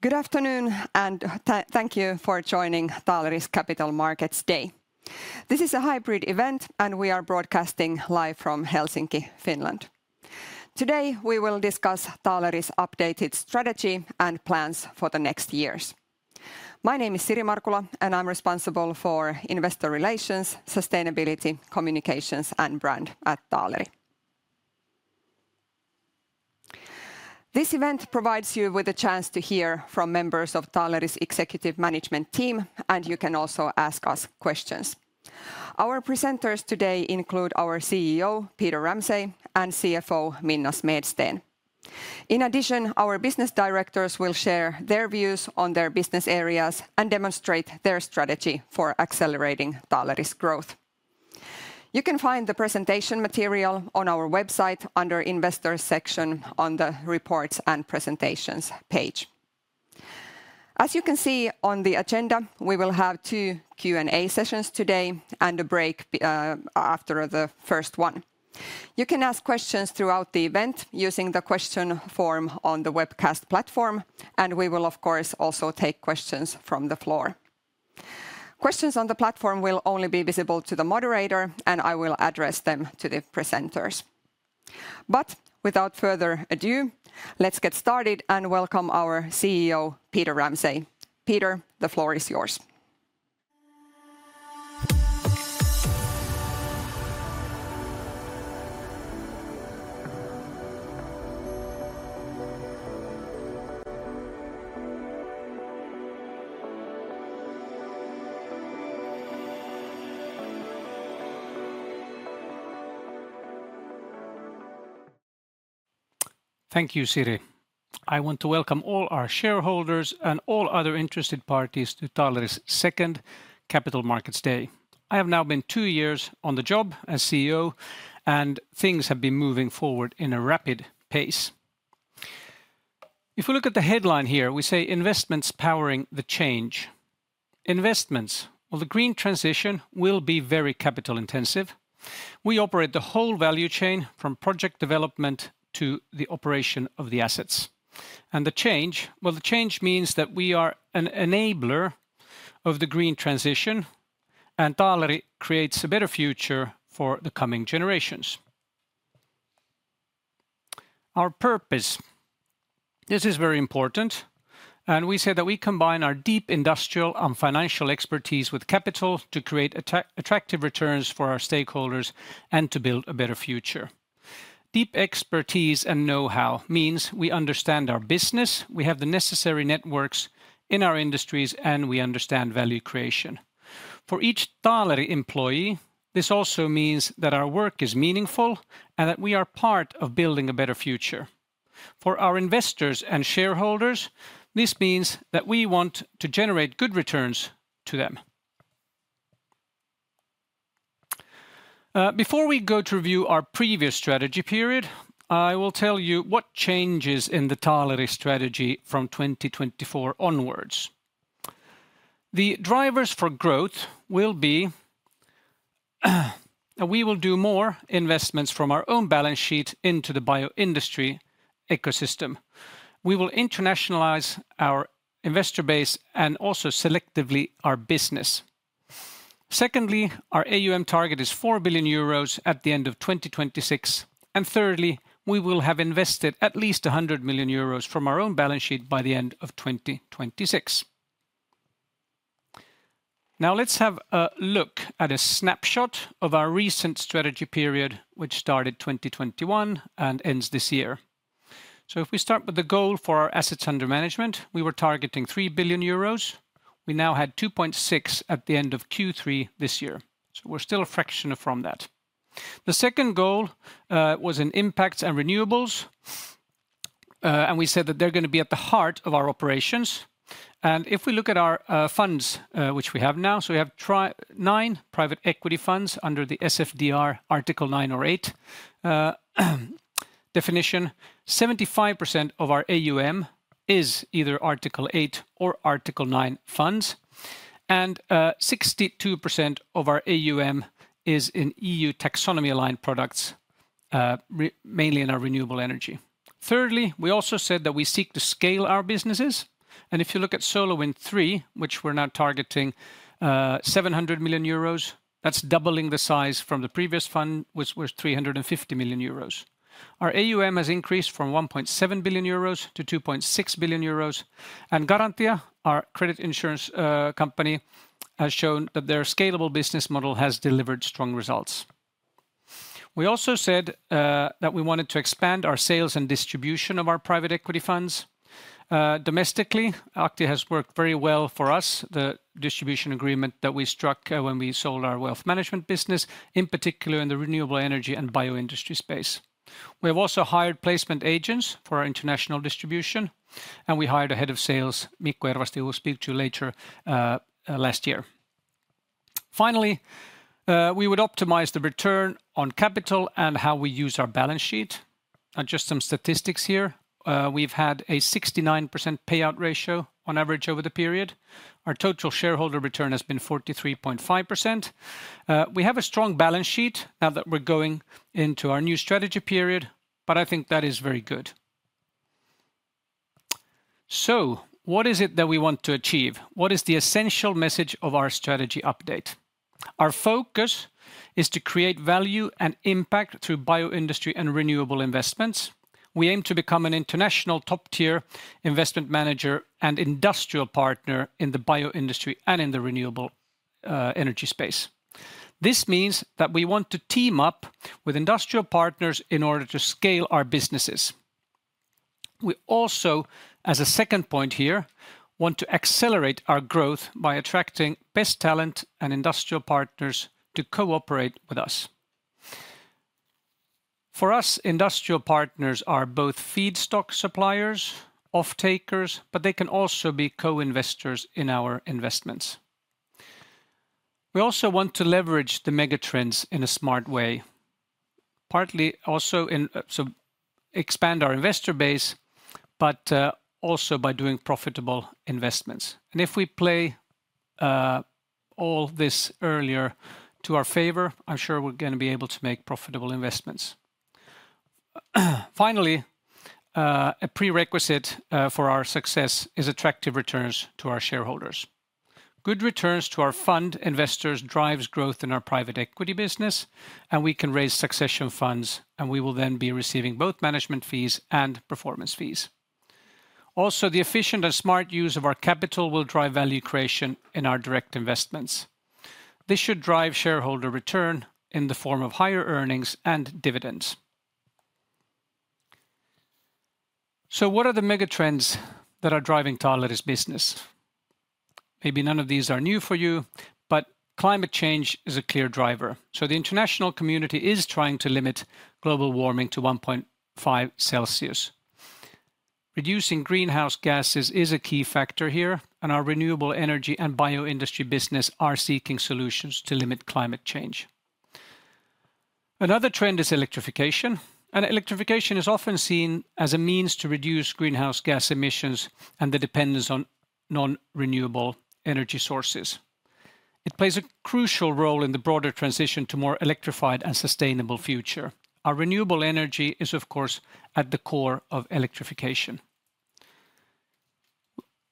Good afternoon and thank you for joining Taaleri's Capital Markets Day. This is a hybrid event, and we are broadcasting live from Helsinki, Finland. Today, we will discuss Taaleri's updated strategy and plans for the next years. My name is Siri Markula, and I'm responsible for investor relations, sustainability, communications, and brand at Taaleri. This event provides you with a chance to hear from members of Taaleri's executive management team, and you can also ask us questions. Our presenters today include our CEO, Peter Ramsay, and CFO, Minna Smedsten. In addition, our business directors will share their views on their business areas and demonstrate their strategy for accelerating Taaleri's growth. You can find the presentation material on our website under Investors section on the Reports and Presentations page. As you can see on the agenda, we will have two Q&A sessions today and a break after the first one. You can ask questions throughout the event using the question form on the webcast platform, and we will, of course, also take questions from the floor. Questions on the platform will only be visible to the moderator, and I will address them to the presenters. But without further ado, let's get started and welcome our CEO, Peter Ramsay. Peter, the floor is yours. Thank you, Siri. I want to welcome all our shareholders and all other interested parties to Taaleri's second Capital Markets Day. I have now been two years on the job as CEO, and things have been moving forward in a rapid pace. If we look at the headline here, we say, "Investments powering the change." Investments. Well, the green transition will be very capital intensive. We operate the whole value chain, from project development to the operation of the assets. And the change, well, the change means that we are an enabler of the green transition, and Taaleri creates a better future for the coming generations. Our purpose, this is very important, and we say that we combine our deep industrial and financial expertise with capital to create attractive returns for our stakeholders and to build a better future. Deep expertise and know-how means we understand our business, we have the necessary networks in our industries, and we understand value creation. For each Taaleri employee, this also means that our work is meaningful, and that we are part of building a better future. For our investors and shareholders, this means that we want to generate good returns to them. Before we go to review our previous strategy period, I will tell you what changes in the Taaleri strategy from 2024 onwards. The drivers for growth will be, we will do more investments from our own balance sheet into the bioindustry ecosystem. We will internationalize our investor base and also selectively our business. Secondly, our AUM target is 4 billion euros at the end of 2026, and thirdly, we will have invested at least 100 million euros from our own balance sheet by the end of 2026. Now, let's have a look at a snapshot of our recent strategy period, which started 2021 and ends this year. So if we start with the goal for our assets under management, we were targeting 3 billion euros. We now had 2.6 billion at the end of Q3 this year, so we're still a fraction from that. The second goal was in impacts and renewables, and we said that they're gonna be at the heart of our operations. And if we look at our funds, which we have now, so we have nine private equity funds under the SFDR Article 9 or 8 definition. 75% of our AUM is either Article 8 or Article 9 funds, and 62% of our AUM is in EU taxonomy-aligned products, mainly in our renewable energy. Thirdly, we also said that we seek to scale our businesses, and if you look at SolarWind III, which we're now targeting 700 million euros, that's doubling the size from the previous fund, which was 350 million euros. Our AUM has increased from 1.7 billion euros to 2.6 billion euros, and Garantia, our credit insurance company, has shown that their scalable business model has delivered strong results. We also said that we wanted to expand our sales and distribution of our private equity funds. Domestically, Aktia has worked very well for us, the distribution agreement that we struck, when we sold our wealth management business, in particular in the renewable energy and bioindustry space. We have also hired placement agents for our international distribution, and we hired a Head of Sales, Mikko Ervasti, who we'll speak to later, last year. Finally, we would optimize the return on capital and how we use our balance sheet. And just some statistics here, we've had a 69% payout ratio on average over the period. Our total shareholder return has been 43.5%. We have a strong balance sheet now that we're going into our new strategy period, but I think that is very good. So what is it that we want to achieve? What is the essential message of our strategy update? Our focus is to create value and impact through bioindustry and renewable investments. We aim to become an international top-tier investment manager and industrial partner in the bioindustry and in the renewable energy space. This means that we want to team up with industrial partners in order to scale our businesses. We also, as a second point here, want to accelerate our growth by attracting best talent and industrial partners to cooperate with us. For us, industrial partners are both feedstock suppliers, off-takers, but they can also be co-investors in our investments. We also want to leverage the megatrends in a smart way, partly also in so expand our investor base, but also by doing profitable investments. And if we play all this earlier to our favor, I'm sure we're gonna be able to make profitable investments. Finally, a prerequisite for our success is attractive returns to our shareholders. Good returns to our fund investors drives growth in our private equity business, and we can raise succession funds, and we will then be receiving both management fees and performance fees. Also, the efficient and smart use of our capital will drive value creation in our direct investments. This should drive shareholder return in the form of higher earnings and dividends. So what are the megatrends that are driving Taaleri's business? Maybe none of these are new for you, but climate change is a clear driver. So the international community is trying to limit global warming to 1.5 Celsius. Reducing greenhouse gases is a key factor here, and our renewable energy and bioindustry business are seeking solutions to limit climate change. Another trend is electrification, and electrification is often seen as a means to reduce greenhouse gas emissions and the dependence on non-renewable energy sources. It plays a crucial role in the broader transition to more electrified and sustainable future. Our renewable energy is, of course, at the core of electrification.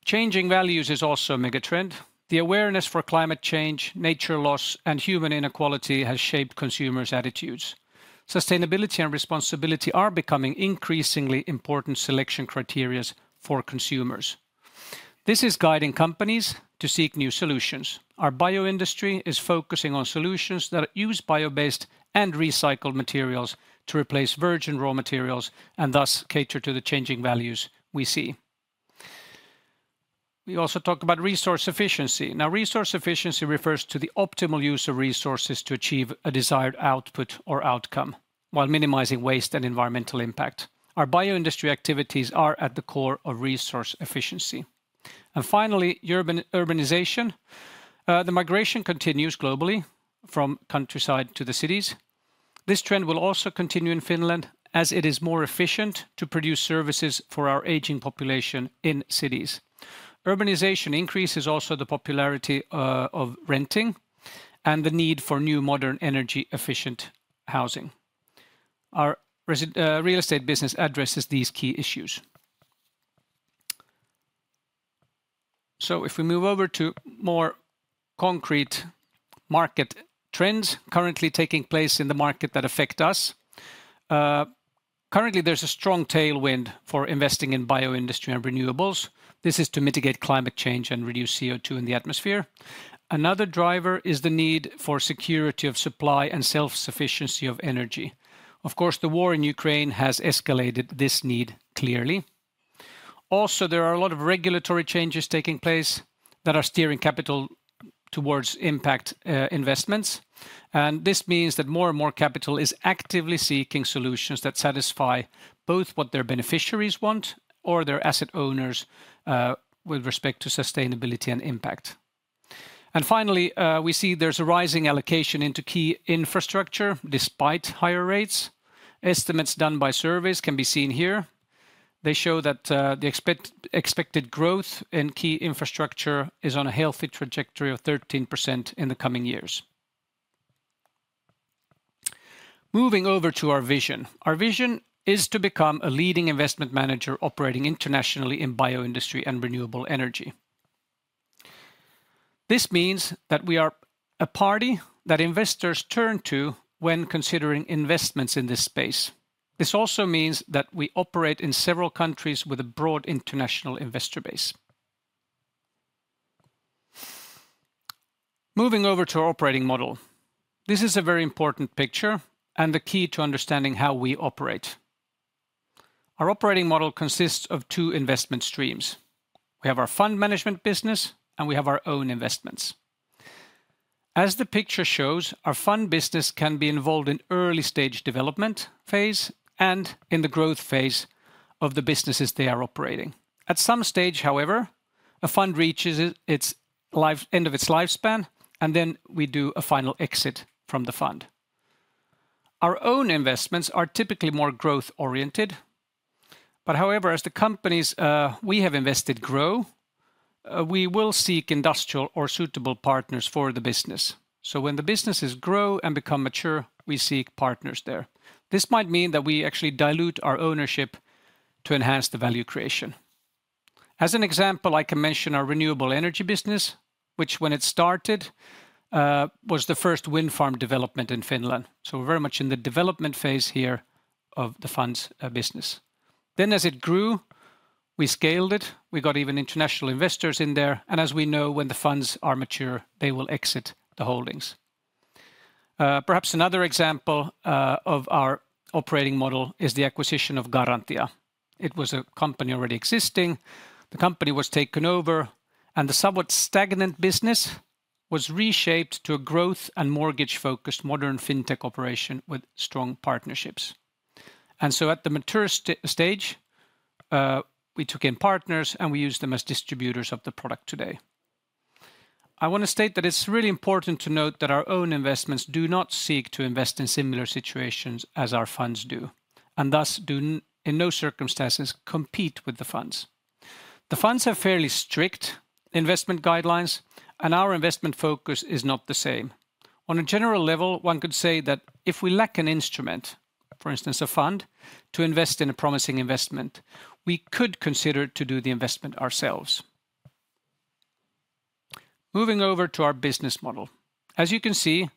Changing values is also a megatrend. The awareness for climate change, nature loss, and human inequality has shaped consumers' attitudes. Sustainability and responsibility are becoming increasingly important selection criteria for consumers. This is guiding companies to seek new solutions. Our bioindustry is focusing on solutions that use bio-based and recycled materials to replace virgin raw materials, and thus cater to the changing values we see. We also talk about resource efficiency. Now, resource efficiency refers to the optimal use of resources to achieve a desired output or outcome while minimizing waste and environmental impact. Our bioindustry activities are at the core of resource efficiency. And finally, urbanization. The migration continues globally from countryside to the cities. This trend will also continue in Finland, as it is more efficient to produce services for our aging population in cities. Urbanization increases also the popularity of renting and the need for new, modern, energy-efficient housing. Our real estate business addresses these key issues. So if we move over to more concrete market trends currently taking place in the market that affect us, currently, there's a strong tailwind for investing in Bioindustry and Renewables. This is to mitigate climate change and reduce CO2 in the atmosphere. Another driver is the need for security of supply and self-sufficiency of energy. Of course, the war in Ukraine has escalated this need clearly. Also, there are a lot of regulatory changes taking place that are steering capital towards impact investments, and this means that more and more capital is actively seeking solutions that satisfy both what their beneficiaries want or their asset owners with respect to sustainability and impact. And finally, we see there's a rising allocation into key infrastructure despite higher rates. Estimates done by surveys can be seen here. They show that the expected growth in key infrastructure is on a healthy trajectory of 13% in the coming years. Moving over to our vision. Our vision is to become a leading investment manager operating internationally in Bioindustry and Renewable Energy. This means that we are a party that investors turn to when considering investments in this space. This also means that we operate in several countries with a broad international investor base. Moving over to our operating model. This is a very important picture and the key to understanding how we operate. Our operating model consists of two investment streams. We have our fund management business, and we have our own investments. As the picture shows, our fund business can be involved in early stage development phase and in the growth phase of the businesses they are operating. At some stage, however, a fund reaches its life end of its lifespan, and then we do a final exit from the fund. Our own investments are typically more growth oriented, but however, as the companies we have invested grow, we will seek industrial or suitable partners for the business. So when the businesses grow and become mature, we seek partners there. This might mean that we actually dilute our ownership to enhance the value creation. As an example, I can mention our renewable energy business, which when it started, was the first wind farm development in Finland. So we're very much in the development phase here of the fund's business. Then as it grew, we scaled it, we got even international investors in there, and as we know, when the funds are mature, they will exit the holdings. Perhaps another example of our operating model is the acquisition of Garantia. It was a company already existing. The company was taken over, and the somewhat stagnant business was reshaped to a growth and mortgage-focused modern fintech operation with strong partnerships. And so at the mature stage, we took in partners, and we use them as distributors of the product today. I want to state that it's really important to note that our own investments do not seek to invest in similar situations as our funds do, and thus in no circumstances compete with the funds. The funds have fairly strict investment guidelines, and our investment focus is not the same. On a general level, one could say that if we lack an instrument, for instance, a fund, to invest in a promising investment, we could consider to do the investment ourselves. Moving over to our business model, as you can see,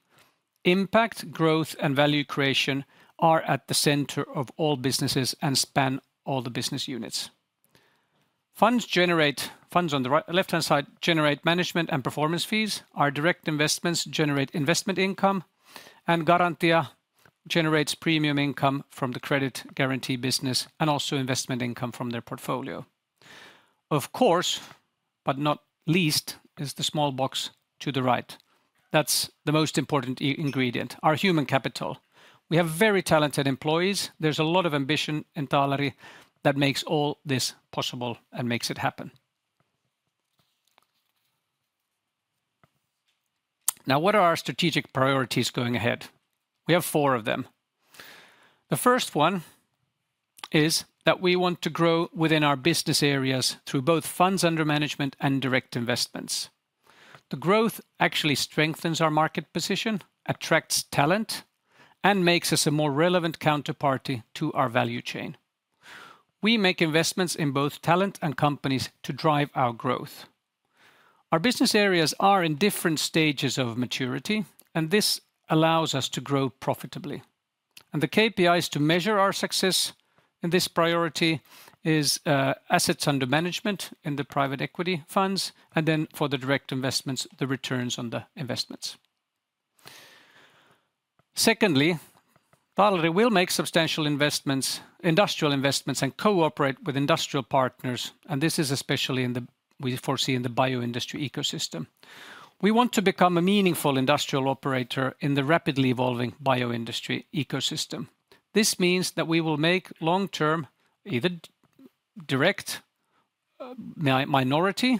impact, growth, and value creation are at the center of all businesses and span all the business units. Funds on the left-hand side generate management and performance fees. Our direct investments generate investment income, and Garantia generates premium income from the credit guarantee business and also investment income from their portfolio. Of course, but not least, is the small box to the right. That's the most important ingredient, our human capital. We have very talented employees. There's a lot of ambition in Taaleri that makes all this possible and makes it happen. Now, what are our strategic priorities going ahead? We have four of them. The first one is that we want to grow within our business areas through both funds under management and direct investments. The growth actually strengthens our market position, attracts talent, and makes us a more relevant counterparty to our value chain. We make investments in both talent and companies to drive our growth. Our business areas are in different stages of maturity, and this allows us to grow profitably. The KPIs to measure our success in this priority is assets under management in the private equity funds, and then for the direct investments, the returns on the investments. Secondly, Taaleri will make substantial investments, industrial investments, and cooperate with industrial partners, and this is especially in the bioindustry ecosystem we foresee. We want to become a meaningful industrial operator in the rapidly evolving bioindustry ecosystem. This means that we will make long-term, either direct, minority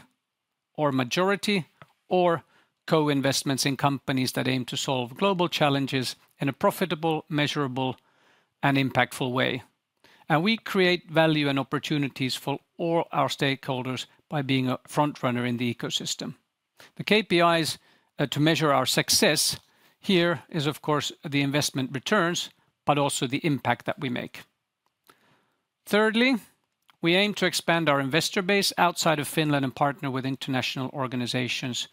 or majority, or co-investments in companies that aim to solve global challenges in a profitable, measurable, and impactful way. We create value and opportunities for all our stakeholders by being a frontrunner in the ecosystem. The KPIs to measure our success here is, of course, the investment returns, but also the impact that we make. Thirdly, we aim to expand our investor base outside of Finland and partner with international organizations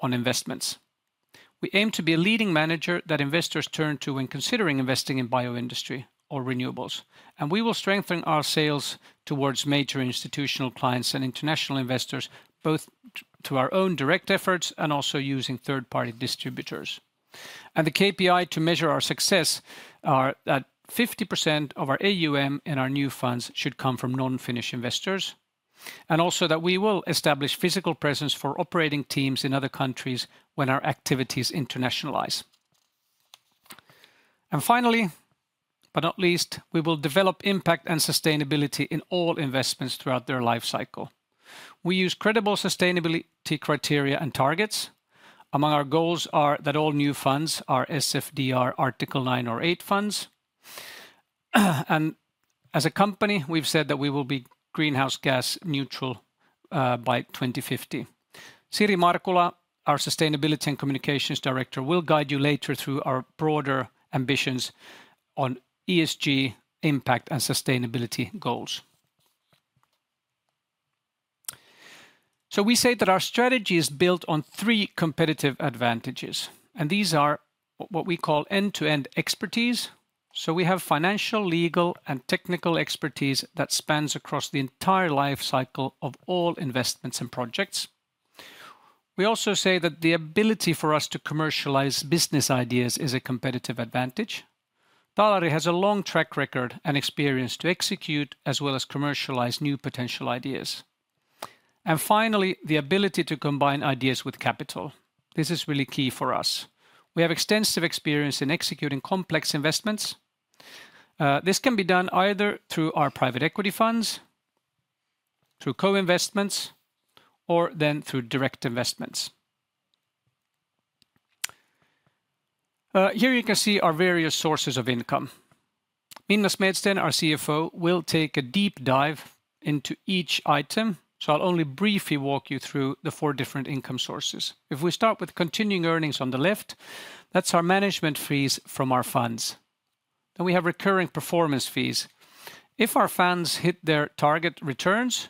on investments. We aim to be a leading manager that investors turn to when considering investing in Bioindustry or Renewables, and we will strengthen our sales towards major institutional clients and international investors, both to our own direct efforts and also using third-party distributors. And the KPI to measure our success are 50% of our AUM and our new funds should come from non-Finnish investors, and also that we will establish physical presence for operating teams in other countries when our activities internationalize. And finally, but not least, we will develop impact and sustainability in all investments throughout their life cycle. We use credible sustainability criteria and targets. Among our goals are that all new funds are SFDR Article 9 or 8 funds. As a company, we've said that we will be greenhouse gas neutral by 2050. Siri Markula, our Sustainability and Communications Director, will guide you later through our broader ambitions on ESG impact and sustainability goals. We say that our strategy is built on three competitive advantages, and these are what we call end-to-end expertise. We have financial, legal, and technical expertise that spans across the entire life cycle of all investments and projects. We also say that the ability for us to commercialize business ideas is a competitive advantage. Taaleri has a long track record and experience to execute, as well as commercialize new potential ideas. Finally, the ability to combine ideas with capital. This is really key for us. We have extensive experience in executing complex investments. This can be done either through our private equity funds, through co-investments, or then through direct investments. Here you can see our various sources of income. Minna Smedsten, our CFO, will take a deep dive into each item, so I'll only briefly walk you through the four different income sources. If we start with continuing earnings on the left, that's our management fees from our funds. Then we have recurring performance fees. If our funds hit their target returns,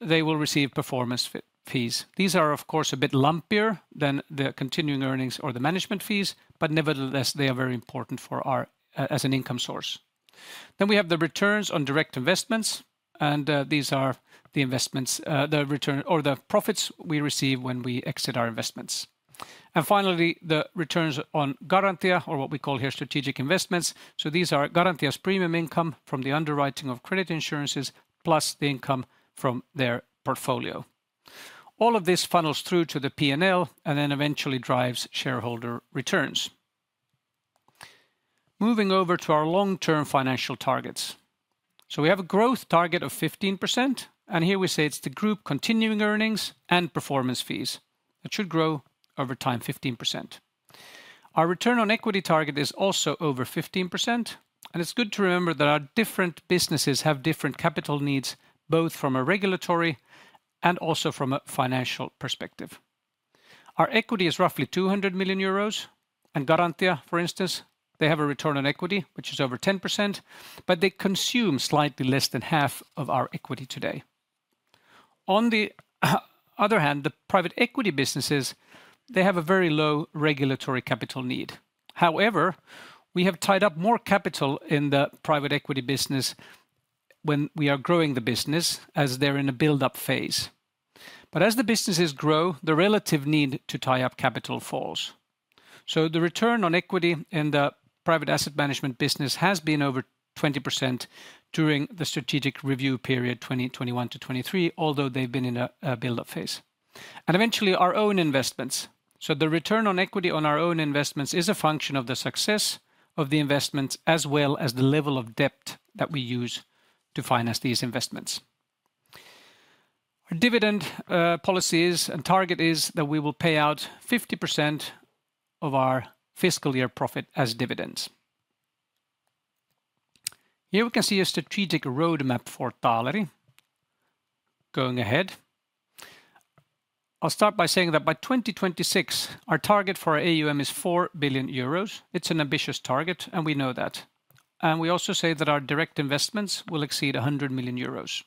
they will receive performance fees. These are, of course, a bit lumpier than the continuing earnings or the management fees, but nevertheless, they are very important for our, as an income source. Then we have the returns on direct investments, and, these are the investments, the return or the profits we receive when we exit our investments. Finally, the returns on Garantia or what we call here strategic investments. So these are Garantia's premium income from the underwriting of credit insurances, plus the income from their portfolio. All of this funnels through to the P&L, and then eventually drives shareholder returns. Moving over to our long-term financial targets. So we have a growth target of 15%, and here we say it's the group continuing earnings and performance fees. It should grow over time, 15%. Our return on equity target is also over 15%, and it's good to remember that our different businesses have different capital needs, both from a regulatory and also from a financial perspective. Our equity is roughly 200 million euros, and Garantia, for instance, they have a return on equity, which is over 10%, but they consume slightly less than half of our equity today. On the other hand, the private equity businesses, they have a very low regulatory capital need. However, we have tied up more capital in the private equity business when we are growing the business, as they're in a build-up phase. But as the businesses grow, the relative need to tie up capital falls. So the return on equity in the private asset management business has been over 20% during the strategic review period, 2021-2023, although they've been in a build-up phase. And eventually, our own investments. So the return on equity on our own investments is a function of the success of the investments, as well as the level of debt that we use to finance these investments. Our dividend policies and target is that we will pay out 50% of our fiscal year profit as dividends. Here we can see a strategic roadmap for Taaleri going ahead. I'll start by saying that by 2026, our target for our AUM is 4 billion euros. It's an ambitious target, and we know that. We also say that our direct investments will exceed 100 million euros.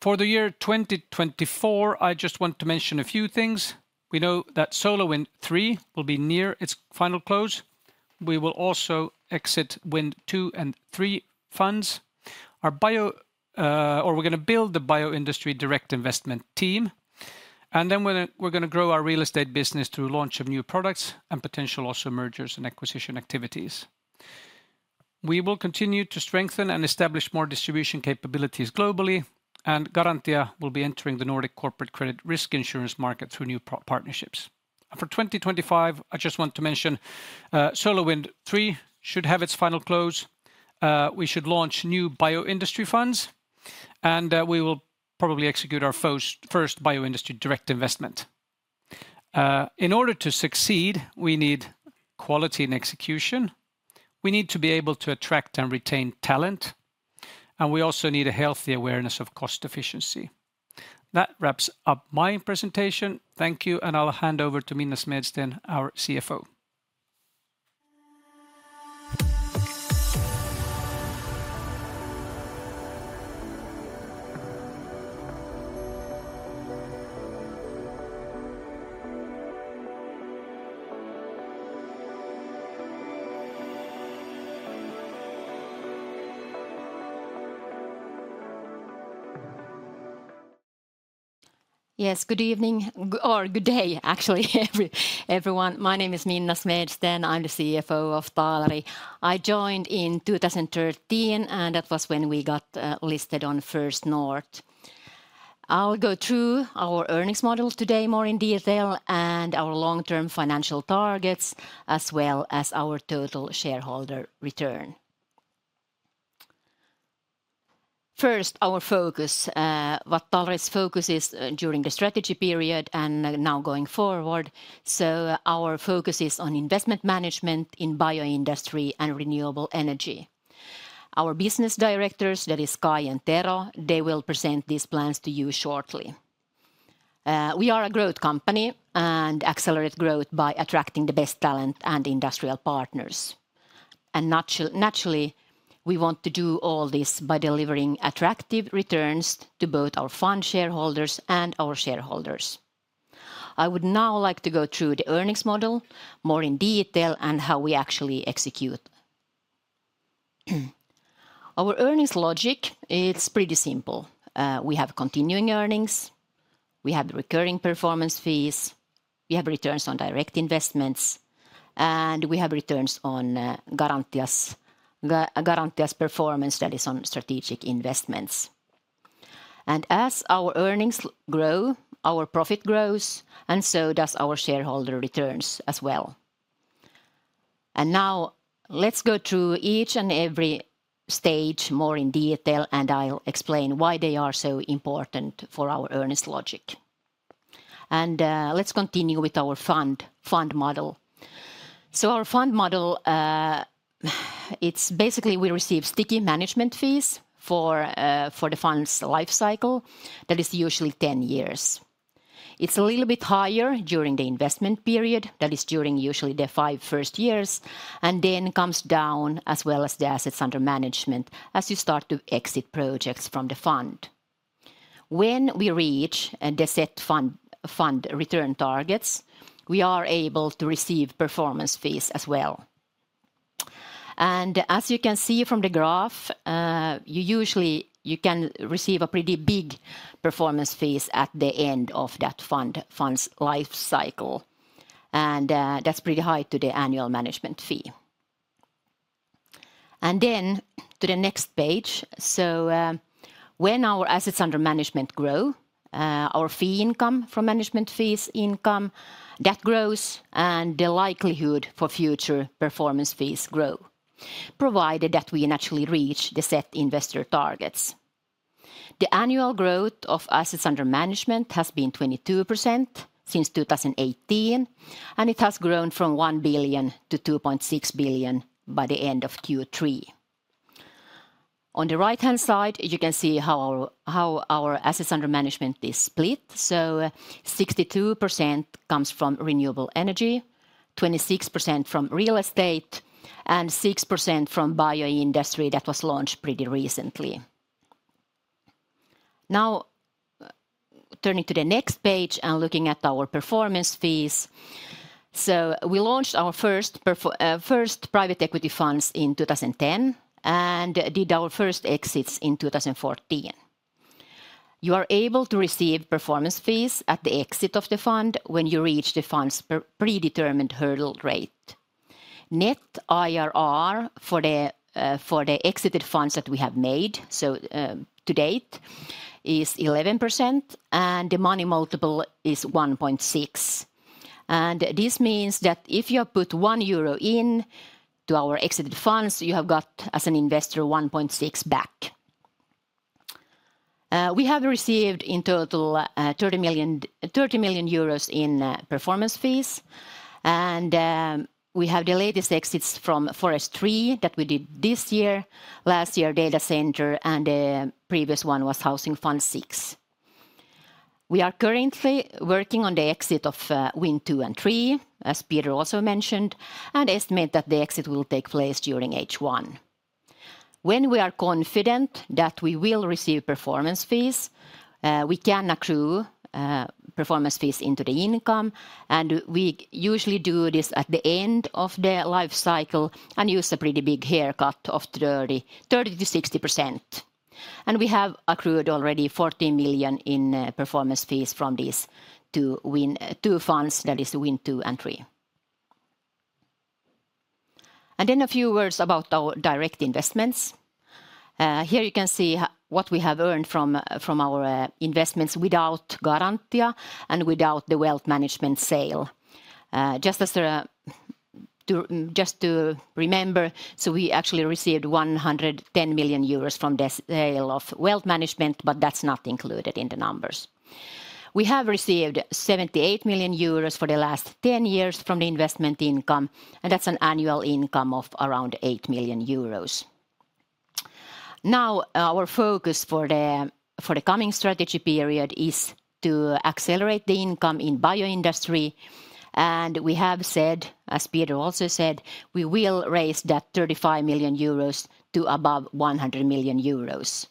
For the year 2024, I just want to mention a few things. We know that SolarWind III will be near its final close. We will also exit Wind II and III funds. Our bioindustry direct investment team, and then we're going to grow our real estate business through launch of new products and potential also mergers and acquisition activities. We will continue to strengthen and establish more distribution capabilities globally, and Garantia will be entering the Nordic corporate credit risk insurance market through new partnerships. For 2025, I just want to mention, SolarWind III should have its final close. We should launch new bioindustry funds, and we will probably execute our first bioindustry direct investment. In order to succeed, we need quality and execution, we need to be able to attract and retain talent, and we also need a healthy awareness of cost efficiency. That wraps up my presentation. Thank you, and I'll hand over to Minna Smedsten, our CFO. Yes, good evening, or good day, actually, everyone. My name is Minna Smedsten. I'm the CFO of Taaleri. I joined in 2013, and that was when we got listed on First North. I'll go through our earnings models today more in detail, and our long-term financial targets, as well as our total shareholder return. First, our focus, what Taaleri's focus is during the strategy period and now going forward. So our focus is on investment management in Bioindustry and Renewable energy. Our business directors, that is Kai and Tero, they will present these plans to you shortly. We are a growth company, and accelerate growth by attracting the best talent and industrial partners. Naturally, we want to do all this by delivering attractive returns to both our fund shareholders and our shareholders. I would now like to go through the earnings model more in detail and how we actually execute. Our earnings logic, it's pretty simple. We have continuing earnings, we have the recurring performance fees, we have returns on direct investments, and we have returns on Garantia's performance, that is, on strategic investments. As our earnings grow, our profit grows, and so does our shareholder returns as well. Now, let's go through each and every stage more in detail, and I'll explain why they are so important for our earnings logic. Let's continue with our fund model. So our fund model, it's basically we receive sticky management fees for the fund's life cycle, that is usually ten years. It's a little bit higher during the investment period, that is during usually the five first years, and then comes down, as well as the assets under management, as you start to exit projects from the fund. When we reach the set fund return targets, we are able to receive performance fees as well. And as you can see from the graph, you usually can receive a pretty big performance fees at the end of that fund's life cycle, and that's pretty high to the annual management fee. And then to the next page. So, when our assets under management grow, our fee income from management fees income, that grows, and the likelihood for future performance fees grow, provided that we naturally reach the set investor targets. The annual growth of assets under management has been 22% since 2018, and it has grown from 1 billion to 2.6 billion by the end of Q3. On the right-hand side, you can see how our assets under management is split. So 62% comes from renewable energy, 26% from real estate, and 6% from bioindustry that was launched pretty recently. Now, turning to the next page and looking at our performance fees. So we launched our first private equity funds in 2010, and did our first exits in 2014. You are able to receive performance fees at the exit of the fund when you reach the fund's predetermined hurdle rate. Net IRR for the, for the exited funds that we have made, so, to date, is 11%, and the money multiple is 1.6. And this means that if you put 1 euro in to our exited funds, you have got, as an investor, 1.6 back. We have received in total, 30 million euros, 30 million euros in performance fees, and, we have the latest exits from Forest III, that we did this year. Last year, Datacenter, and the previous one was Housing Fund VI. We are currently working on the exit of, Wind II and III, as Peter also mentioned, and estimate that the exit will take place during H1. When we are confident that we will receive performance fees, we can accrue performance fees into the income, and we usually do this at the end of the life cycle and use a pretty big haircut of 30%-60%. We have accrued already 40 million in performance fees from these two Wind II funds, that is Wind II and III. Then a few words about our direct investments. Here you can see what we have earned from our investments without Garantia and without the wealth management sale. Just to remember, so we actually received 110 million euros from the sale of wealth management, but that's not included in the numbers. We have received 78 million euros for the last 10 years from the investment income, and that's an annual income of around 8 million euros. Now, our focus for the, for the coming strategy period is to accelerate the income in Bioindustry, and we have said, as Peter also said, we will raise that 35 million euros to above 100 million euros.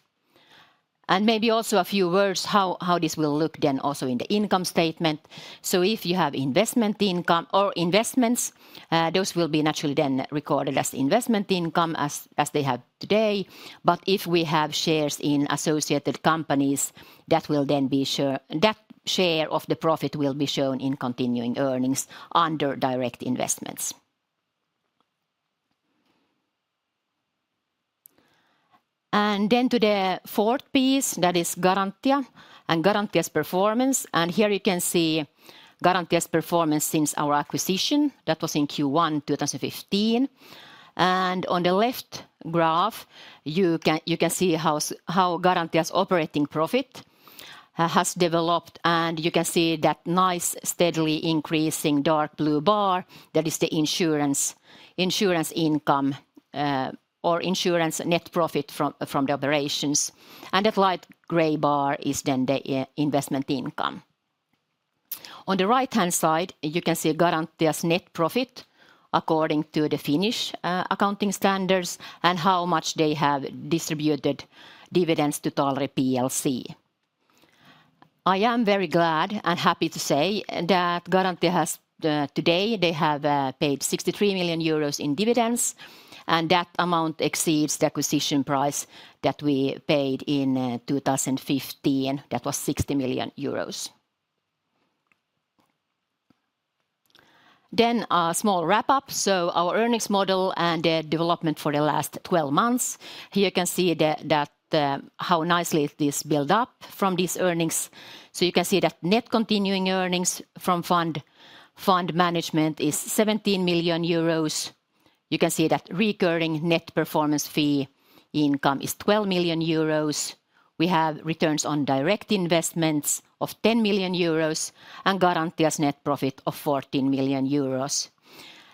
Maybe also a few words how, how this will look then also in the income statement. So if you have investment income or investments, those will be naturally then recorded as investment income as, as they have today. But if we have shares in associated companies, that will then, that share of the profit will be shown in continuing earnings under direct investments. Then to the fourth piece, that is Garantia, and Garantia's performance. Here you can see Garantia's performance since our acquisition. That was in Q1 2015. On the left graph, you can, you can see how Garantia's operating profit has developed, and you can see that nice, steadily increasing dark blue bar. That is the insurance, insurance income, or insurance net profit from the operations, and the light gray bar is then the investment income. On the right-hand side, you can see Garantia's net profit according to the Finnish accounting standards, and how much they have distributed dividends to Taaleri Plc. I am very glad and happy to say that Garantia has, today they have, paid 63 million euros in dividends, and that amount exceeds the acquisition price that we paid in 2015. That was 60 million euros. A small wrap-up. So our earnings model and the development for the last 12 months, here you can see the, that, how nicely this build up from these earnings. So you can see that net continuing earnings from fund, fund management is 17 million euros. You can see that recurring net performance fee income is 12 million euros. We have returns on direct investments of 10 million euros, and Garantia's net profit of 14 million euros.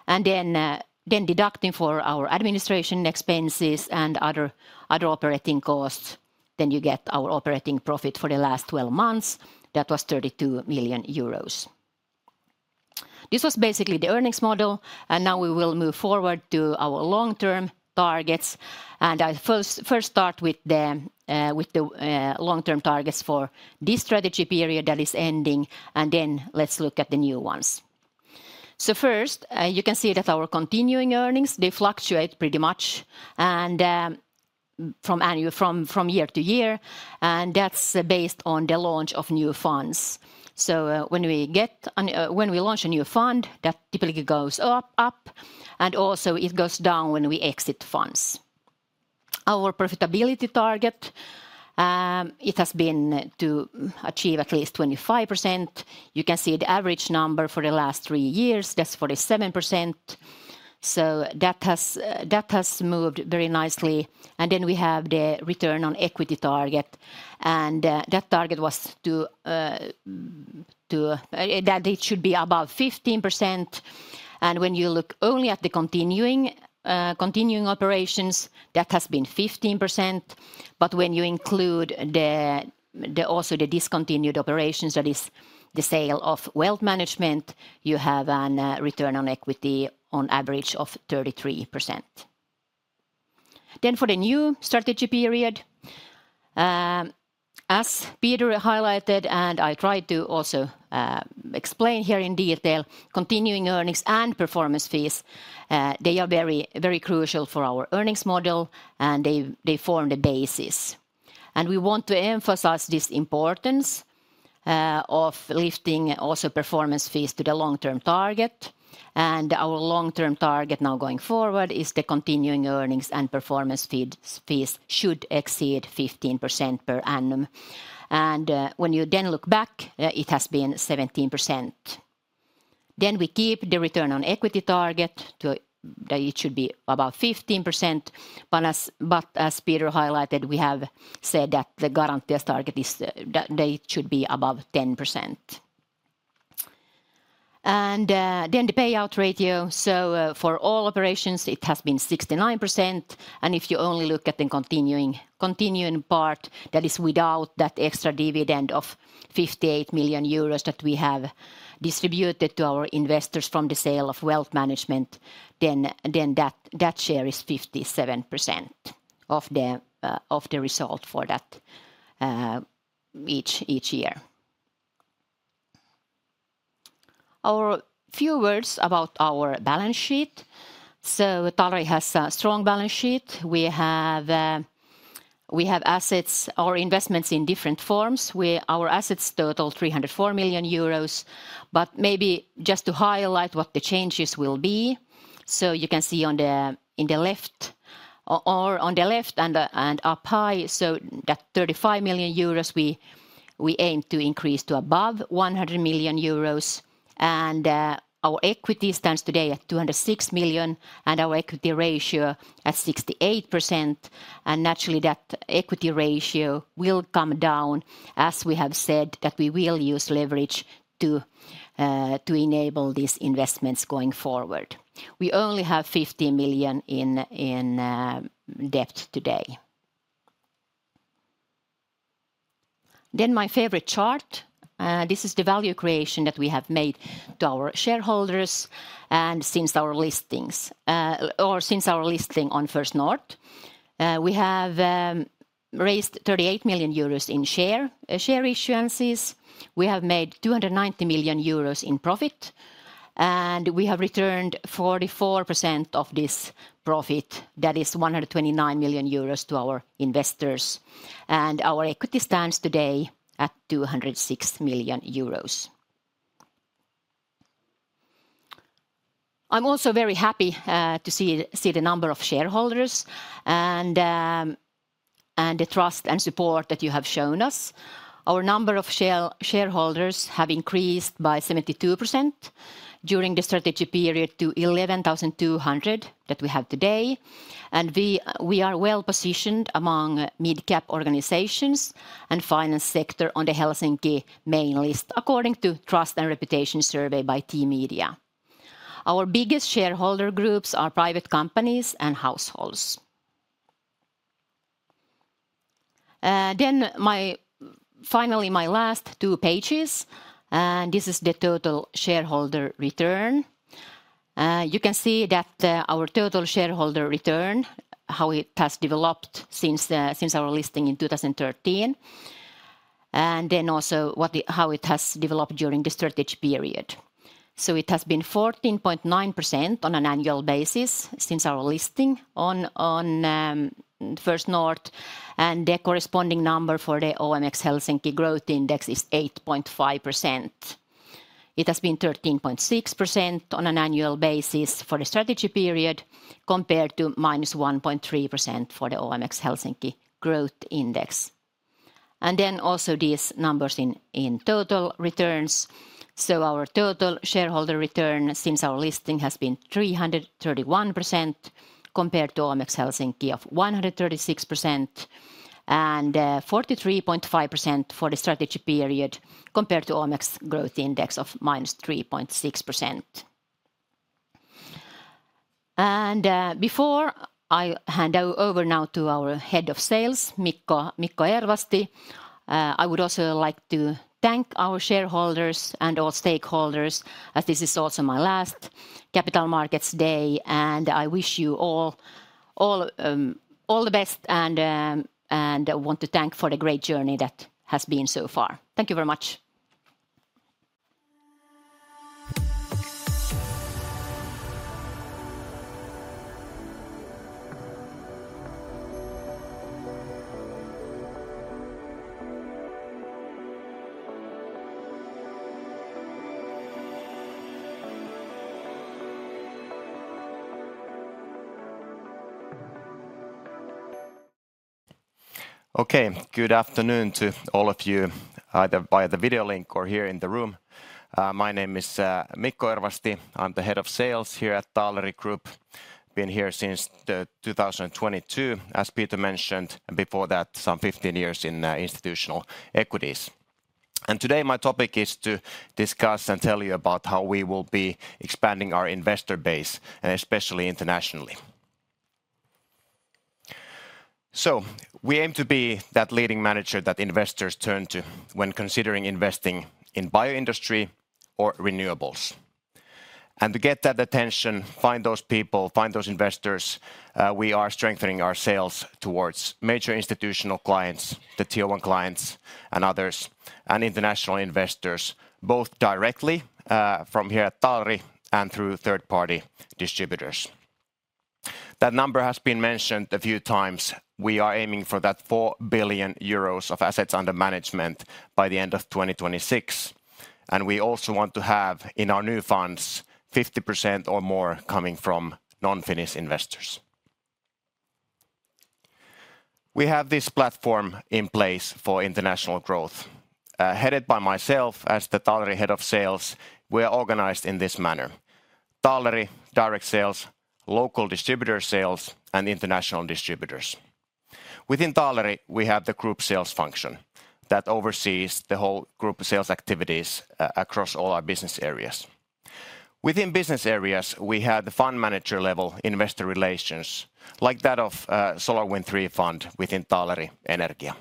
And then, then deducting for our administration expenses and other, other operating costs, then you get our operating profit for the last 12 months. That was 32 million euros. This was basically the earnings model, and now we will move forward to our long-term targets. And I first, first start with the, with the, long-term targets for this strategy period that is ending, and then let's look at the new ones. So first, you can see that our continuing earnings, they fluctuate pretty much, and from year to year, and that's based on the launch of new funds. So, when we launch a new fund, that typically goes up, and also it goes down when we exit funds. Our profitability target, it has been to achieve at least 25%. You can see the average number for the last three years, that's 47%, so that has moved very nicely. And then we have the return on equity target, and that target was to... that it should be about 15%, and when you look only at the continuing operations, that has been 15%. But when you include also the discontinued operations, that is the sale of wealth management, you have an return on equity on average of 33%. Then for the new strategy period, as Peter highlighted, and I tried to also explain here in detail, continuing earnings and performance fees, they are very, very crucial for our earnings model, and they form the basis. And we want to emphasize this importance of lifting also performance fees to the long-term target. And our long-term target now going forward is the continuing earnings and performance fees should exceed 15% per annum. And when you then look back, it has been 17%. Then we keep the return on equity target to it should be about 15%, but as Peter highlighted, we have said that the guarantees target is that they should be above 10%. And then the payout ratio, so for all operations, it has been 69%, and if you only look at the continuing part, that is without that extra dividend of 58 million euros that we have distributed to our investors from the sale of wealth management, then that share is 57% of the result for that each year. A few words about our balance sheet. So Taaleri has a strong balance sheet. We have assets or investments in different forms, where our assets total 304 million euros. But maybe just to highlight what the changes will be, so you can see on the left and up high, so that 35 million euros, we aim to increase to above 100 million euros. And our equity stands today at 206 million, and our equity ratio at 68%, and naturally, that equity ratio will come down, as we have said, that we will use leverage to enable these investments going forward. We only have 50 million in debt today. Then my favorite chart, this is the value creation that we have made to our shareholders, and since our listing on First North. We have raised 38 million euros in share issuances. We have made 290 million euros in profit, and we have returned 44% of this profit, that is 129 million euros, to our investors, and our equity stands today at 206 million euros. I'm also very happy to see the number of shareholders and the trust and support that you have shown us. Our number of shareholders have increased by 72% during the strategy period to 11,200 that we have today. We are well-positioned among mid-cap organizations and finance sector on the Helsinki main list, according to Trust and Reputation survey by T-Media. Our biggest shareholder groups are private companies and households. Finally, my last two pages, and this is the total shareholder return. You can see that our total shareholder return, how it has developed since our listing in 2013, and then also how it has developed during the strategy period. So it has been 14.9% on an annual basis since our listing on First North, and the corresponding number for the OMX Helsinki Growth Index is 8.5%. It has been 13.6% on an annual basis for the strategy period, compared to -1.3% for the OMX Helsinki Growth Index. Then also these numbers in total returns. Our total shareholder return since our listing has been 331%, compared to OMX Helsinki of 136%, and 43.5% for the strategy period, compared to OMX Growth Index of -3.6%. And before I hand over now to our head of sales, Mikko Ervasti, I would also like to thank our shareholders and all stakeholders, as this is also my last Capital Markets Day, and I wish you all the best, and I want to thank for the great journey that has been so far. Thank you very much. Okay, good afternoon to all of you, either via the video link or here in the room. My name is Mikko Ervasti. I'm the head of sales here at Taaleri Group. Been here since 2022, as Peter mentioned, and before that, some 15 years in institutional equities. And today, my topic is to discuss and tell you about how we will be expanding our investor base, and especially internationally. So we aim to be that leading manager that investors turn to when considering investing in Bioindustry or Renewables. And to get that attention, find those people, find those investors, we are strengthening our sales towards major institutional clients, the Tier 1 clients and others, and international investors, both directly, from here at Taaleri and through third-party distributors. That number has been mentioned a few times. We are aiming for that 4 billion euros of assets under management by the end of 2026, and we also want to have, in our new funds, 50% or more coming from non-Finnish investors. We have this platform in place for international growth. Headed by myself as the Taaleri Head of Sales, we are organized in this manner: Taaleri, direct sales, local distributor sales, and international distributors. Within Taaleri, we have the group sales function that oversees the whole group sales activities across all our business areas. Within business areas, we have the fund manager level, investor relations, like that of, SolarWind III fund within Taaleri Energia.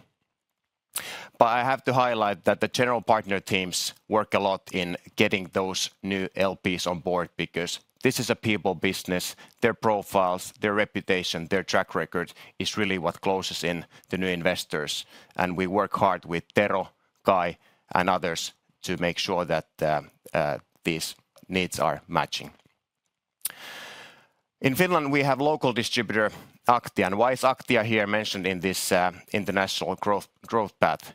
But I have to highlight that the general partner teams work a lot in getting those new LPs on board, because this is a people business. Their profiles, their reputation, their track record, is really what closes in the new investors, and we work hard with Tero, Kai, and others to make sure that these needs are matching. In Finland, we have local distributor, Aktia. And why is Aktia here mentioned in this international growth path?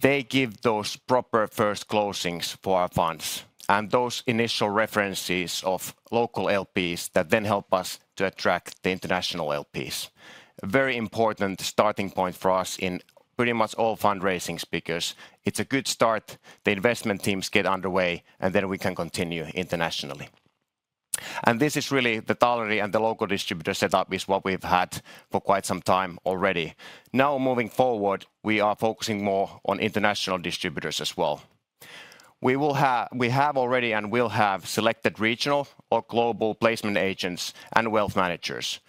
They give those proper first closings for our funds and those initial references of local LPs that then help us to attract the international LPs. A very important starting point for us in pretty much all fundraisings, because it's a good start, the investment teams get underway, and then we can continue internationally. And this is really the Taaleri and the local distributor setup is what we've had for quite some time already. Now, moving forward, we are focusing more on international distributors as well. We have already and will have selected regional or global placement agents and wealth managers,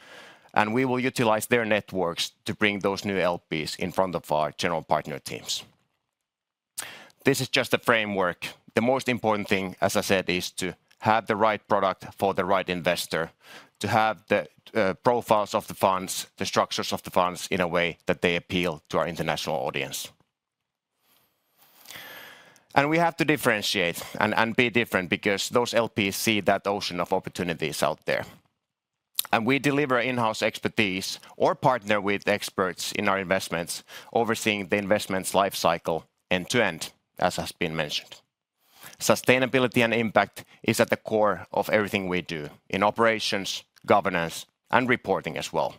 and we will utilize their networks to bring those new LPs in front of our general partner teams. This is just a framework. The most important thing, as I said, is to have the right product for the right investor, to have the profiles of the funds, the structures of the funds, in a way that they appeal to our international audience. We have to differentiate and, and be different, because those LPs see that ocean of opportunities out there. We deliver in-house expertise or partner with experts in our investments, overseeing the investment's life cycle end to end, as has been mentioned. Sustainability and impact is at the core of everything we do, in operations, governance, and reporting as well.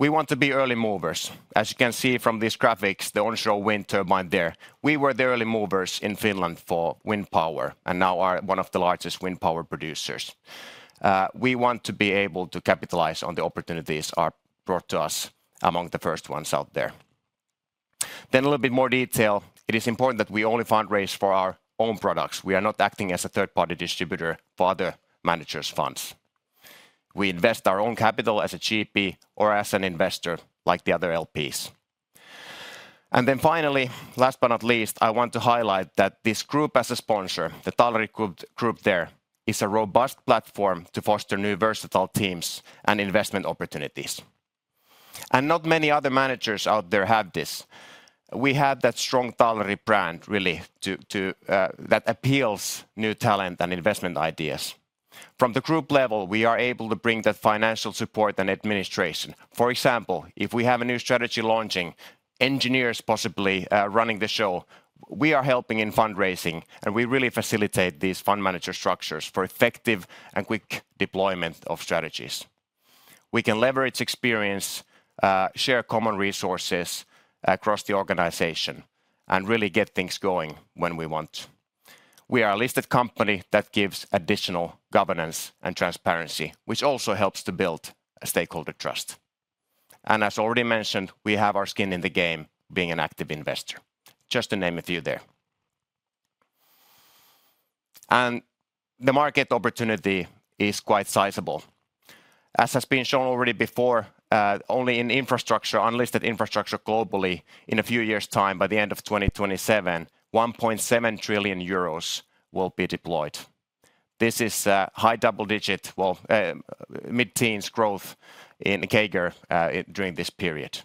We want to be early movers. As you can see from these graphics, the onshore wind turbine there, we were the early movers in Finland for wind power, and now are one of the largest wind power producers. We want to be able to capitalize on the opportunities are brought to us among the first ones out there. Then a little bit more detail. It is important that we only fundraise for our own products. We are not acting as a third-party distributor for other managers' funds. We invest our own capital as a GP or as an investor, like the other LPs. And then finally, last but not least, I want to highlight that this group as a sponsor, the Taaleri Group there, is a robust platform to foster new versatile teams and investment opportunities. And not many other managers out there have this. We have that strong Taaleri brand really to, to, that appeals new talent and investment ideas. From the group level, we are able to bring that financial support and administration. For example, if we have a new strategy launching, engineers possibly running the show, we are helping in fundraising, and we really facilitate these fund manager structures for effective and quick deployment of strategies. We can leverage experience, share common resources across the organization, and really get things going when we want. We are a listed company that gives additional governance and transparency, which also helps to build a stakeholder trust. And as already mentioned, we have our skin in the game being an active investor, just to name a few there. And the market opportunity is quite sizable. As has been shown already before, only in infrastructure, unlisted infrastructure globally, in a few years' time, by the end of 2027, 1.7 trillion euros will be deployed. This is high double-digit... mid-teens growth in CAGR during this period.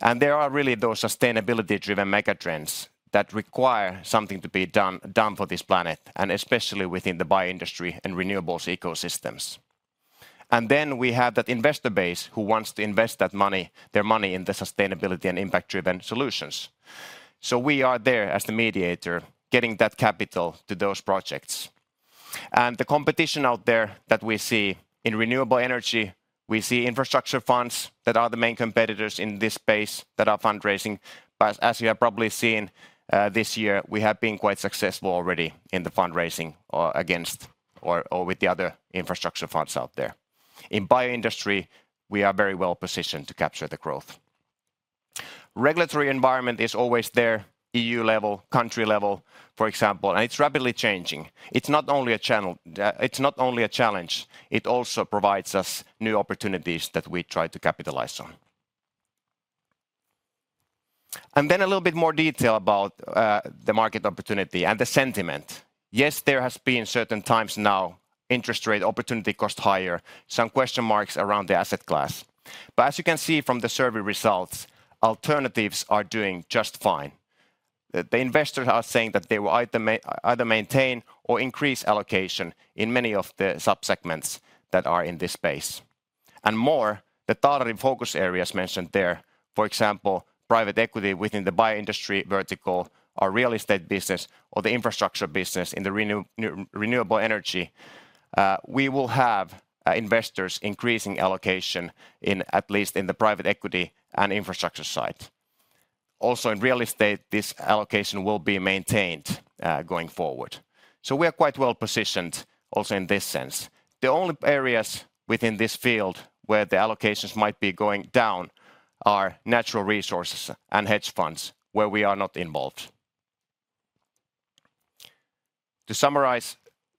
There are really those sustainability-driven mega trends that require something to be done, done for this planet, and especially within the bioindustry and renewables ecosystems. Then we have that investor base who wants to invest that money, their money, in the sustainability and impact-driven solutions. So we are there as the mediator, getting that capital to those projects. The competition out there that we see in Renewable Energy, we see infrastructure funds that are the main competitors in this space that are fundraising. But as you have probably seen, this year, we have been quite successful already in the fundraising, against or, or with the other infrastructure funds out there. In Bioindustry, we are very well positioned to capture the growth. Regulatory environment is always there, EU level, country level, for example, and it's rapidly changing. It's not only a channel—it's not only a challenge, it also provides us new opportunities that we try to capitalize on. And then a little bit more detail about the market opportunity and the sentiment. Yes, there has been certain times now, interest rate, opportunity cost higher, some question marks around the asset class. But as you can see from the survey results, alternatives are doing just fine. The investors are saying that they will either maintain or increase allocation in many of the subsegments that are in this space. And more, the Taaleri focus areas mentioned there, for example, private equity within the bioindustry vertical, or real estate business, or the infrastructure business in the renewable energy, we will have, investors increasing allocation in at least in the private equity and infrastructure side. Also, in real estate, this allocation will be maintained, going forward. So we are quite well positioned also in this sense. The only areas within this field where the allocations might be going down are natural resources and hedge funds, where we are not involved. To summarize,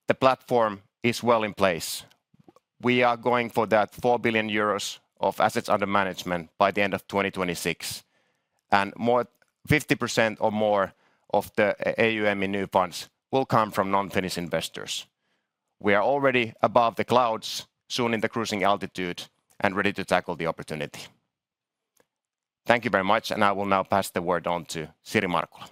the platform is well in place. We are going for that 4 billion euros of assets under management by the end of 2026, and more, 50% or more of the AUM in new funds will come from non-Finnish investors. We are already above the clouds, soon in the cruising altitude, and ready to tackle the opportunity. Thank you very much, and I will now pass the word on to Siri Markula.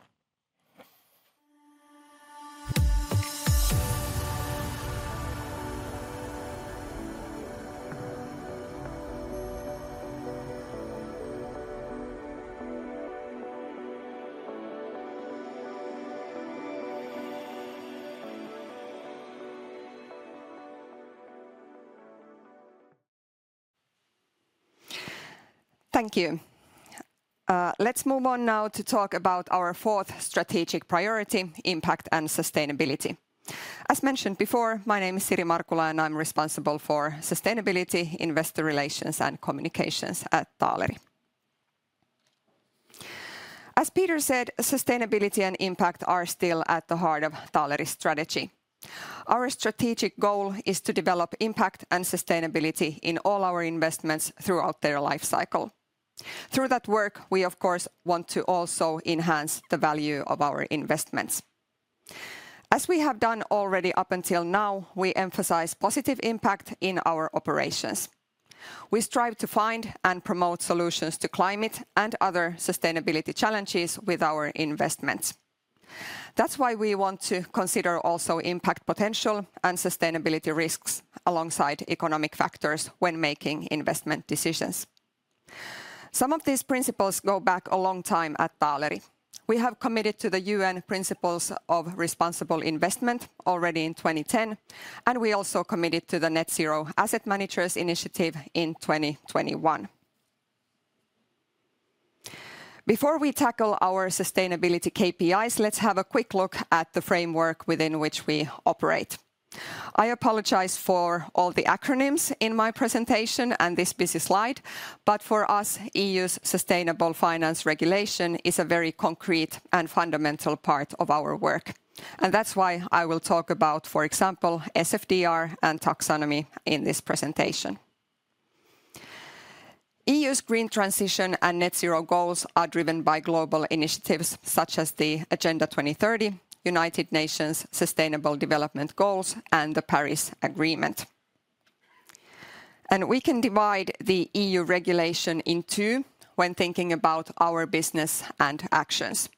Thank you. Let's move on now to talk about our fourth strategic priority, impact and sustainability. As mentioned before, my name is Siri Markula, and I'm responsible for sustainability, investor relations, and communications at Taaleri. As Peter said, sustainability and impact are still at the heart of Taaleri's strategy. Our strategic goal is to develop impact and sustainability in all our investments throughout their life cycle. Through that work, we, of course, want to also enhance the value of our investments. As we have done already up until now, we emphasize positive impact in our operations. We strive to find and promote solutions to climate and other sustainability challenges with our investments. That's why we want to consider also impact potential and sustainability risks alongside economic factors when making investment decisions. Some of these principles go back a long time at Taaleri. We have committed to the UN Principles of Responsible Investment already in 2010, and we also committed to the Net Zero Asset Managers initiative in 2021. Before we tackle our sustainability KPIs, let's have a quick look at the framework within which we operate. I apologize for all the acronyms in my presentation and this busy slide, but for us, EU's sustainable finance regulation is a very concrete and fundamental part of our work. That's why I will talk about, for example, SFDR and Taxonomy in this presentation. EU's green transition and net zero goals are driven by global initiatives such as the Agenda 2030, United Nations Sustainable Development Goals, and the Paris Agreement. We can divide the EU regulation in two when thinking about our business and actions.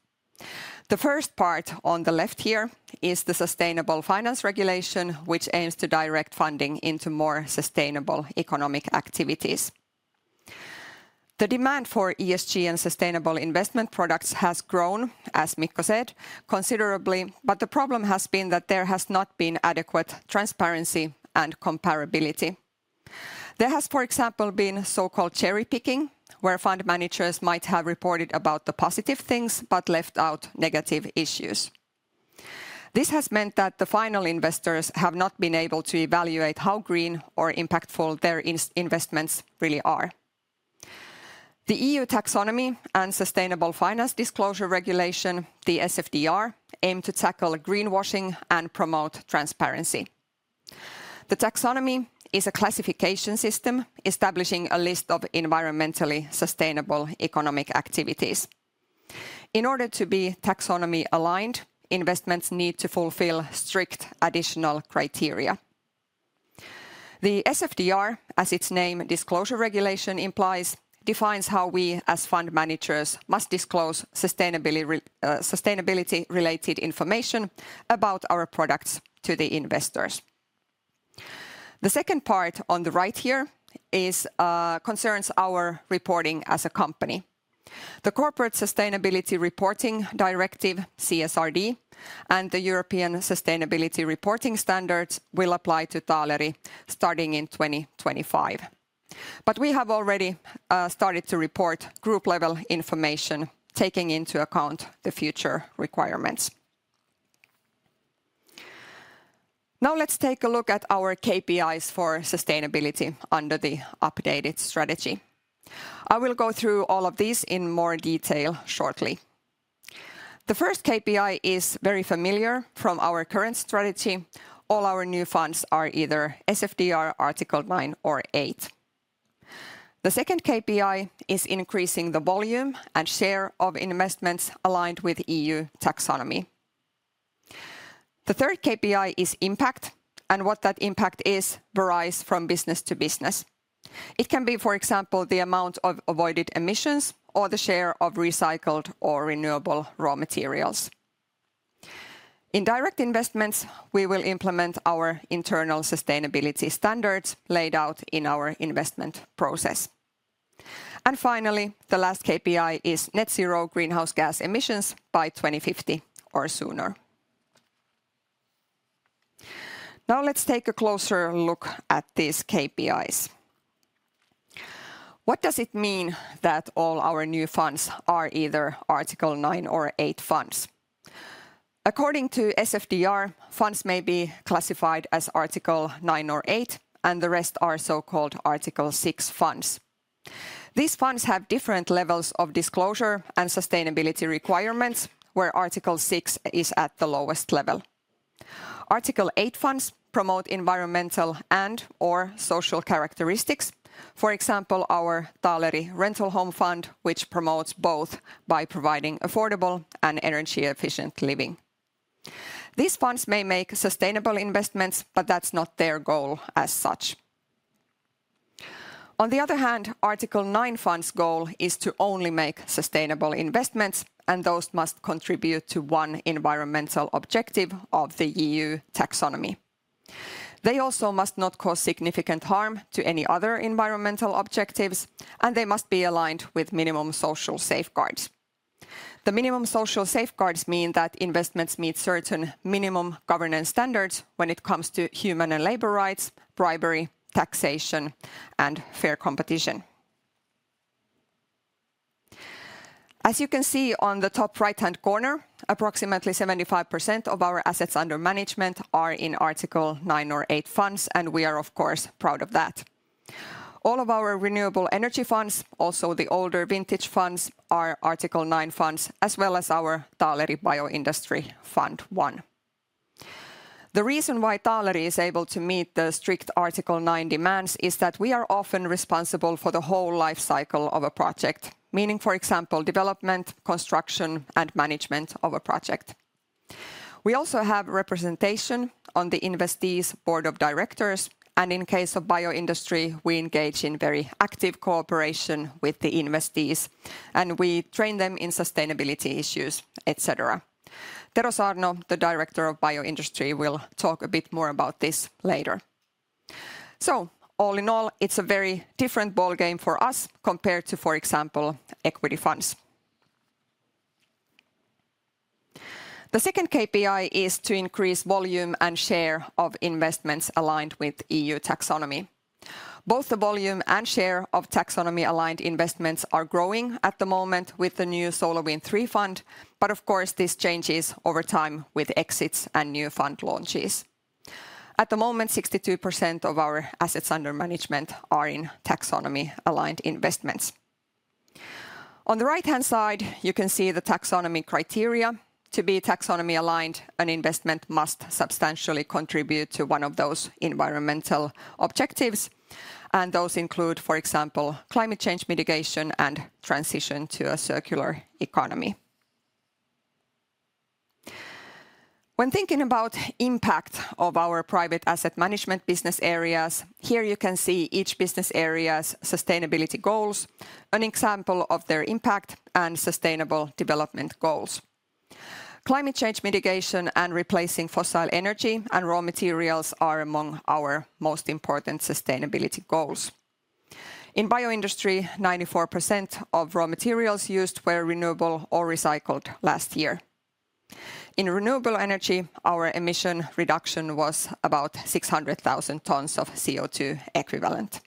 The first part on the left here is the Sustainable Finance Disclosure Regulation, which aims to direct funding into more sustainable economic activities.... The demand for ESG and sustainable investment products has grown, as Mikko said, considerably, but the problem has been that there has not been adequate transparency and comparability. There has, for example, been so-called cherry picking, where fund managers might have reported about the positive things, but left out negative issues. This has meant that the final investors have not been able to evaluate how green or impactful their investments really are. The EU Taxonomy and Sustainable Finance Disclosure Regulation, the SFDR, aim to tackle greenwashing and promote transparency. The taxonomy is a classification system establishing a list of environmentally sustainable economic activities. In order to be taxonomy-aligned, investments need to fulfill strict additional criteria. The SFDR, as its name disclosure regulation implies, defines how we, as fund managers, must disclose sustainability-related information about our products to the investors. The second part, on the right here, is concerns our reporting as a company. The Corporate Sustainability Reporting Directive, CSRD, and the European Sustainability Reporting Standards will apply to Taaleri starting in 2025. But we have already started to report group-level information, taking into account the future requirements. Now let's take a look at our KPIs for sustainability under the updated strategy. I will go through all of these in more detail shortly. The first KPI is very familiar from our current strategy. All our new funds are either SFDR Article 9 or 8. The second KPI is increasing the volume and share of investments aligned with EU Taxonomy. The third KPI is impact, and what that impact is varies from business to business. It can be, for example, the amount of avoided emissions or the share of recycled or renewable raw materials. In direct investments, we will implement our internal sustainability standards laid out in our investment process. Finally, the last KPI is net zero greenhouse gas emissions by 2050 or sooner. Now let's take a closer look at these KPIs. What does it mean that all our new funds are either Article 9 or 8 funds? According to SFDR, funds may be classified as Article 9 or 8, and the rest are so-called Article 6 funds. These funds have different levels of disclosure and sustainability requirements, where Article 6 is at the lowest level. Article 8 funds promote environmental and/or social characteristics. For example, our Taaleri Rental Home Fund, which promotes both by providing affordable and energy-efficient living. These funds may make sustainable investments, but that's not their goal as such. On the other hand, Article 9 funds' goal is to only make sustainable investments, and those must contribute to one environmental objective of the EU Taxonomy. They also must not cause significant harm to any other environmental objectives, and they must be aligned with minimum social safeguards. The minimum social safeguards mean that investments meet certain minimum governance standards when it comes to human and labor rights, bribery, taxation, and fair competition. As you can see on the top right-hand corner, approximately 75% of our assets under management are in Article 9 or 8 funds, and we are, of course, proud of that. All of our renewable energy funds, also the older vintage funds, are Article 9 funds, as well as our Taaleri Bioindustry Fund I. The reason why Taaleri is able to meet the strict Article 9 demands is that we are often responsible for the whole life cycle of a project, meaning, for example, development, construction, and management of a project. We also have representation on the investees' board of directors, and in case of bioindustry, we engage in very active cooperation with the investees, and we train them in sustainability issues, et cetera. Tero Saarno, the Director of Bioindustry, will talk a bit more about this later. So all in all, it's a very different ballgame for us compared to, for example, equity funds. The second KPI is to increase volume and share of investments aligned with EU Taxonomy. Both the volume and share of taxonomy-aligned investments are growing at the moment with the new SolarWind III fund, but of course, this changes over time with exits and new fund launches. At the moment, 62% of our assets under management are in taxonomy-aligned investments. On the right-hand side, you can see the taxonomy criteria. To be taxonomy-aligned, an investment must substantially contribute to one of those environmental objectives, and those include, for example, climate change mitigation and transition to a circular economy. When thinking about impact of our private asset management business areas, here you can see each business area's sustainability goals, an example of their impact, and sustainable development goals.... Climate change mitigation and replacing fossil energy and raw materials are among our most important sustainability goals. In Bioindustry, 94% of raw materials used were renewable or recycled last year. In Renewable Energy, our emission reduction was about 600,000 tons of CO2 equivalent.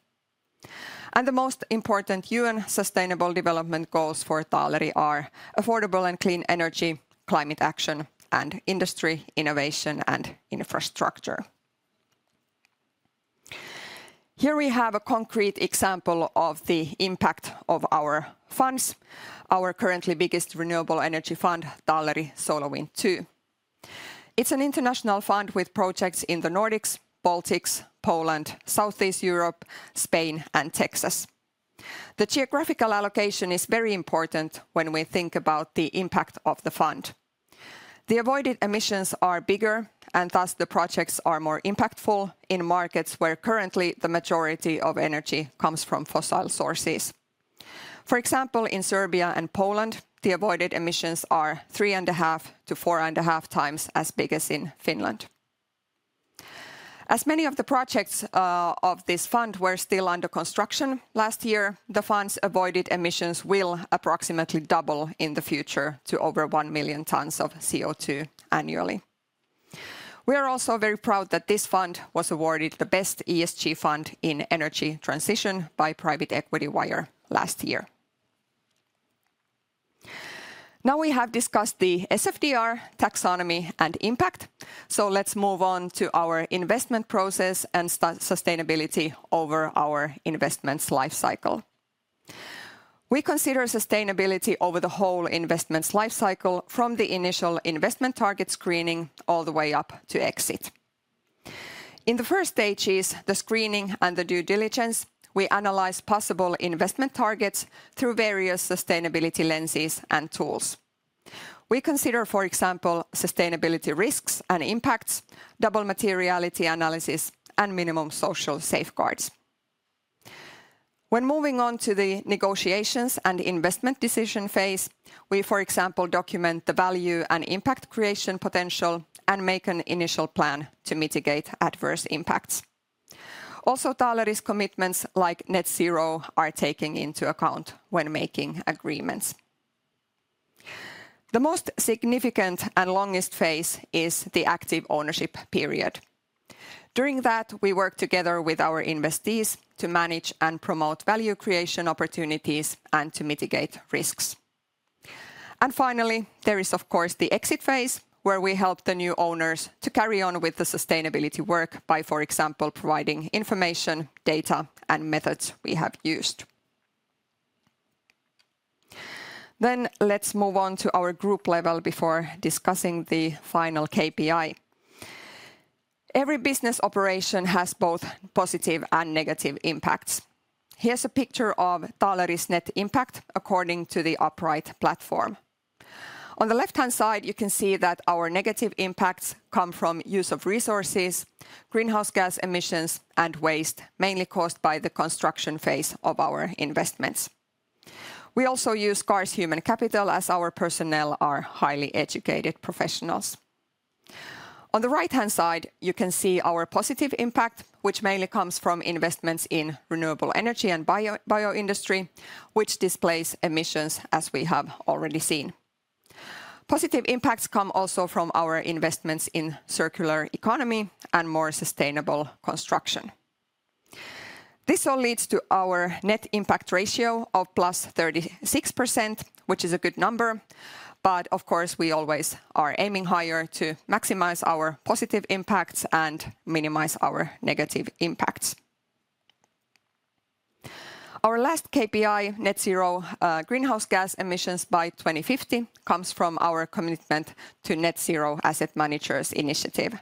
The most important UN Sustainable Development Goals for Taaleri are affordable and clean energy, climate action, and industry, innovation, and infrastructure. Here we have a concrete example of the impact of our funds, our currently biggest renewable energy fund, Taaleri SolarWind II. It's an international fund with projects in the Nordics, Baltics, Poland, Southeast Europe, Spain, and Texas. The geographical allocation is very important when we think about the impact of the fund. The avoided emissions are bigger, and thus the projects are more impactful in markets where currently the majority of energy comes from fossil sources. For example, in Serbia and Poland, the avoided emissions are 3.5x-4.5x as big as in Finland. As many of the projects of this fund were still under construction last year, the fund's avoided emissions will approximately double in the future to over 1 million tons of CO2 annually. We are also very proud that this fund was awarded the best ESG fund in energy transition by Private Equity Wire last year. Now we have discussed the SFDR taxonomy and impact, so let's move on to our investment process and sustainability over our investment's life cycle. We consider sustainability over the whole investment's life cycle from the initial investment target screening all the way up to exit. In the first stages, the screening and the due diligence, we analyze possible investment targets through various sustainability lenses and tools. We consider, for example, sustainability risks and impacts, double materiality analysis, and minimum social safeguards. When moving on to the negotiations and investment decision phase, we, for example, document the value and impact creation potential and make an initial plan to mitigate adverse impacts. Also, Taaleri's commitments, like net zero, are taking into account when making agreements. The most significant and longest phase is the active ownership period. During that, we work together with our investees to manage and promote value creation opportunities and to mitigate risks. And finally, there is, of course, the exit phase, where we help the new owners to carry on with the sustainability work by, for example, providing information, data, and methods we have used. Let's move on to our group level before discussing the final KPI. Every business operation has both positive and negative impacts. Here's a picture of Taaleri's net impact according to the Upright Platform. On the left-hand side, you can see that our negative impacts come from use of resources, greenhouse gas emissions, and waste, mainly caused by the construction phase of our investments. We also use scarce human capital, as our personnel are highly educated professionals. On the right-hand side, you can see our positive impact, which mainly comes from investments in Renewable Energy and Bioindustry, which displays emissions, as we have already seen. Positive impacts come also from our investments in circular economy and more sustainable construction. This all leads to our net impact ratio of plus 36%, which is a good number, but of course, we always are aiming higher to maximize our positive impacts and minimize our negative impacts. Our last KPI, net zero, greenhouse gas emissions by 2050, comes from our commitment to Net Zero Asset Managers Initiative.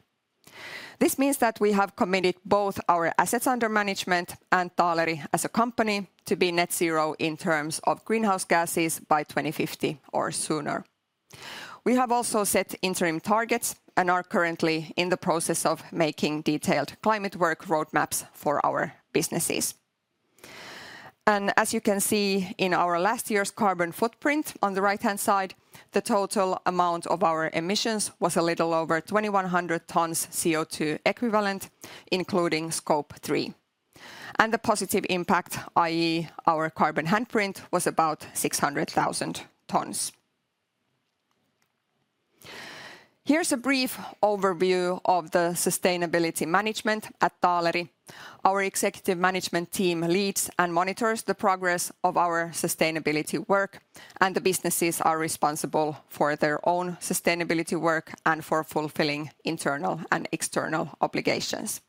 This means that we have committed both our assets under management and Taaleri as a company to be net zero in terms of greenhouse gases by 2050 or sooner. We have also set interim targets and are currently in the process of making detailed climate work roadmaps for our businesses. And as you can see in our last year's carbon footprint, on the right-hand side, the total amount of our emissions was a little over 2,100 tons CO2 equivalent, including Scope 3, and the positive impact, i.e. our carbon handprint, was about 600,000 tons. Here's a brief overview of the sustainability management at Taaleri. Our executive management team leads and monitors the progress of our sustainability work, and the businesses are responsible for their own sustainability work and for fulfilling internal and external obligations.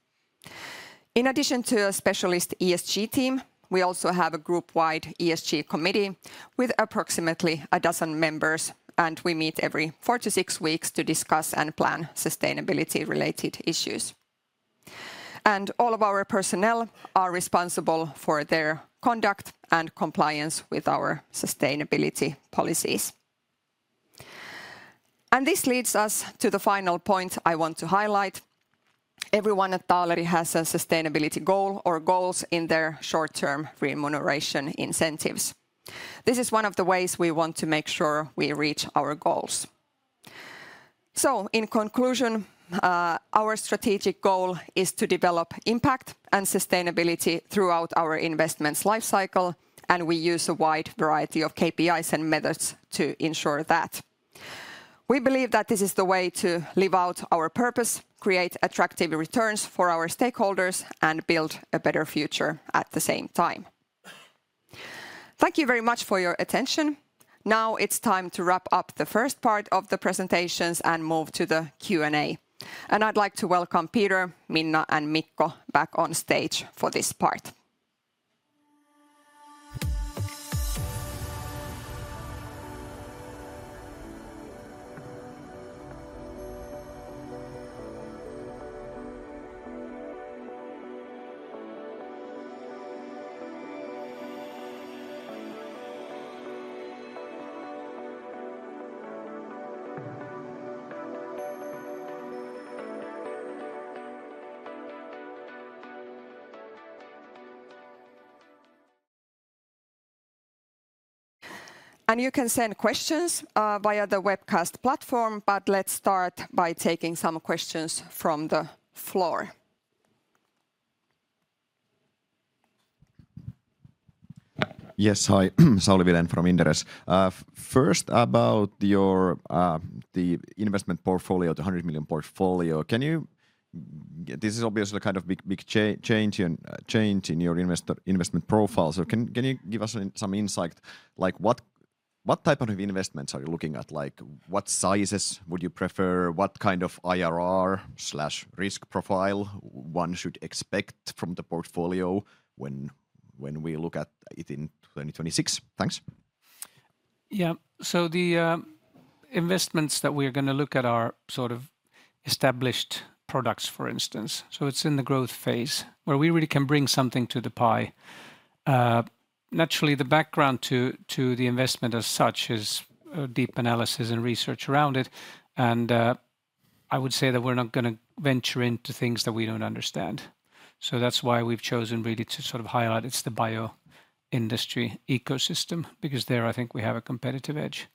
In addition to a specialist ESG team, we also have a group-wide ESG committee with approximately a dozen members, and we meet every four to six weeks to discuss and plan sustainability-related issues. All of our personnel are responsible for their conduct and compliance with our sustainability policies. This leads us to the final point I want to highlight. Everyone at Taaleri has a sustainability goal or goals in their short-term remuneration incentives. This is one of the ways we want to make sure we reach our goals. In conclusion, our strategic goal is to develop impact and sustainability throughout our investment's life cycle, and we use a wide variety of KPIs and methods to ensure that. We believe that this is the way to live out our purpose, create attractive returns for our stakeholders, and build a better future at the same time. Thank you very much for your attention. Now, it's time to wrap up the first part of the presentations and move to the Q&A. I'd like to welcome Peter, Minna, and Mikko back on stage for this part. You can send questions via the webcast platform, but let's start by taking some questions from the floor. Yes. Hi. Sauli Vilén from Inderes. First, about your, the investment portfolio, the 100 million portfolio, can you... This is obviously a kind of big, big change in your investment profile. So can you give us some insight, like, what type of investments are you looking at? Like, what sizes would you prefer? What kind of IRR/risk profile one should expect from the portfolio when we look at it in 2026? Thanks. Yeah. So the investments that we're gonna look at are sort of established products, for instance, so it's in the growth phase, where we really can bring something to the pie. Naturally, the background to the investment as such is deep analysis and research around it, and I would say that we're not gonna venture into things that we don't understand. So that's why we've chosen really to sort of highlight it's the bioindustry ecosystem, because there I think we have a competitive edge.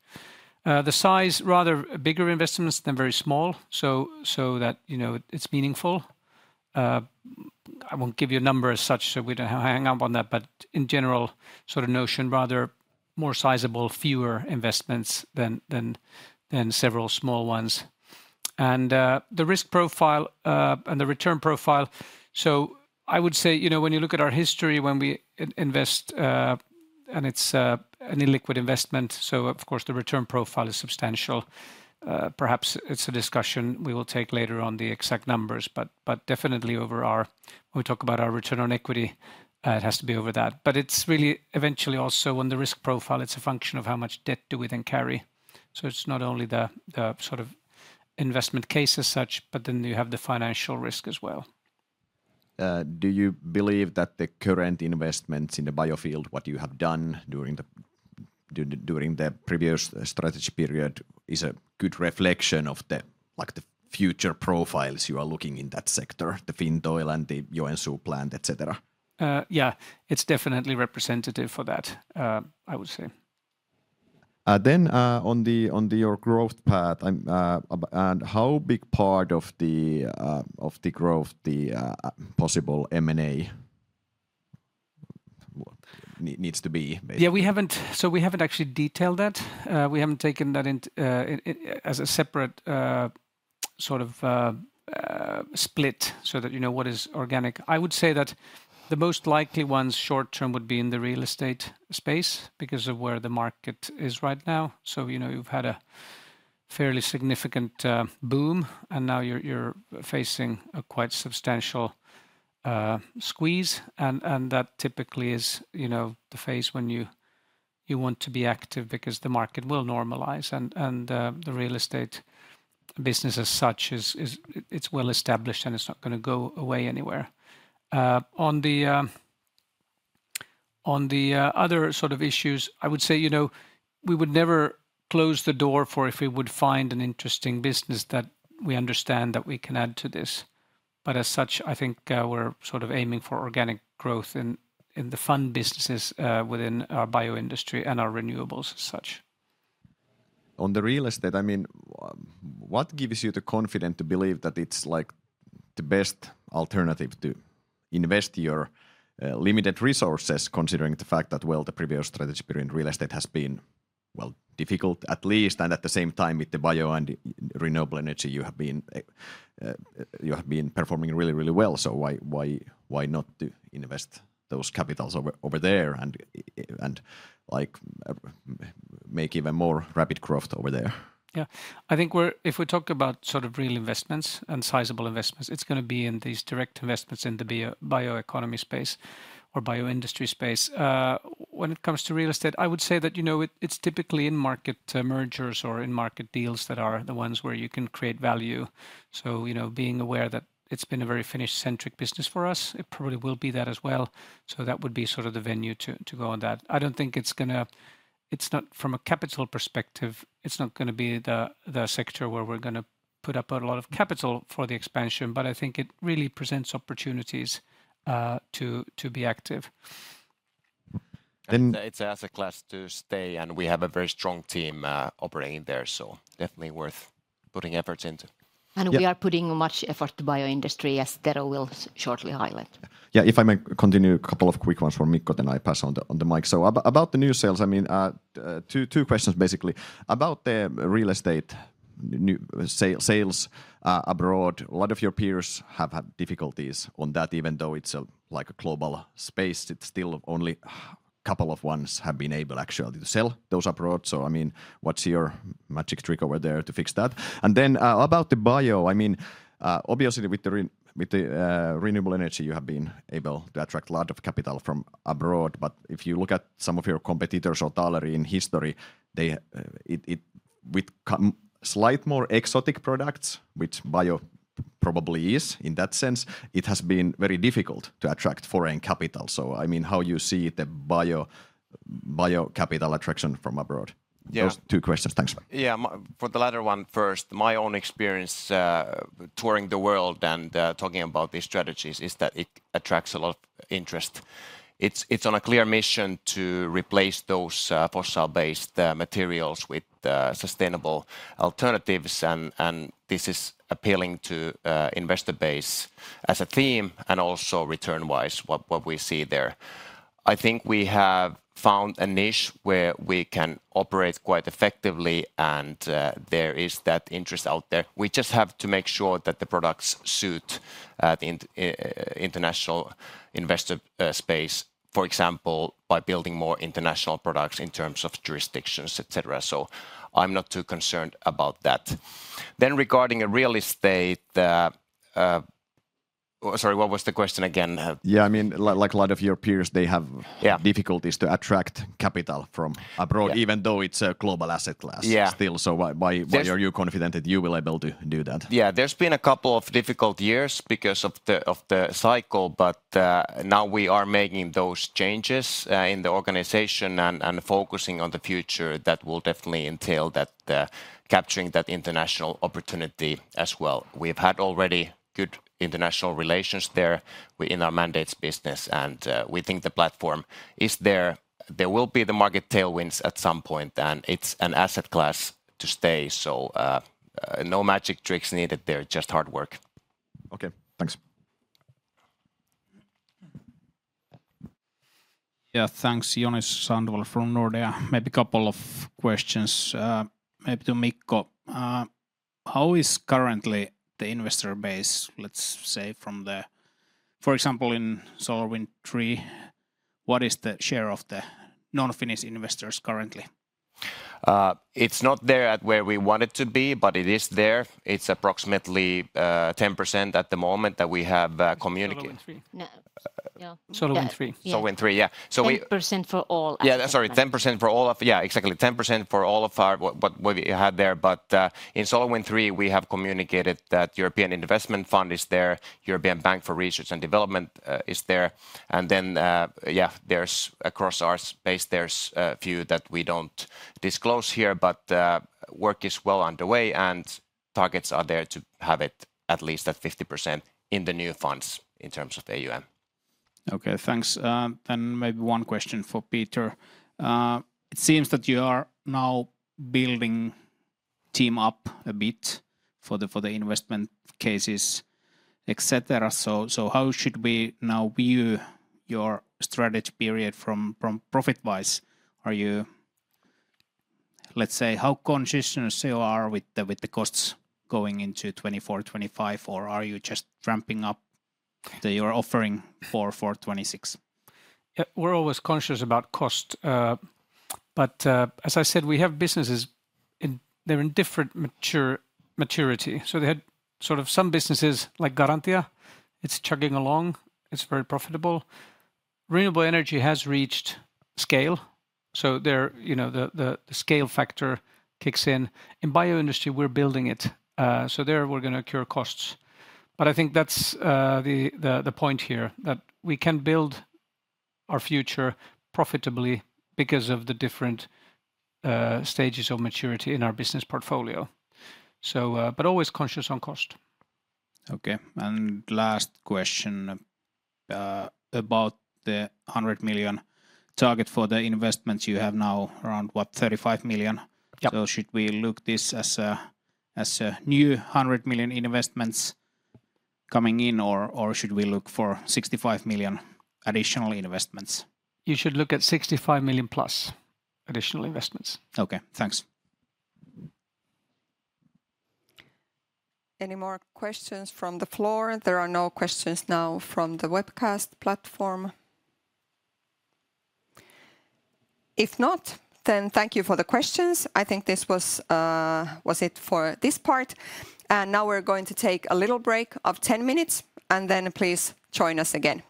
The size, rather bigger investments than very small, so that, you know, it's meaningful. I won't give you a number as such, so we don't hang up on that, but in general, sort of notion, rather more sizable, fewer investments than several small ones. The risk profile and the return profile, so I would say, you know, when you look at our history, when we invest, and it's an illiquid investment, so of course, the return profile is substantial. Perhaps it's a discussion we will take later on the exact numbers, but definitely over our... When we talk about our return on equity, it has to be over that. But it's really eventually also on the risk profile, it's a function of how much debt do we then carry. So it's not only the sort of investment case as such, but then you have the financial risk as well. Do you believe that the current investments in the bio field, what you have done during the previous strategy period, is a good reflection of the, like, the future profiles you are looking in that sector, the Fintoil and the Joensuu plant, et cetera? Yeah, it's definitely representative for that, I would say. Then, on your growth path, and how big part of the growth the possible M&A needs to be? Yeah, we haven't. So we haven't actually detailed that. We haven't taken that in as a separate sort of split, so that you know what is organic. I would say that the most likely ones short-term would be in the real estate space because of where the market is right now. So, you know, you've had a fairly significant boom, and now you're facing a quite substantial squeeze, and that typically is, you know, the phase when you want to be active because the market will normalize, and the real estate business as such is... It's well-established, and it's not gonna go away anywhere. On the other sort of issues, I would say, you know, we would never close the door for if we would find an interesting business that we understand that we can add to this. But as such, I think, we're sort of aiming for organic growth in the fund businesses within our Bioindustry and our Renewables as such. On the real estate, I mean, what gives you the confidence to believe that it's, like, the best alternative to invest your limited resources, considering the fact that, well, the previous strategy period in real estate has been, well, difficult at least, and at the same time, with the bio and renewable energy, you have been performing really, really well. So why, why, why not to invest those capitals over there and, like, make even more rapid growth over there? Yeah. I think we're... If we talk about sort of real investments and sizable investments, it's gonna be in these direct investments in the bioeconomy space or bioindustry space. When it comes to real estate, I would say that, you know, it, it's typically in-market mergers or in-market deals that are the ones where you can create value. So, you know, being aware that it's been a very Finnish-centric business for us, it probably will be that as well. So that would be sort of the venue to go on that. I don't think it's gonna be the sector where we're gonna put up a lot of capital for the expansion, but I think it really presents opportunities to be active. It's an asset class to stay, and we have a very strong team, operating in there, so definitely worth putting efforts into. We are putting much effort to bioindustry, as Tero will shortly highlight. Yeah, if I may continue, a couple of quick ones from Mikko, then I pass on the mic. So about the new sales, I mean, two questions basically. About the real estate, new sales abroad, a lot of your peers have had difficulties on that, even though it's a like a global space, it's still only couple of ones have been able actually to sell those abroad. So I mean, what's your magic trick over there to fix that? And then about the bio, I mean, obviously with the renewable energy, you have been able to attract a lot of capital from abroad. But if you look at some of your competitors or Taaleri in history, they it... With some slightly more exotic products, which bio probably is in that sense, it has been very difficult to attract foreign capital. So I mean, how you see the bio, bio capital attraction from abroad? Yeah. Those two questions. Thanks. Yeah, for the latter one first, my own experience, touring the world and, talking about these strategies is that it attracts a lot of interest. It's, it's on a clear mission to replace those, fossil-based, materials with, sustainable alternatives, and, and this is appealing to, investor base as a theme and also return-wise, what, what we see there. I think we have found a niche where we can operate quite effectively, and, there is that interest out there. We just have to make sure that the products suit, the international investor, space, for example, by building more international products in terms of jurisdictions, et cetera. So I'm not too concerned about that. Then regarding real estate... Sorry, what was the question again? Yeah, I mean, like a lot of your peers, they have- Yeah... difficulties to attract capital from abroad. Yeah... even though it's a global asset class. Yeah. Still, so why, why- There's-... are you confident that you will able to do that? Yeah, there's been a couple of difficult years because of the cycle, but now we are making those changes in the organization and focusing on the future. That will definitely entail capturing that international opportunity as well. We've had already good international relations there in our mandates business, and we think the platform is there. There will be the market tailwinds at some point, and it's an asset class to stay, so no magic tricks needed there, just hard work. Okay, thanks. Yeah, thanks. Joni Sandvall from Nordea. Maybe a couple of questions, maybe to Mikko. How is currently the investor base, let's say, from the... For example, in SolarWind III, what is the share of the non-Finnish investors currently? It's not there at where we want it to be, but it is there. It's approximately 10% at the moment that we have communicated. SolarWind III? Yeah. SolarWind III, yeah. So we- 10% for all, I think. Yeah, sorry, 10% for all of... Yeah, exactly. 10% for all of our, what we have there, but in SolarWind III, we have communicated that European Investment Fund is there, European Bank for Reconstruction and Development is there, and then, yeah, there's, across our space, there's a few that we don't disclose here, but work is well underway, and targets are there to have it at least at 50% in the new funds in terms of AUM. Okay, thanks, and maybe one question for Peter. It seems that you are now building team up a bit for the, for the investment cases, et cetera, so, how should we now view your strategy period from, from profit-wise? Are you... Let's say, how conscious you are with the, with the costs going into 2024, 2025, or are you just ramping up that you're offering for, for 2026? We're always conscious about cost, but as I said, we have businesses in, they're in different maturity. So they had sort of some businesses like Garantia, it's chugging along, it's very profitable. Renewable energy has reached scale, so there, you know, the scale factor kicks in. In Bioindustry, we're building it, so there, we're gonna incur costs. But I think that's the point here, that we can build our future profitably because of the different stages of maturity in our business portfolio. So, but always conscious on cost. Okay, and last question about the 100 million target for the investments. You have now around, what, 35 million? Yeah. So should we look this as a new 100 million investments coming in, or should we look for 65 million additional investments? You should look at 65 million plus additional investments. Okay, thanks. Any more questions from the floor? There are no questions now from the webcast platform. If not, then thank you for the questions. I think this was, was it for this part, and now we're going to take a little break of 10 minutes, and then please join us again.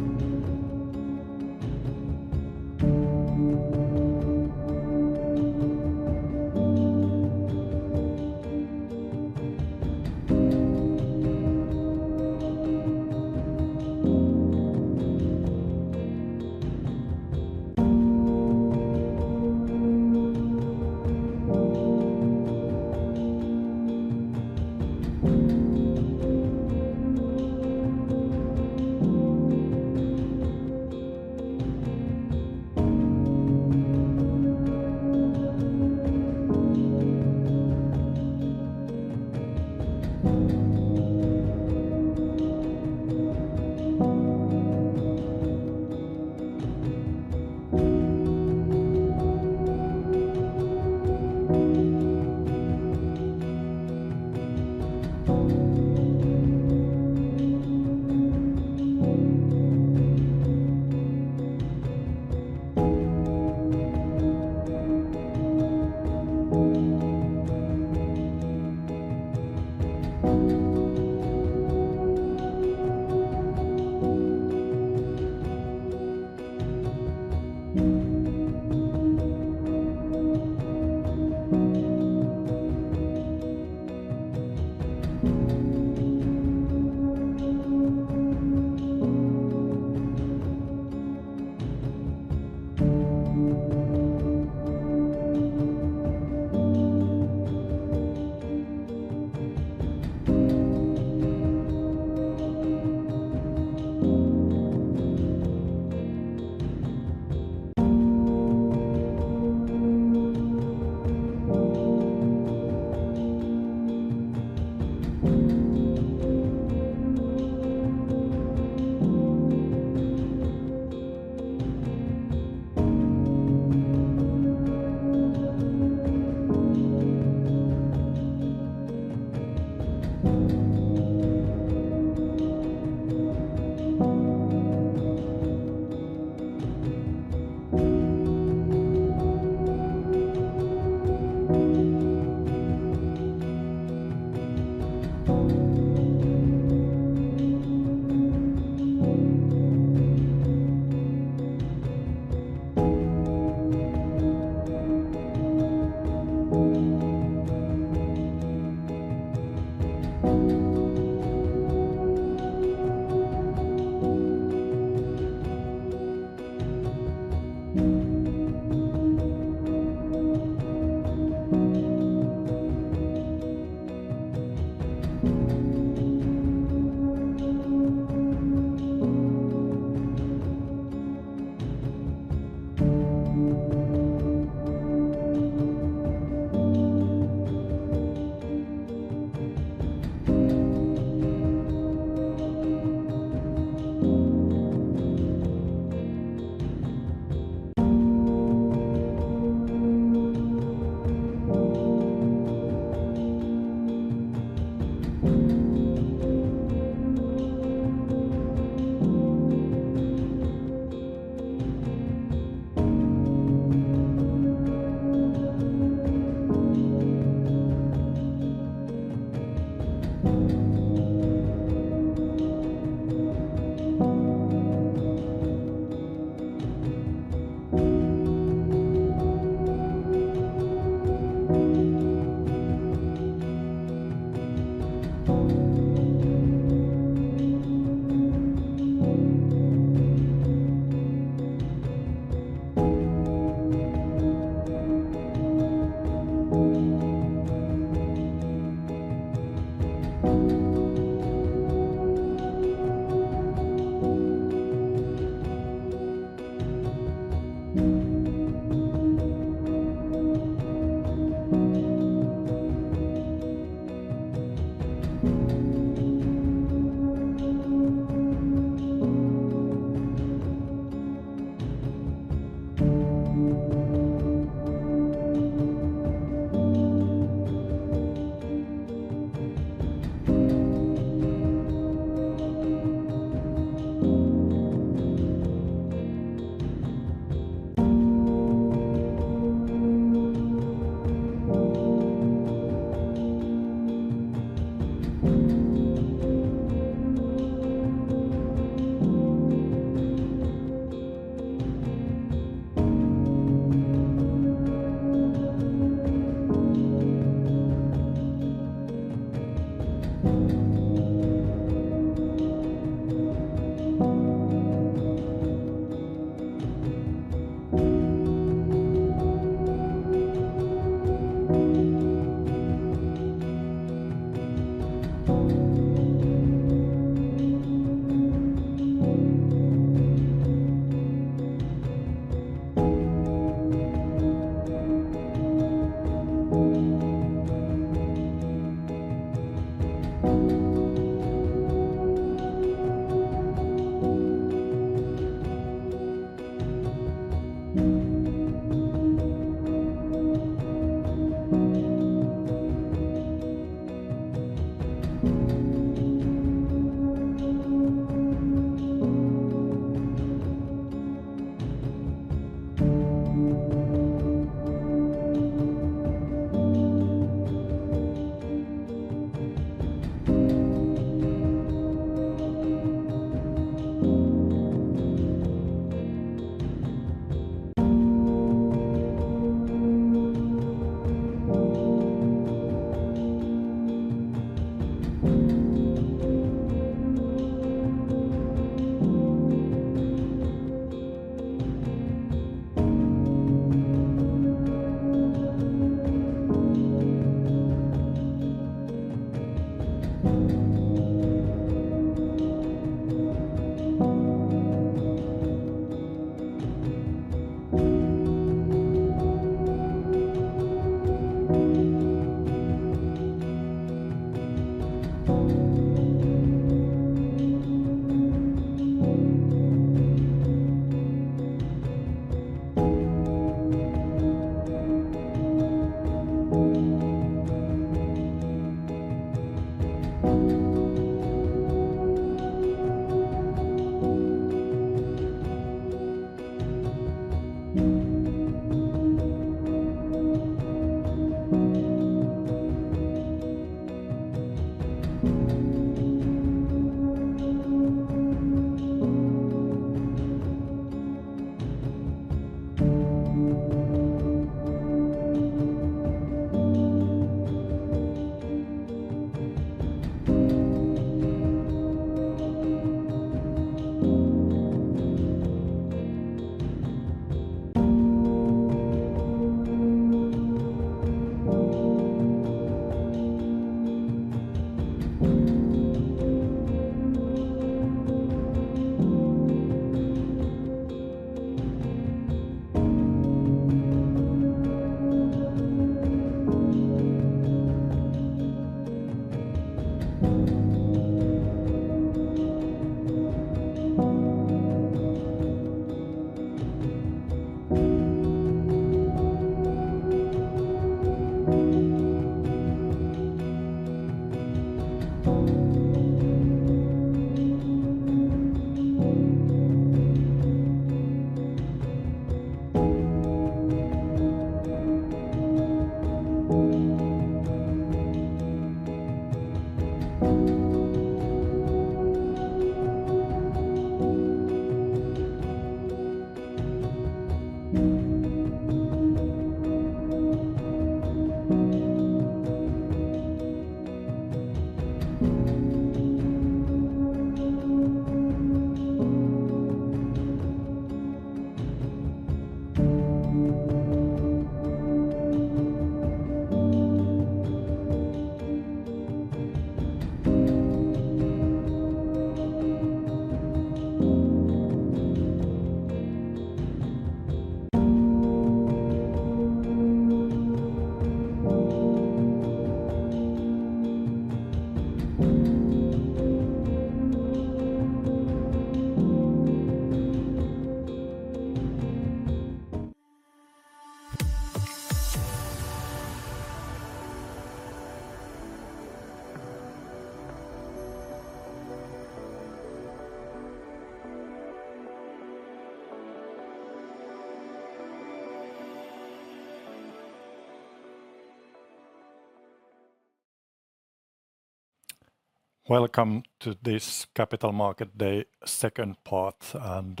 Welcome to this Capital Markets Day, second part, and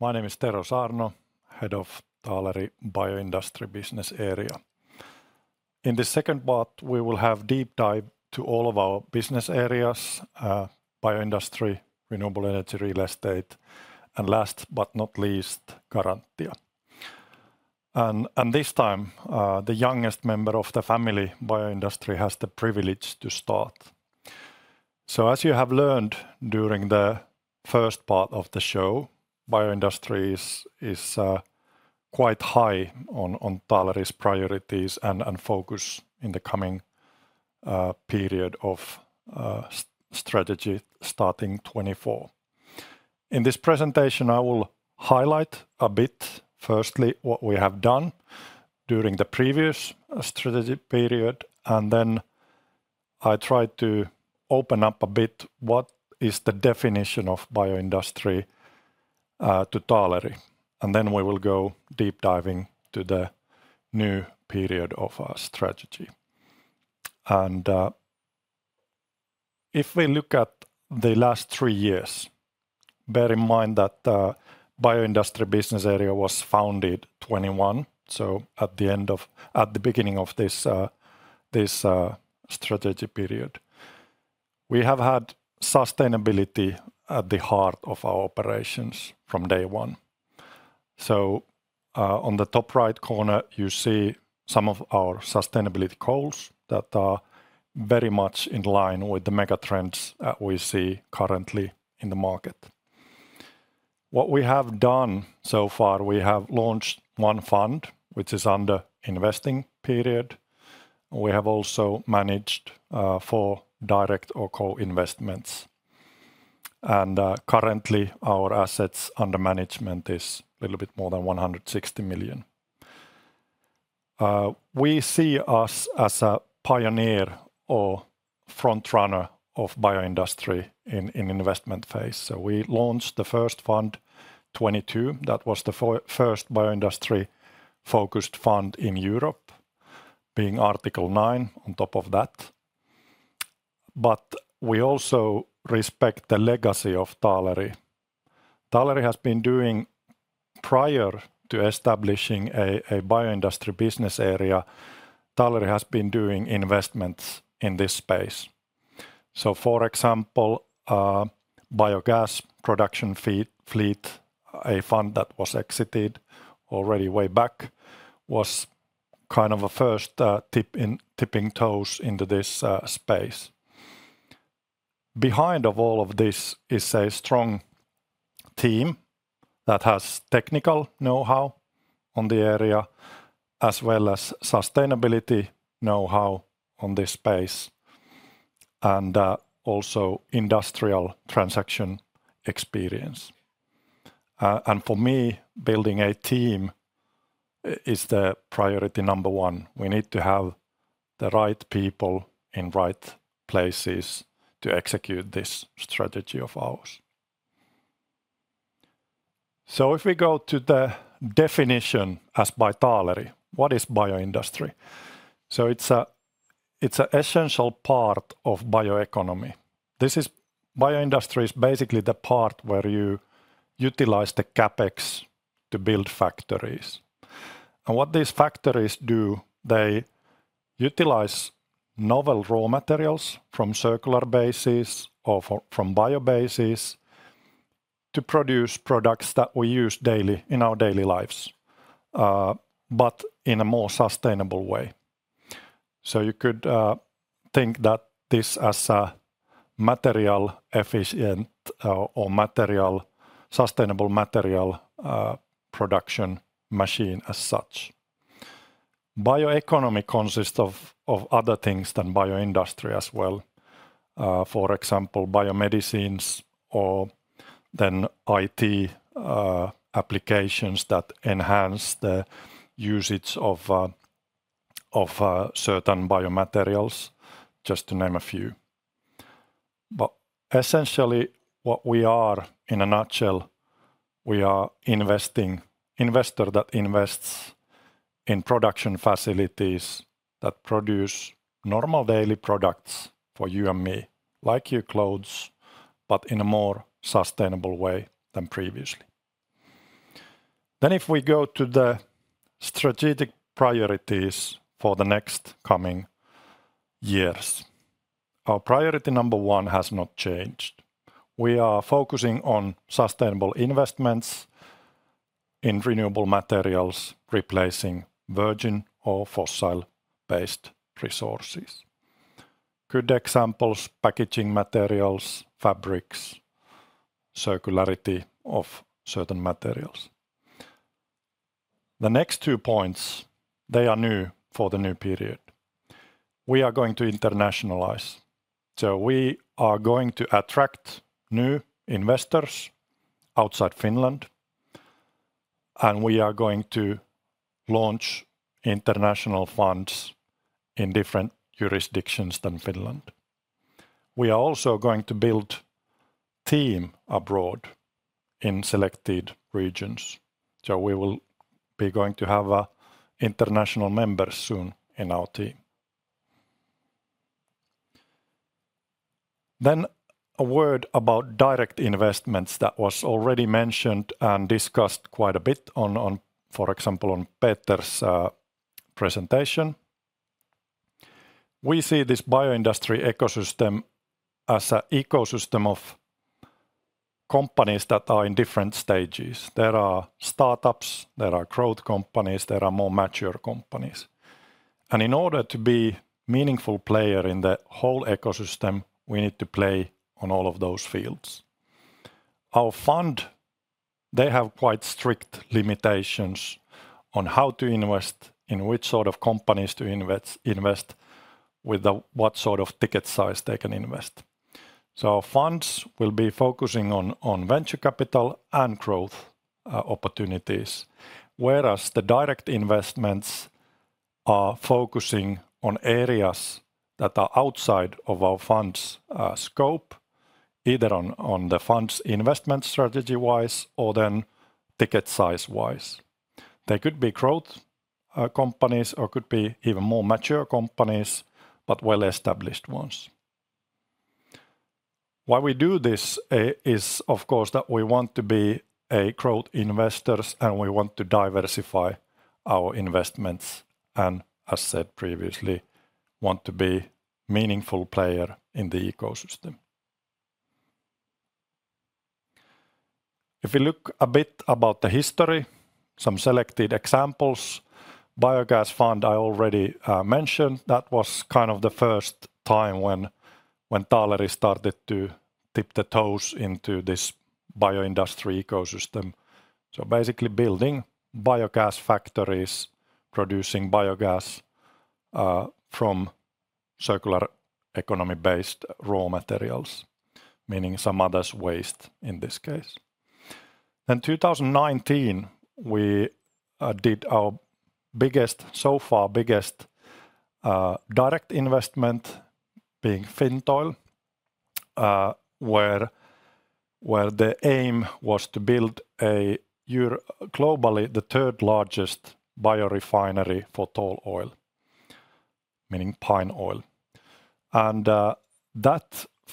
my name is Tero Saarno, Head of Taaleri Bioindustry Business Area. In this second part, we will have deep dive to all of our business areas, Bioindustry, Renewable Energy, Real Estate, and last but not least, Garantia. And this time, the youngest member of the family, bioindustry, has the privilege to start. So as you have learned during the first part of the show, bioindustries is quite high on Taaleri's priorities and focus in the coming period of strategy starting 2024. In this presentation, I will highlight a bit, firstly, what we have done during the previous strategy period, and then I try to open up a bit what is the definition of bioindustry to Taaleri, and then we will go deep diving to the new period of our strategy. If we look at the last three years, bear in mind that bioindustry business area was founded 2021, so at the end of... at the beginning of this strategy period. We have had sustainability at the heart of our operations from day one. So, on the top right corner, you see some of our sustainability goals that are very much in line with the mega trends that we see currently in the market. What we have done so far, we have launched one fund, which is under investing period. We have also managed four direct or co-investments. And, currently, our assets under management is a little bit more than 160 million. We see us as a pioneer or front runner of bioindustry in investment phase. So we launched the first fund 2022. That was the first bioindustry-focused fund in Europe, being Article 9 on top of that. But we also respect the legacy of Taaleri. Taaleri has been doing prior to establishing a bioindustry business area, Taaleri has been doing investments in this space. So for example, biogas production fleet, a fund that was exited already way back, was kind of a first tip in, tipping toes into this space. Behind of all of this is a strong team that has technical know-how on the area, as well as sustainability know-how on this space, and also industrial transaction experience. And for me, building a team is the priority number one. We need to have the right people in right places to execute this strategy of ours. So if we go to the definition as by Taaleri, what is bioindustry? So it's an essential part of bioeconomy. Bioindustry is basically the part where you utilize the CapEx to build factories. And what these factories do, they utilize novel raw materials from circular bases or from biobases to produce products that we use daily in our daily lives, but in a more sustainable way. So you could think that this as a material efficient or sustainable material production machine as such. Bioeconomy consists of other things than bioindustry as well. For example, biomedicines or then IT applications that enhance the usage of certain biomaterials, just to name a few. Essentially, what we are in a nutshell, we are an investor that invests in production facilities that produce normal daily products for you and me, like your clothes, but in a more sustainable way than previously. Then, if we go to the strategic priorities for the next coming years, our priority number one has not changed. We are focusing on sustainable investments in renewable materials, replacing virgin or fossil-based resources. Good examples, packaging materials, fabrics, circularity of certain materials. The next two points, they are new for the new period. We are going to internationalize. So we are going to attract new investors outside Finland, and we are going to launch international funds in different jurisdictions than Finland. We are also going to build team abroad in selected regions, so we will be going to have international members soon in our team. Then, a word about direct investments that was already mentioned and discussed quite a bit on, for example, on Peter's presentation. We see this bioindustry ecosystem as an ecosystem of companies that are in different stages. There are startups, there are growth companies, there are more mature companies. And in order to be meaningful player in the whole ecosystem, we need to play on all of those fields. Our fund, they have quite strict limitations on how to invest, in which sort of companies to invest, with the what sort of ticket size they can invest. So our funds will be focusing on venture capital and growth opportunities, whereas the direct investments are focusing on areas that are outside of our fund's scope, either on the fund's investment strategy-wise or then ticket size-wise. They could be growth companies or could be even more mature companies, but well-established ones. Why we do this is, of course, that we want to be growth investors, and we want to diversify our investments, and as said previously, want to be meaningful player in the ecosystem. If we look a bit about the history, some selected examples. Biogas fund, I already mentioned. That was kind of the first time when Taaleri started to dip the toes into this bioindustry ecosystem. So basically building biogas factories, producing biogas from circular economy-based raw materials, meaning some others' waste in this case. In 2019, we did our biggest, so far biggest, direct investment being Fintoil, where the aim was to build a globally, the third largest biorefinery for tall oil, meaning pine oil.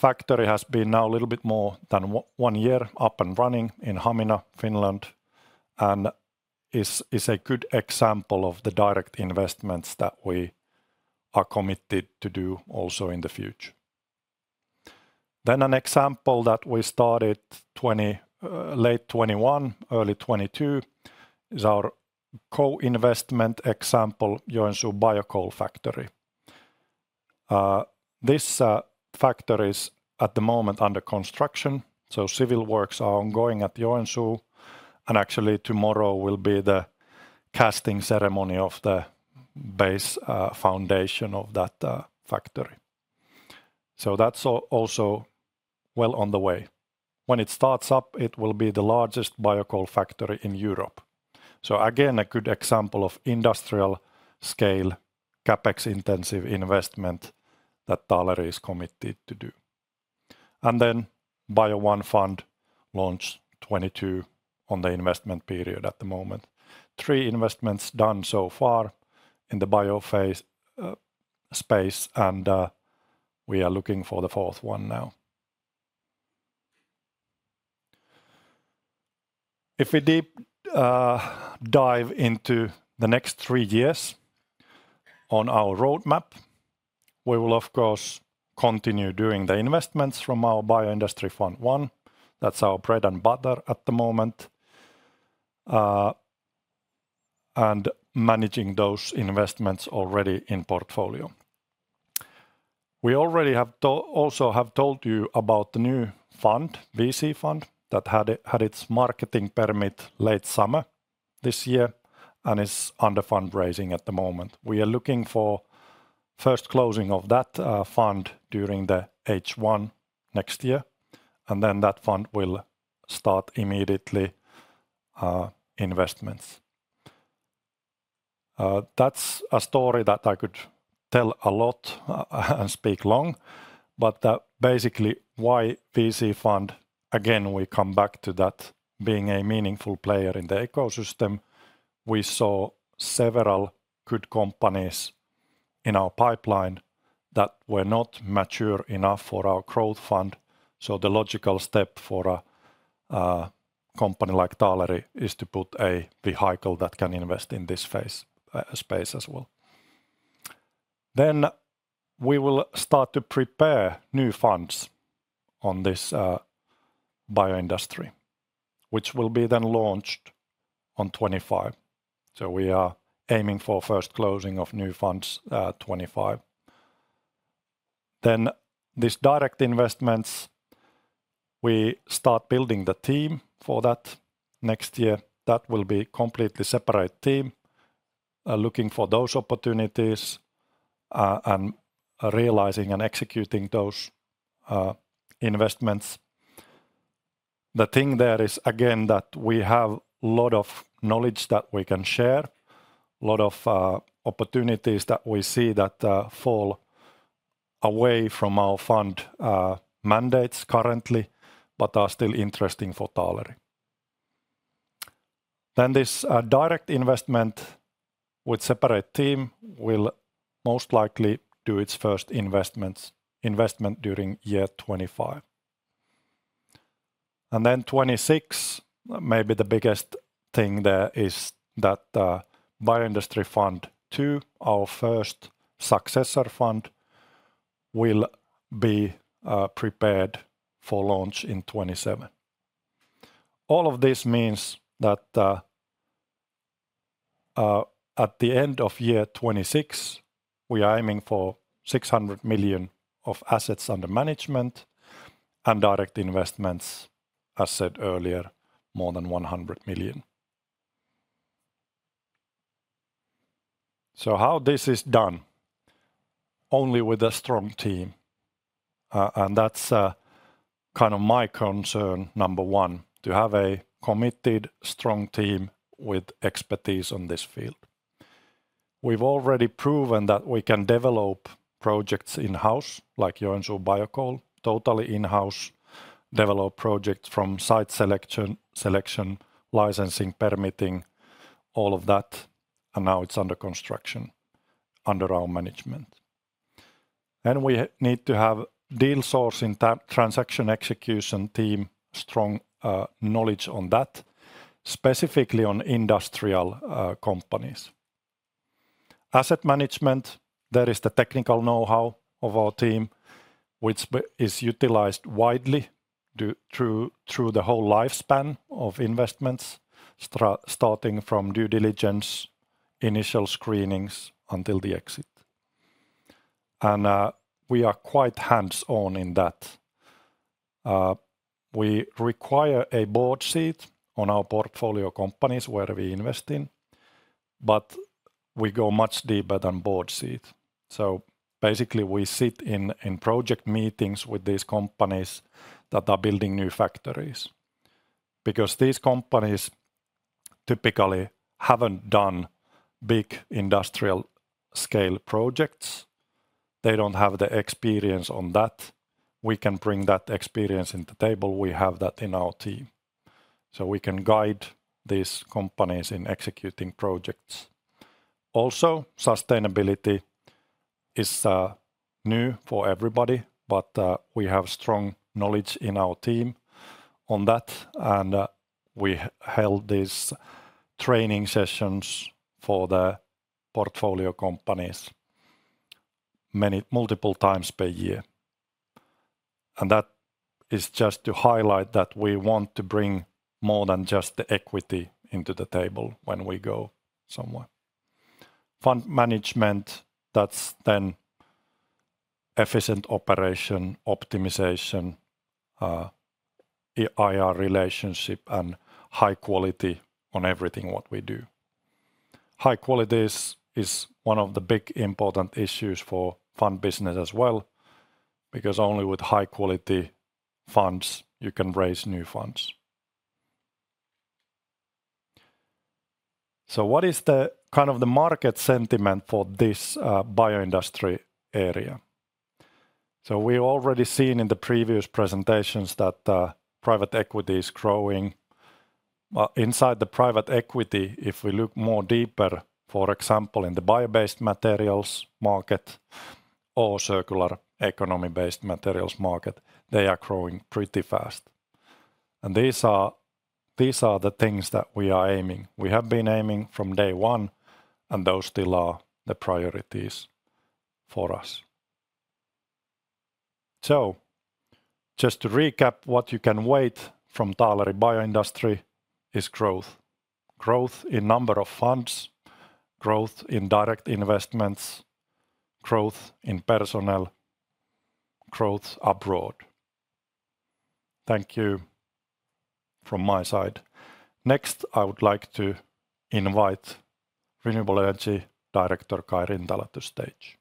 That factory has been now a little bit more than one year up and running in Hamina, Finland, and is a good example of the direct investments that we are committed to do also in the future. Then an example that we started 20, late 2021, early 2022, is our co-investment example, Joensuu Biocoal factory. This factory is at the moment under construction, so civil works are ongoing at Joensuu, and actually tomorrow will be the casting ceremony of the base foundation of that factory. So that's also well on the way. When it starts up, it will be the largest biocoal factory in Europe. So again, a good example of industrial scale, CapEx-intensive investment that Taaleri is committed to do. And then Bio Fund I launched 2022 on the investment period at the moment. Three investments done so far in the bioindustry space, and we are looking for the fourth one now. If we deep dive into the next three years on our roadmap, we will of course continue doing the investments from our Bioindustry Fund I. That's our bread and butter at the moment, and managing those investments already in portfolio. We already have also told you about the new fund, VC fund, that had its marketing permit late summer this year, and is under fundraising at the moment. We are looking for first closing of that fund during the H1 next year, and then that fund will start immediately investments. That's a story that I could tell a lot and speak long, but basically, why VC fund? Again, we come back to that being a meaningful player in the ecosystem. We saw several good companies in our pipeline that were not mature enough for our growth fund, so the logical step for a company like Taaleri is to put a vehicle that can invest in this phase space as well. Then we will start to prepare new funds on this bioindustry, which will be then launched in 2025. So we are aiming for first closing of new funds in 2025. Then these direct investments, we start building the team for that next year. That will be completely separate team looking for those opportunities and realizing and executing those investments. The thing there is, again, that we have a lot of knowledge that we can share, a lot of opportunities that we see that fall away from our fund mandates currently, but are still interesting for Taaleri. Then this direct investment with separate team will most likely do its first investment during year 2025. And then 2026, maybe the biggest thing there is that Bioindustry Fund II, our first successor fund, will be prepared for launch in 2027. All of this means that at the end of year 2026, we are aiming for 600 million of assets under management and direct investments, as said earlier, more than 100 million. So how this is done? Only with a strong team. And that's kind of my concern, number one, to have a committed, strong team with expertise on this field. We've already proven that we can develop projects in-house, like Joensuu Biocoal, totally in-house, develop projects from site selection, selection, licensing, permitting, all of that, and now it's under construction, under our management. Then we need to have deal source in transaction execution team, strong knowledge on that, specifically on industrial companies. Asset management, there is the technical know-how of our team, which is utilized widely through the whole lifespan of investments, starting from due diligence, initial screenings, until the exit. We are quite hands-on in that. We require a board seat on our portfolio companies where we invest in, but we go much deeper than board seat. So basically, we sit in project meetings with these companies that are building new factories. Because these companies typically haven't done big industrial scale projects, they don't have the experience on that. We can bring that experience on the table. We have that in our team. So we can guide these companies in executing projects. Also, sustainability is new for everybody, but we have strong knowledge in our team on that, and we held these training sessions for the portfolio companies multiple times per year. And that is just to highlight that we want to bring more than just the equity into the table when we go somewhere. Fund management, that's then efficient operation, optimization, IR relationship, and high quality on everything what we do. High quality is one of the big important issues for fund business as well, because only with high-quality funds you can raise new funds. So what is the kind of the market sentiment for this bioindustry area? So we've already seen in the previous presentations that private equity is growing. But inside the private equity, if we look more deeper, for example, in the bio-based materials market or circular economy-based materials market, they are growing pretty fast. And these are, these are the things that we are aiming—we have been aiming from day one, and those still are the priorities for us. So just to recap, what you can wait from Taaleri Bioindustry is growth. Growth in number of funds, growth in direct investments, growth in personnel, growth abroad. Thank you from my side. Next, I would like to invite Renewable Energy Director Kai Rintala to stage.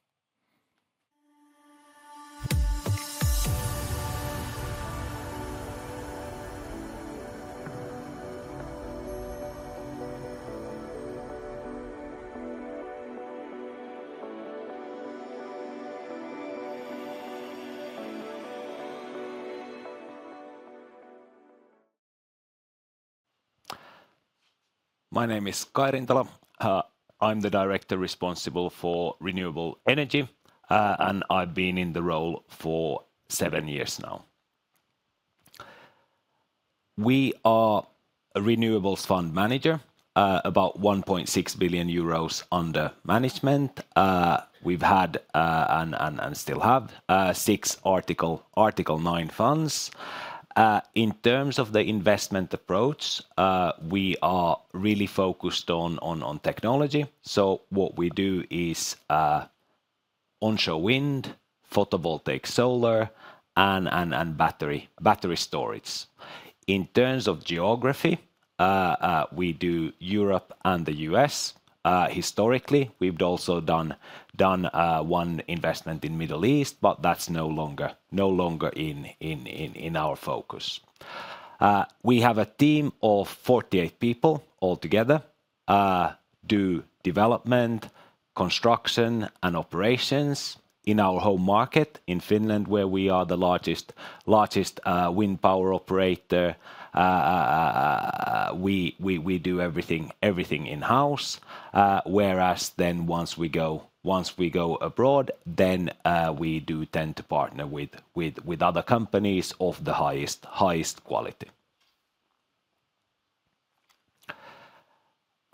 My name is Kai Rintala. I'm the director responsible for renewable energy, and I've been in the role for seven years now. We are a renewables fund manager, about 1.6 billion euros under management. We've had and still have six Article 9 funds. In terms of the investment approach, we are really focused on technology. So what we do is onshore wind, photovoltaic solar, and battery storage. In terms of geography, we do Europe and the U.S. Historically, we've also done one investment in Middle East, but that's no longer in our focus. We have a team of 48 people altogether do development, construction, and operations in our home market in Finland, where we are the largest wind power operator. We do everything in-house. Whereas then once we go abroad, then we do tend to partner with other companies of the highest quality.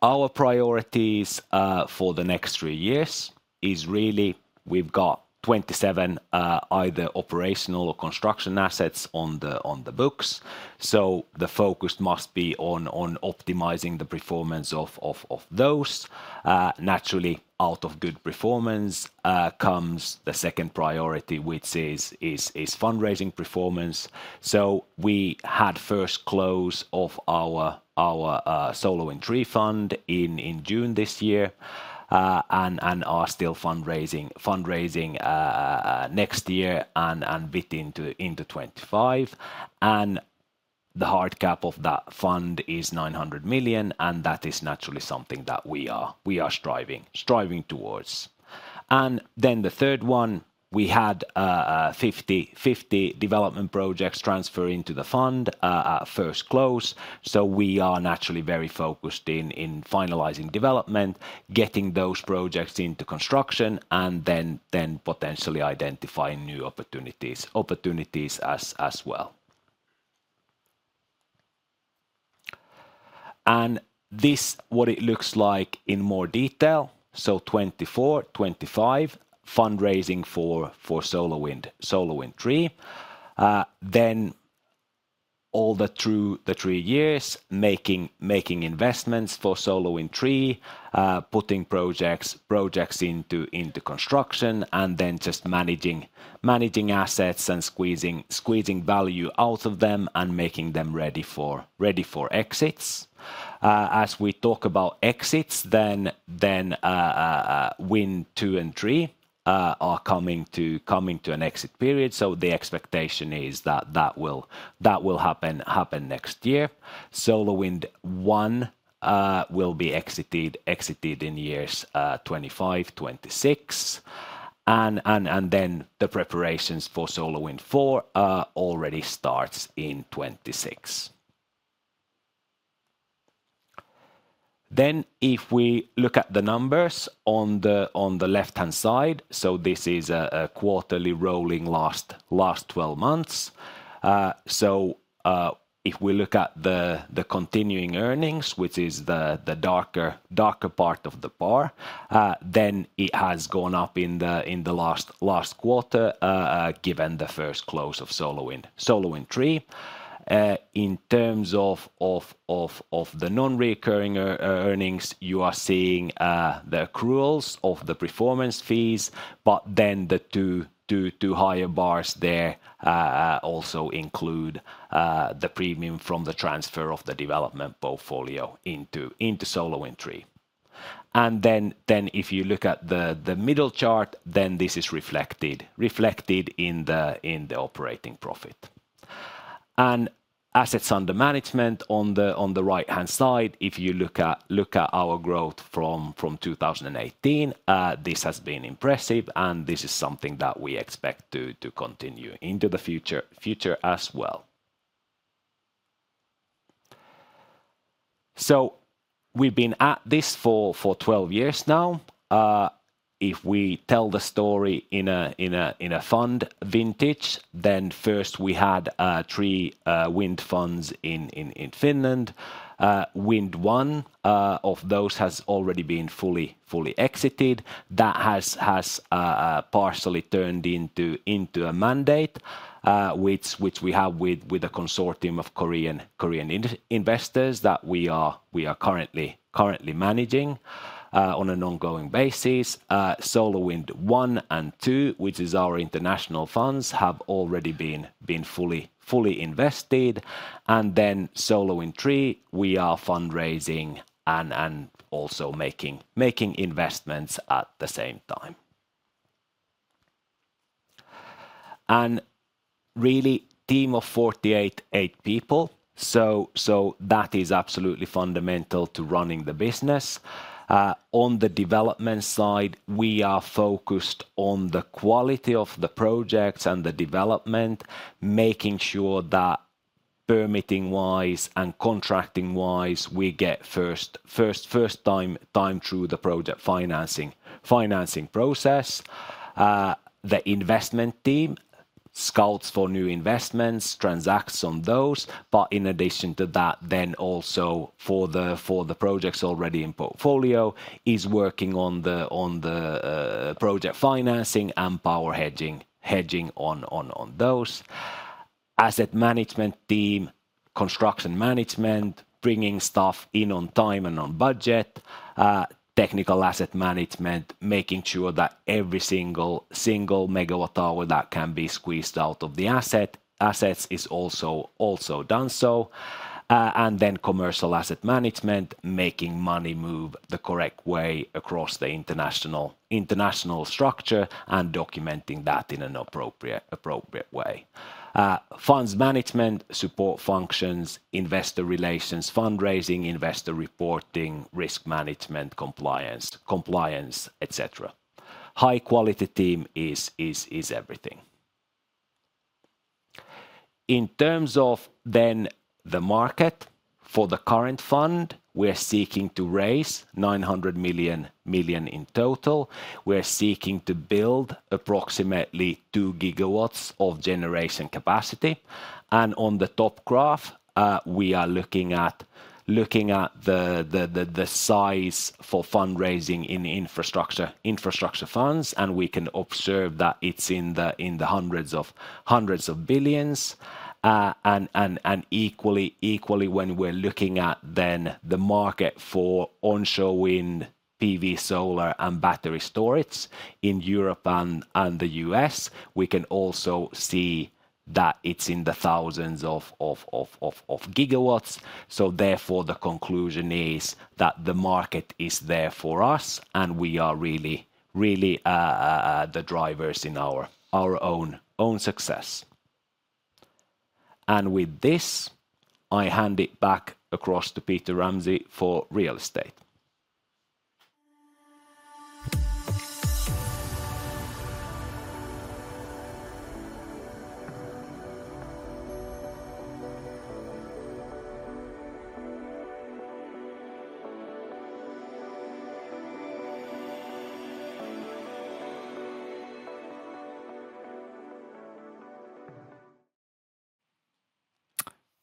Our priorities for the next three years is really we've got 27 either operational or construction assets on the books, so the focus must be on optimizing the performance of those. Naturally, out of good performance comes the second priority, which is fundraising performance. So we had first close of our SolarWind III fund in June this year, and are still fundraising next year and bit into 2025. And the hard cap of that fund is 900 million, and that is naturally something that we are striving towards. And then the third one, we had 50 development projects transfer into the fund at first close. So we are naturally very focused in finalizing development, getting those projects into construction, and then potentially identifying new opportunities as well. And this what it looks like in more detail. So 2024, 2025, fundraising for SolarWind III. Then all the way through the three years, making investments for SolarWind III, putting projects into construction, and then just managing assets and squeezing value out of them and making them ready for exits. As we talk about exits, then Wind II and III are coming to an exit period, so the expectation is that that will happen next year. SolarWind I will be exited in years 2025, 2026. And then the preparations for SolarWind IV already starts in 2026. Then, if we look at the numbers on the left-hand side, so this is a quarterly rolling last 12 months. So, if we look at the continuing earnings, which is the darker part of the bar, then it has gone up in the last quarter, given the first close of SolarWind III. In terms of the non-recurring earnings, you are seeing the accruals of the performance fees, but then the two higher bars there also include the premium from the transfer of the development portfolio into SolarWind III. And then if you look at the middle chart, then this is reflected in the operating profit. Assets under management on the right-hand side, if you look at our growth from 2018, this has been impressive, and this is something that we expect to continue into the future as well. So we've been at this for 12 years now. If we tell the story in a fund vintage, then first we had three wind funds in Finland. Wind I of those has already been fully exited. That has partially turned into a mandate, which we have with a consortium of Korean investors that we are currently managing on an ongoing basis. SolarWind I and II, which is our international funds, have already been fully invested. And then Taaleri SolarWind III, we are fundraising and also making investments at the same time. And really, team of 48 people, so that is absolutely fundamental to running the business. On the development side, we are focused on the quality of the projects and the development, making sure that permitting-wise and contracting-wise, we get first time through the project financing process. The investment team scouts for new investments, transacts on those, but in addition to that, then also for the projects already in portfolio, is working on the project financing and power hedging on those. Asset management team, construction management, bringing stuff in on time and on budget. Technical asset management, making sure that every single megawatt hour that can be squeezed out of the assets is also done so. And then commercial asset management, making money move the correct way across the international structure and documenting that in an appropriate way. Funds management, support functions, investor relations, fundraising, investor reporting, risk management, compliance, et cetera. High-quality team is everything. In terms of then the market for the current fund, we're seeking to raise 900 million in total. We're seeking to build approximately 2 GW of generation capacity. On the top graph, we are looking at the size for fundraising in infrastructure funds, and we can observe that it's in the hundreds of billions. and equally when we're looking at then the market for onshore wind, PV solar, and battery storage in Europe and the US, we can also see that it's in the thousands of gigawatts. So therefore, the conclusion is that the market is there for us, and we are really the drivers in our own success. And with this, I hand it back across to Peter Ramsay for real estate.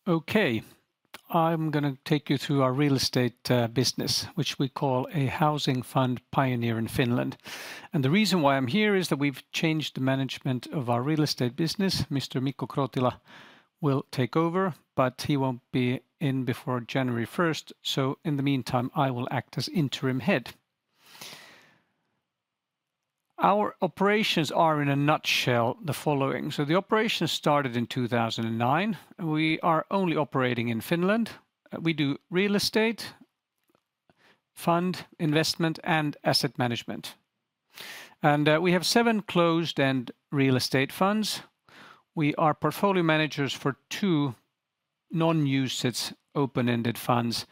Okay, I'm gonna take you through our real estate business, which we call a housing fund pioneer in Finland. And the reason why I'm here is that we've changed the management of our real estate business. Mr. Mikko Krootila will take over, but he won't be in before January first. So in the meantime, I will act as interim head. Our operations are, in a nutshell, the following. So the operations started in 2009. We are only operating in Finland. We do real estate, fund investment, and asset management. And we have seven closed and real estate funds. We are portfolio managers for two non-UCITS open-ended funds,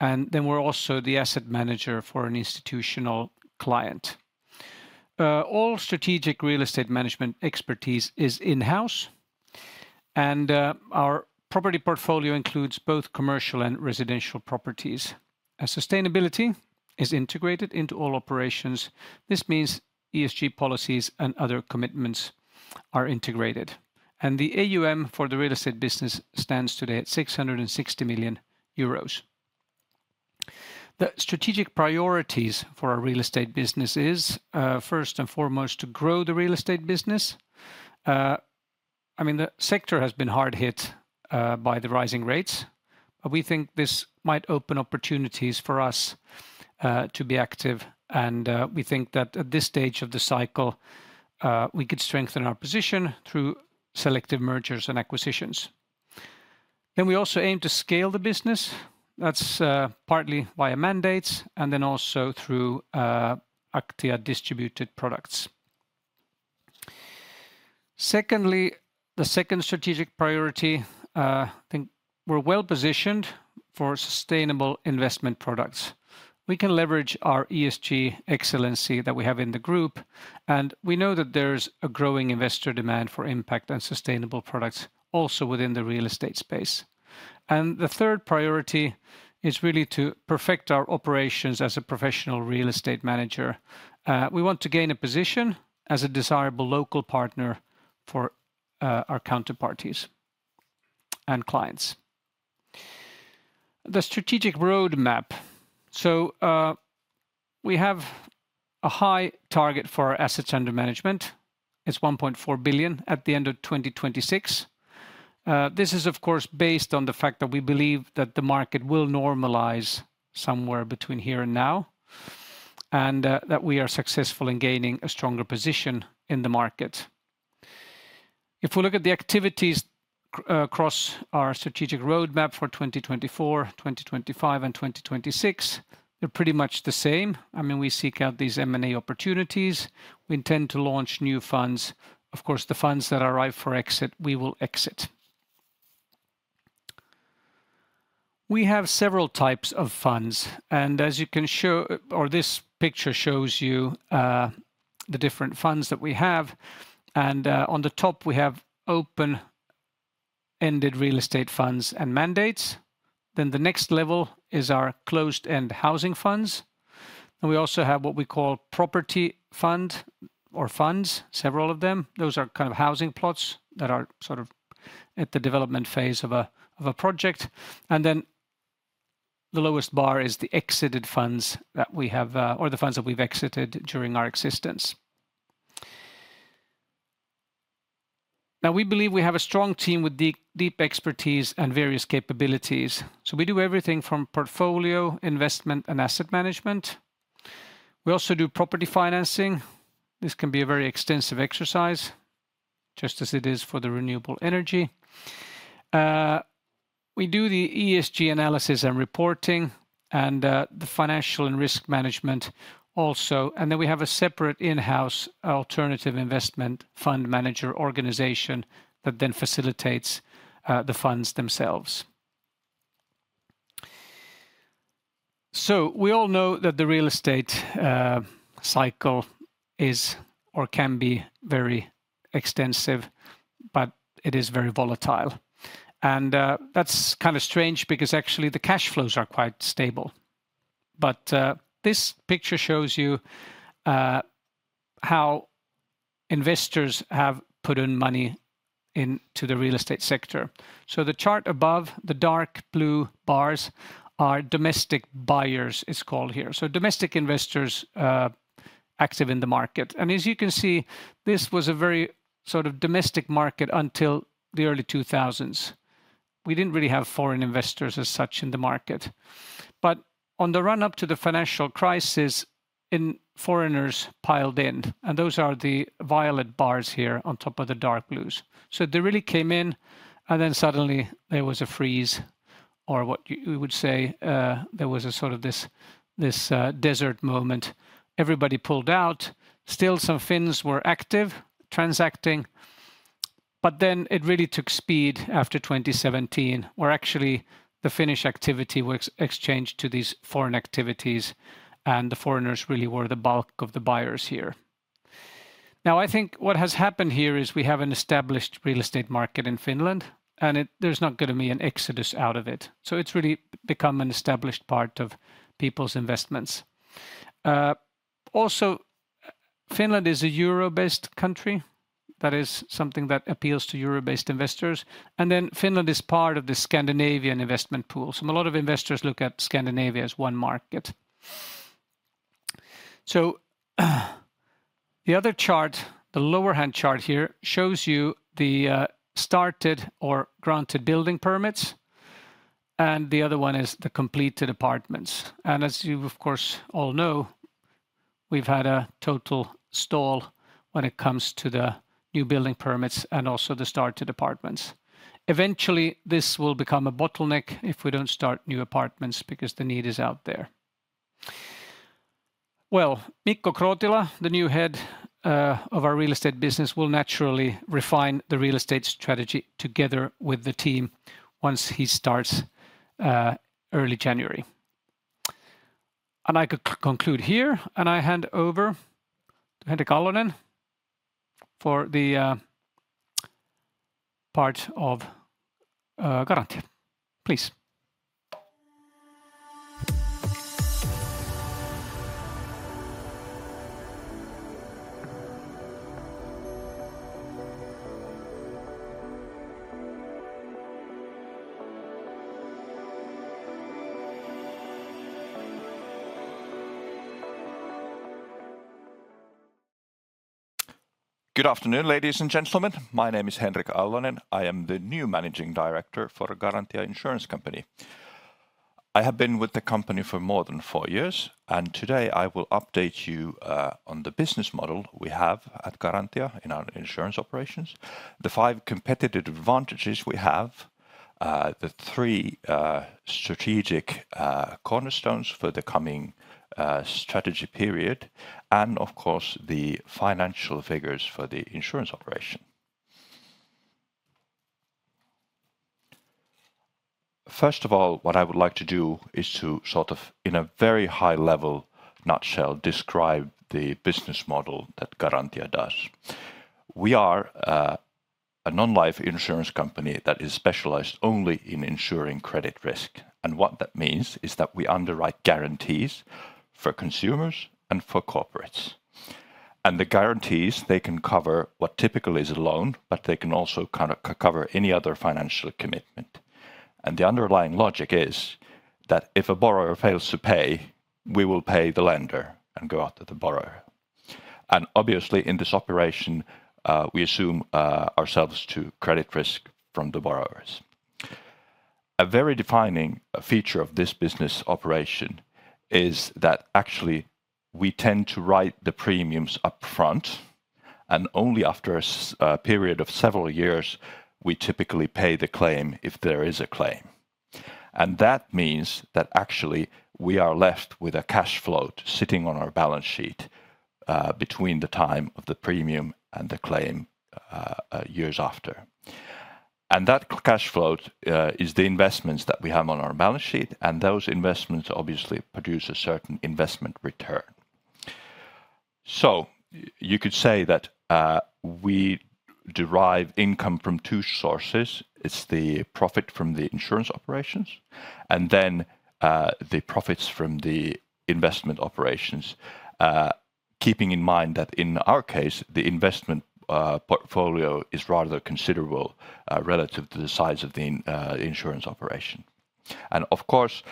and then we're also the asset manager for an institutional client. All strategic real estate management expertise is in-house, and our property portfolio includes both commercial and residential properties. As sustainability is integrated into all operations. This means ESG policies and other commitments are integrated. The AUM for the real estate business stands today at 660 million euros. The strategic priorities for our real estate business is, first and foremost, to grow the real estate business. I mean, the sector has been hard hit by the rising rates, but we think this might open opportunities for us to be active, and we think that at this stage of the cycle, we could strengthen our position through selective mergers and acquisitions. Then we also aim to scale the business. That's partly via mandates and then also through Aktia-distributed products. Secondly, the second strategic priority, I think we're well-positioned for sustainable investment products. We can leverage our ESG excellency that we have in the group, and we know that there's a growing investor demand for impact on sustainable products also within the real estate space. And the third priority is really to perfect our operations as a professional real estate manager. We want to gain a position as a desirable local partner for our counterparties and clients. The strategic roadmap. So, we have a high target for our assets under management. It's 1.4 billion at the end of 2026. This is, of course, based on the fact that we believe that the market will normalize somewhere between here and now, and that we are successful in gaining a stronger position in the market. If we look at the activities across our strategic roadmap for 2024, 2025, and 2026, they're pretty much the same. I mean, we seek out these M&A opportunities. We intend to launch new funds. Of course, the funds that are ripe for exit, we will exit. We have several types of funds, and as you can show... or this picture shows you, the different funds that we have. And on the top, we have open-ended real estate funds and mandates. Then the next level is our closed-end housing funds, and we also have what we call property fund or funds, several of them. Those are kind of housing plots that are sort of at the development phase of a project. And then the lowest bar is the exited funds that we have, or the funds that we've exited during our existence. Now, we believe we have a strong team with deep, deep expertise and various capabilities. So we do everything from portfolio, investment, and asset management. We also do property financing. This can be a very extensive exercise, just as it is for the renewable energy. We do the ESG analysis and reporting and, the financial and risk management also. And then we have a separate in-house alternative investment fund manager organization that then facilitates, the funds themselves. So we all know that the real estate cycle is or can be very extensive, but it is very volatile. And, that's kind of strange because actually the cash flows are quite stable. But, this picture shows you, how investors have put in money into the real estate sector. So the chart above, the dark blue bars, are domestic buyers, it's called here. So domestic investors active in the market. And as you can see, this was a very sort of domestic market until the early 2000s. We didn't really have foreign investors as such in the market. But on the run-up to the financial crisis, foreigners piled in, and those are the violet bars here on top of the dark blues. So they really came in, and then suddenly there was a freeze, or what we would say, there was a sort of this desert moment. Everybody pulled out. Still, some Finns were active, transacting, but then it really took speed after 2017, where actually the Finnish activity was exchanged to these foreign activities, and the foreigners really were the bulk of the buyers here. Now, I think what has happened here is we have an established real estate market in Finland, and there's not gonna be an exodus out of it. So it's really become an established part of people's investments. Also, Finland is a euro-based country. That is something that appeals to euro-based investors. And then Finland is part of the Scandinavian investment pool, so a lot of investors look at Scandinavia as one market. So, the other chart, the lower hand chart here, shows you the started or granted building permits, and the other one is the completed apartments. And as you, of course, all know, we've had a total stall when it comes to the new building permits and also the started apartments. Eventually, this will become a bottleneck if we don't start new apartments because the need is out there. Well, Mikko Krootila, the new head of our real estate business, will naturally refine the real estate strategy together with the team once he starts early January. And I could conclude here, and I hand over to Henrik Allonen for the part of Garantia. Please. Good afternoon, ladies and gentlemen. My name is Henrik Allonen. I am the new Managing Director for Garantia Insurance Company. I have been with the company for more than four years, and today I will update you on the business model we have at Garantia in our insurance operations, the five competitive advantages we have, the three strategic cornerstones for the coming strategy period, and of course, the financial figures for the insurance operation. First of all, what I would like to do is to sort of, in a very high-level nutshell, describe the business model that Garantia does. We are a non-life insurance company that is specialized only in insuring credit risk, and what that means is that we underwrite guarantees for consumers and for corporates. And the guarantees, they can cover what typically is a loan, but they can also co-cover any other financial commitment. And the underlying logic is that if a borrower fails to pay, we will pay the lender and go after the borrower. And obviously, in this operation, we assume ourselves to credit risk from the borrowers. A very defining feature of this business operation is that actually we tend to write the premiums up front, and only after a period of several years, we typically pay the claim if there is a claim. And that means that actually we are left with a cash flow sitting on our balance sheet, between the time of the premium and the claim, years after. That cash flow is the investments that we have on our balance sheet, and those investments obviously produce a certain investment return. So you could say that we derive income from two sources. It's the profit from the insurance operations and then the profits from the investment operations. Keeping in mind that in our case, the investment portfolio is rather considerable relative to the size of the insurance operation. And of course,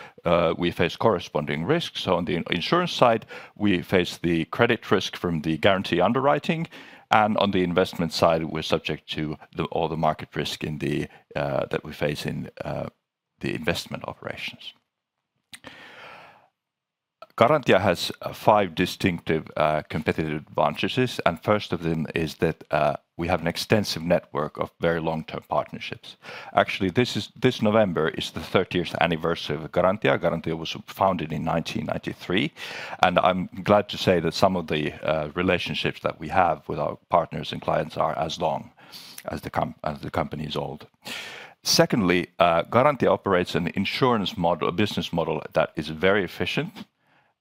we face corresponding risks. So on the insurance side, we face the credit risk from the guarantee underwriting, and on the investment side, we're subject to all the market risk that we face in the investment operations. Garantia has five distinctive competitive advantages, and first of them is that we have an extensive network of very long-term partnerships. Actually, this November is the 30th anniversary of Garantia. Garantia was founded in 1993, and I'm glad to say that some of the relationships that we have with our partners and clients are as long as the company is old. Secondly, Garantia operates an insurance model, a business model that is very efficient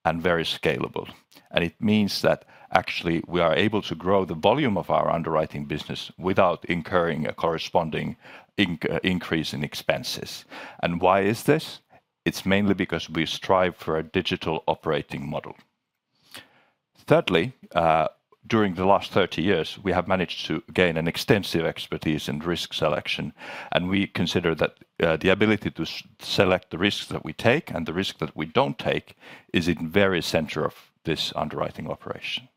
and very scalable. It means that actually we are able to grow the volume of our underwriting business without incurring a corresponding increase in expenses. Why is this? It's mainly because we strive for a digital operating model. Thirdly, during the last 30 years, we have managed to gain an extensive expertise in risk selection, and we consider that the ability to select the risks that we take and the risk that we don't take is in very center of this underwriting operation.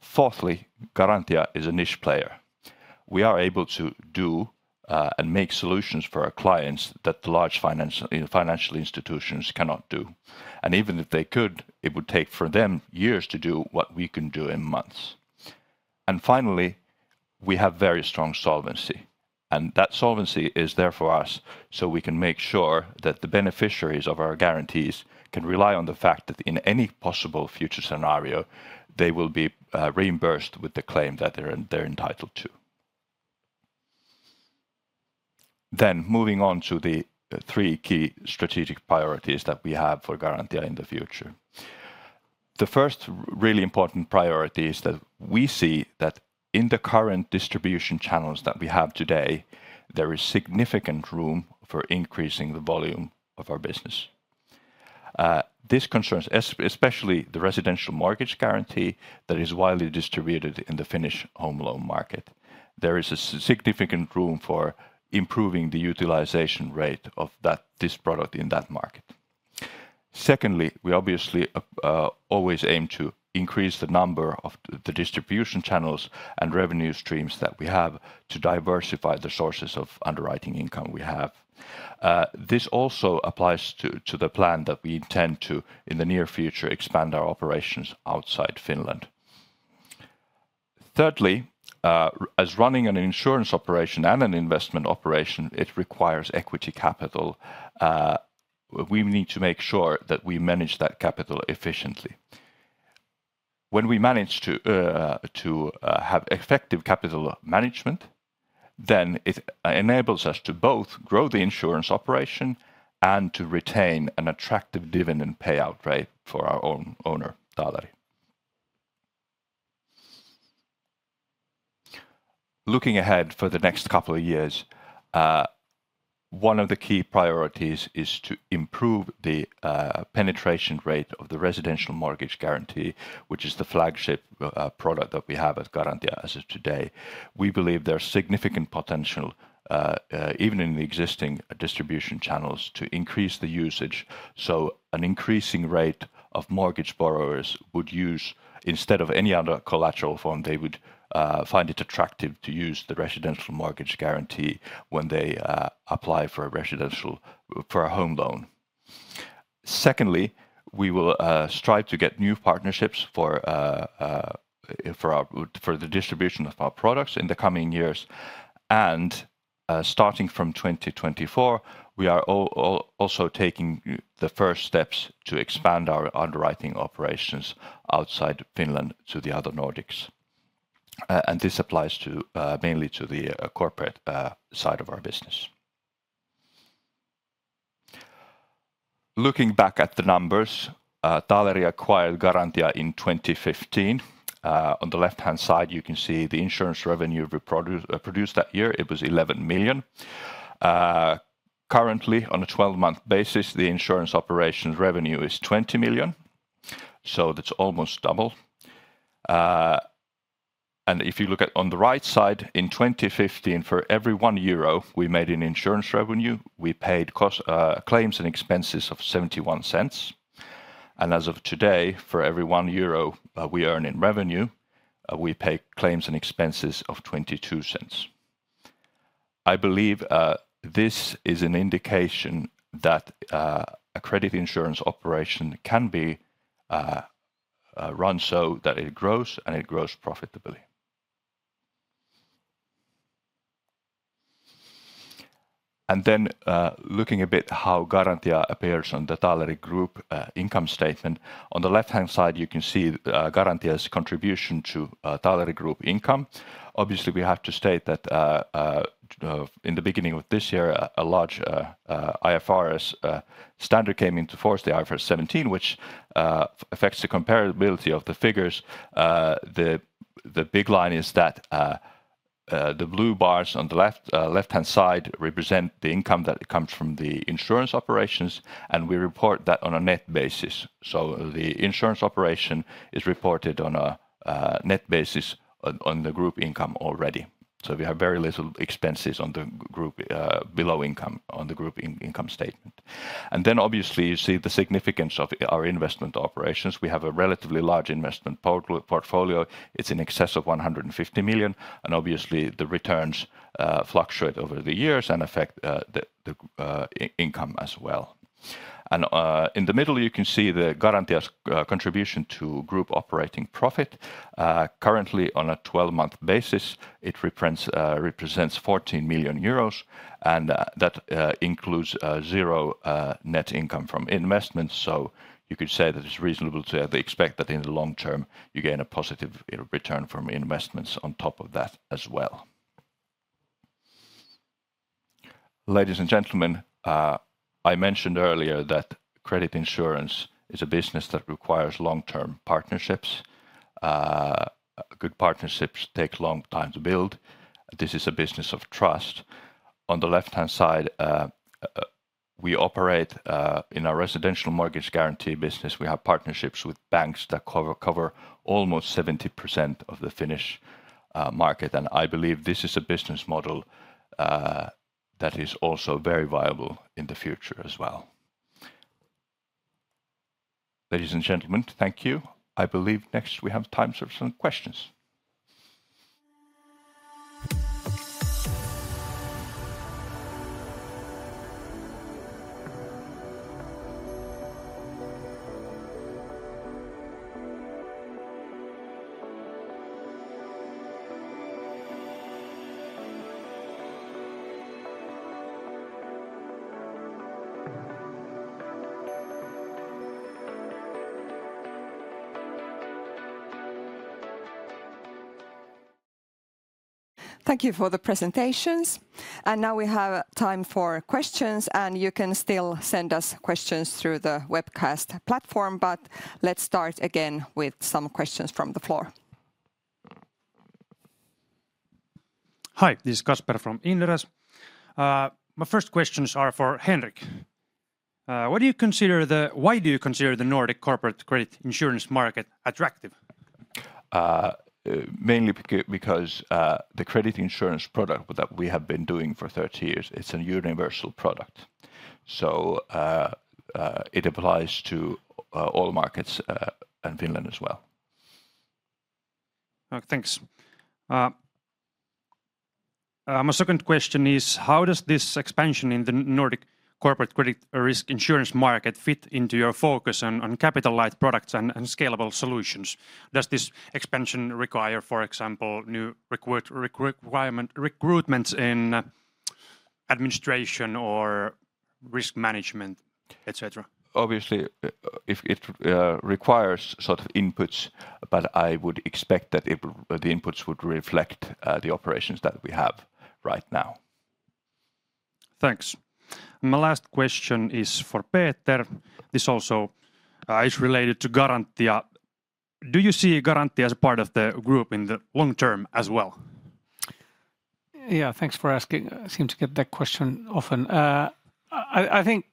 Fourthly, Garantia is a niche player. We are able to do and make solutions for our clients that the large financial financial institutions cannot do. And even if they could, it would take for them years to do what we can do in months. And finally, we have very strong solvency, and that solvency is there for us, so we can make sure that the beneficiaries of our guarantees can rely on the fact that in any possible future scenario, they will be reimbursed with the claim that they're entitled to. Then moving on to the three key strategic priorities that we have for Garantia in the future. The first really important priority is that we see that in the current distribution channels that we have today, there is significant room for increasing the volume of our business. This concerns especially the residential mortgage guarantee that is widely distributed in the Finnish home loan market. There is a significant room for improving the utilization rate of that, this product in that market. Secondly, we obviously always aim to increase the number of the distribution channels and revenue streams that we have to diversify the sources of underwriting income we have. This also applies to the plan that we intend to, in the near future, expand our operations outside Finland. Thirdly, as running an insurance operation and an investment operation, it requires equity capital. We need to make sure that we manage that capital efficiently. When we manage to have effective capital management, then it enables us to both grow the insurance operation and to retain an attractive dividend payout rate for our own owner, Taaleri. Looking ahead for the next couple of years, one of the key priorities is to improve the penetration rate of the residential mortgage guarantee, which is the flagship product that we have at Garantia as of today. We believe there's significant potential, even in the existing distribution channels, to increase the usage. So an increasing rate of mortgage borrowers would use instead of any other collateral form, they would find it attractive to use the residential mortgage guarantee when they apply for a home loan. Secondly, we will strive to get new partnerships for the distribution of our products in the coming years. And, starting from 2024, we are also taking the first steps to expand our underwriting operations outside Finland to the other Nordics. And this applies to mainly to the corporate side of our business. Looking back at the numbers, Taaleri acquired Garantia in 2015. On the left-hand side, you can see the insurance revenue we produced that year, it was 11 million. Currently, on a 12-month basis, the insurance operations revenue is 20 million, so that's almost double. And if you look at on the right side, in 2015, for every one euro we made in insurance revenue, we paid costs, claims and expenses of 0.71. And as of today, for every one euro we earn in revenue, we pay claims and expenses of 0.22. I believe this is an indication that a credit insurance operation can be run so that it grows and it grows profitably. And then, looking a bit how Garantia appears on the Taaleri Group income statement. On the left-hand side, you can see Garantia's contribution to Taaleri Group income. Obviously, we have to state that in the beginning of this year, a large IFRS standard came into force, the IFRS 17, which affects the comparability of the figures. The big line is that the blue bars on the left-hand side represent the income that comes from the insurance operations, and we report that on a net basis. So the insurance operation is reported on a net basis on the group income already. So we have very little expenses on the group below income on the group income statement. And then obviously, you see the significance of our investment operations. We have a relatively large investment portfolio. It's in excess of 150 million, and obviously, the returns fluctuate over the years and affect the income as well. In the middle, you can see Garantia's contribution to group operating profit. Currently, on a 12-month basis, it represents 14 million euros, and that includes a zero net income from investments. So you could say that it's reasonable to expect that in the long term, you gain a positive return from investments on top of that as well. Ladies and gentlemen, I mentioned earlier that credit insurance is a business that requires long-term partnerships. Good partnerships take long time to build. This is a business of trust. On the left-hand side, we operate in our residential mortgage guarantee business. We have partnerships with banks that cover almost 70% of the Finnish market. I believe this is a business model that is also very viable in the future as well. Ladies and gentlemen, thank you. I believe next we have time for some questions. Thank you for the presentations. Now we have time for questions, and you can still send us questions through the webcast platform, but let's start again with some questions from the floor. Hi, this is Kasper from Inderes. My first questions are for Henrik. Why do you consider the Nordic corporate credit insurance market attractive? Mainly because the credit insurance product that we have been doing for 30 years, it's a universal product. So, it applies to all markets and Finland as well. Okay, thanks. My second question is: How does this expansion in the Nordic corporate credit risk insurance market fit into your focus on capital light products and scalable solutions? Does this expansion require, for example, new recruitments in administration or risk management, et cetera? Obviously, if it requires sort of inputs, but I would expect that it... the inputs would reflect the operations that we have right now. Thanks. My last question is for Peter. This also is related to Garantia. Do you see Garantia as a part of the group in the long term as well? Yeah, thanks for asking. I seem to get that question often. I think...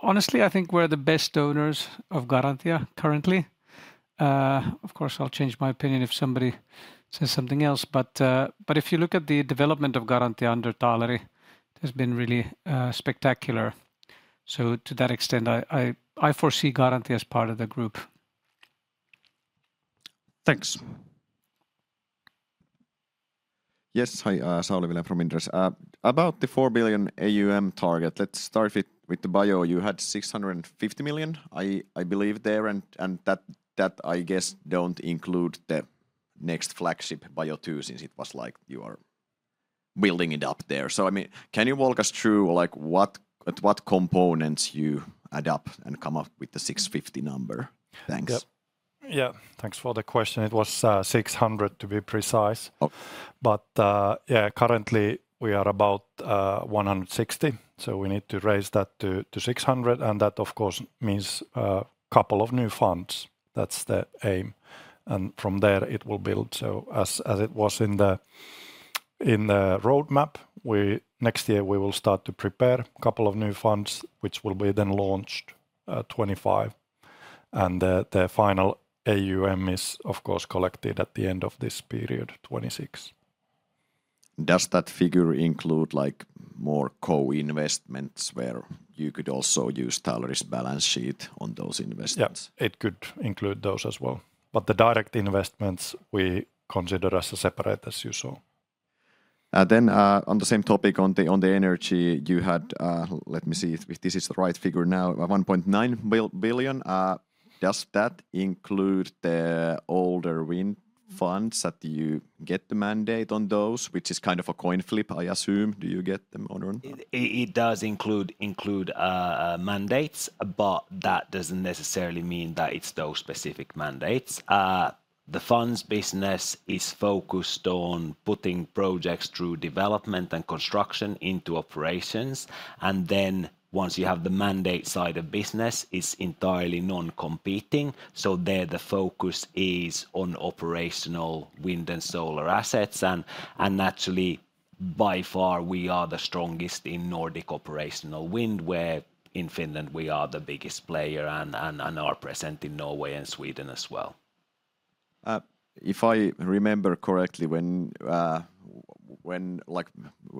Honestly, I think we're the best owners of Garantia currently. Of course, I'll change my opinion if somebody says something else. But if you look at the development of Garantia under Taaleri, it has been really spectacular. So to that extent, I foresee Garantia as part of the group. Thanks. Yes. Hi, Sauli from Inderes. About the 4 billion AUM target, let's start with the bio. You had 650 million, I believe there, and that, I guess, don't include the next flagship Bio II, since it was like you are building it up there. So, I mean, can you walk us through, like, what at what components you add up and come up with the 650 million number? Thanks. Yep. Yeah, thanks for the question. It was 600 million, to be precise. Oh. But, yeah, currently, we are about 160 million, so we need to raise that to 600 million, and that, of course, means couple of new funds. That's the aim, and from there it will build. So as, as it was in the, in the roadmap, we... next year, we will start to prepare a couple of new funds, which will be then launched 2025. And the, the final AUM is, of course, collected at the end of this period, 2026. Does that figure include, like, more co-investments, where you could also use Taaleri's balance sheet on those investments? Yeah, it could include those as well, but the direct investments, we consider as separate, as you saw. Then, on the same topic, on the energy you had, let me see if this is the right figure now, 1.9 billion. Does that include the older wind funds, that you get the mandate on those, which is kind of a coin flip, I assume. Do you get them or not? It does include mandates, but that doesn't necessarily mean that it's those specific mandates. The funds business is focused on putting projects through development and construction into operations, and then once you have the mandate side of business, it's entirely non-competing. So there, the focus is on operational wind and solar assets, and naturally, by far, we are the strongest in Nordic operational wind, where in Finland we are the biggest player and are present in Norway and Sweden as well. If I remember correctly, when, like,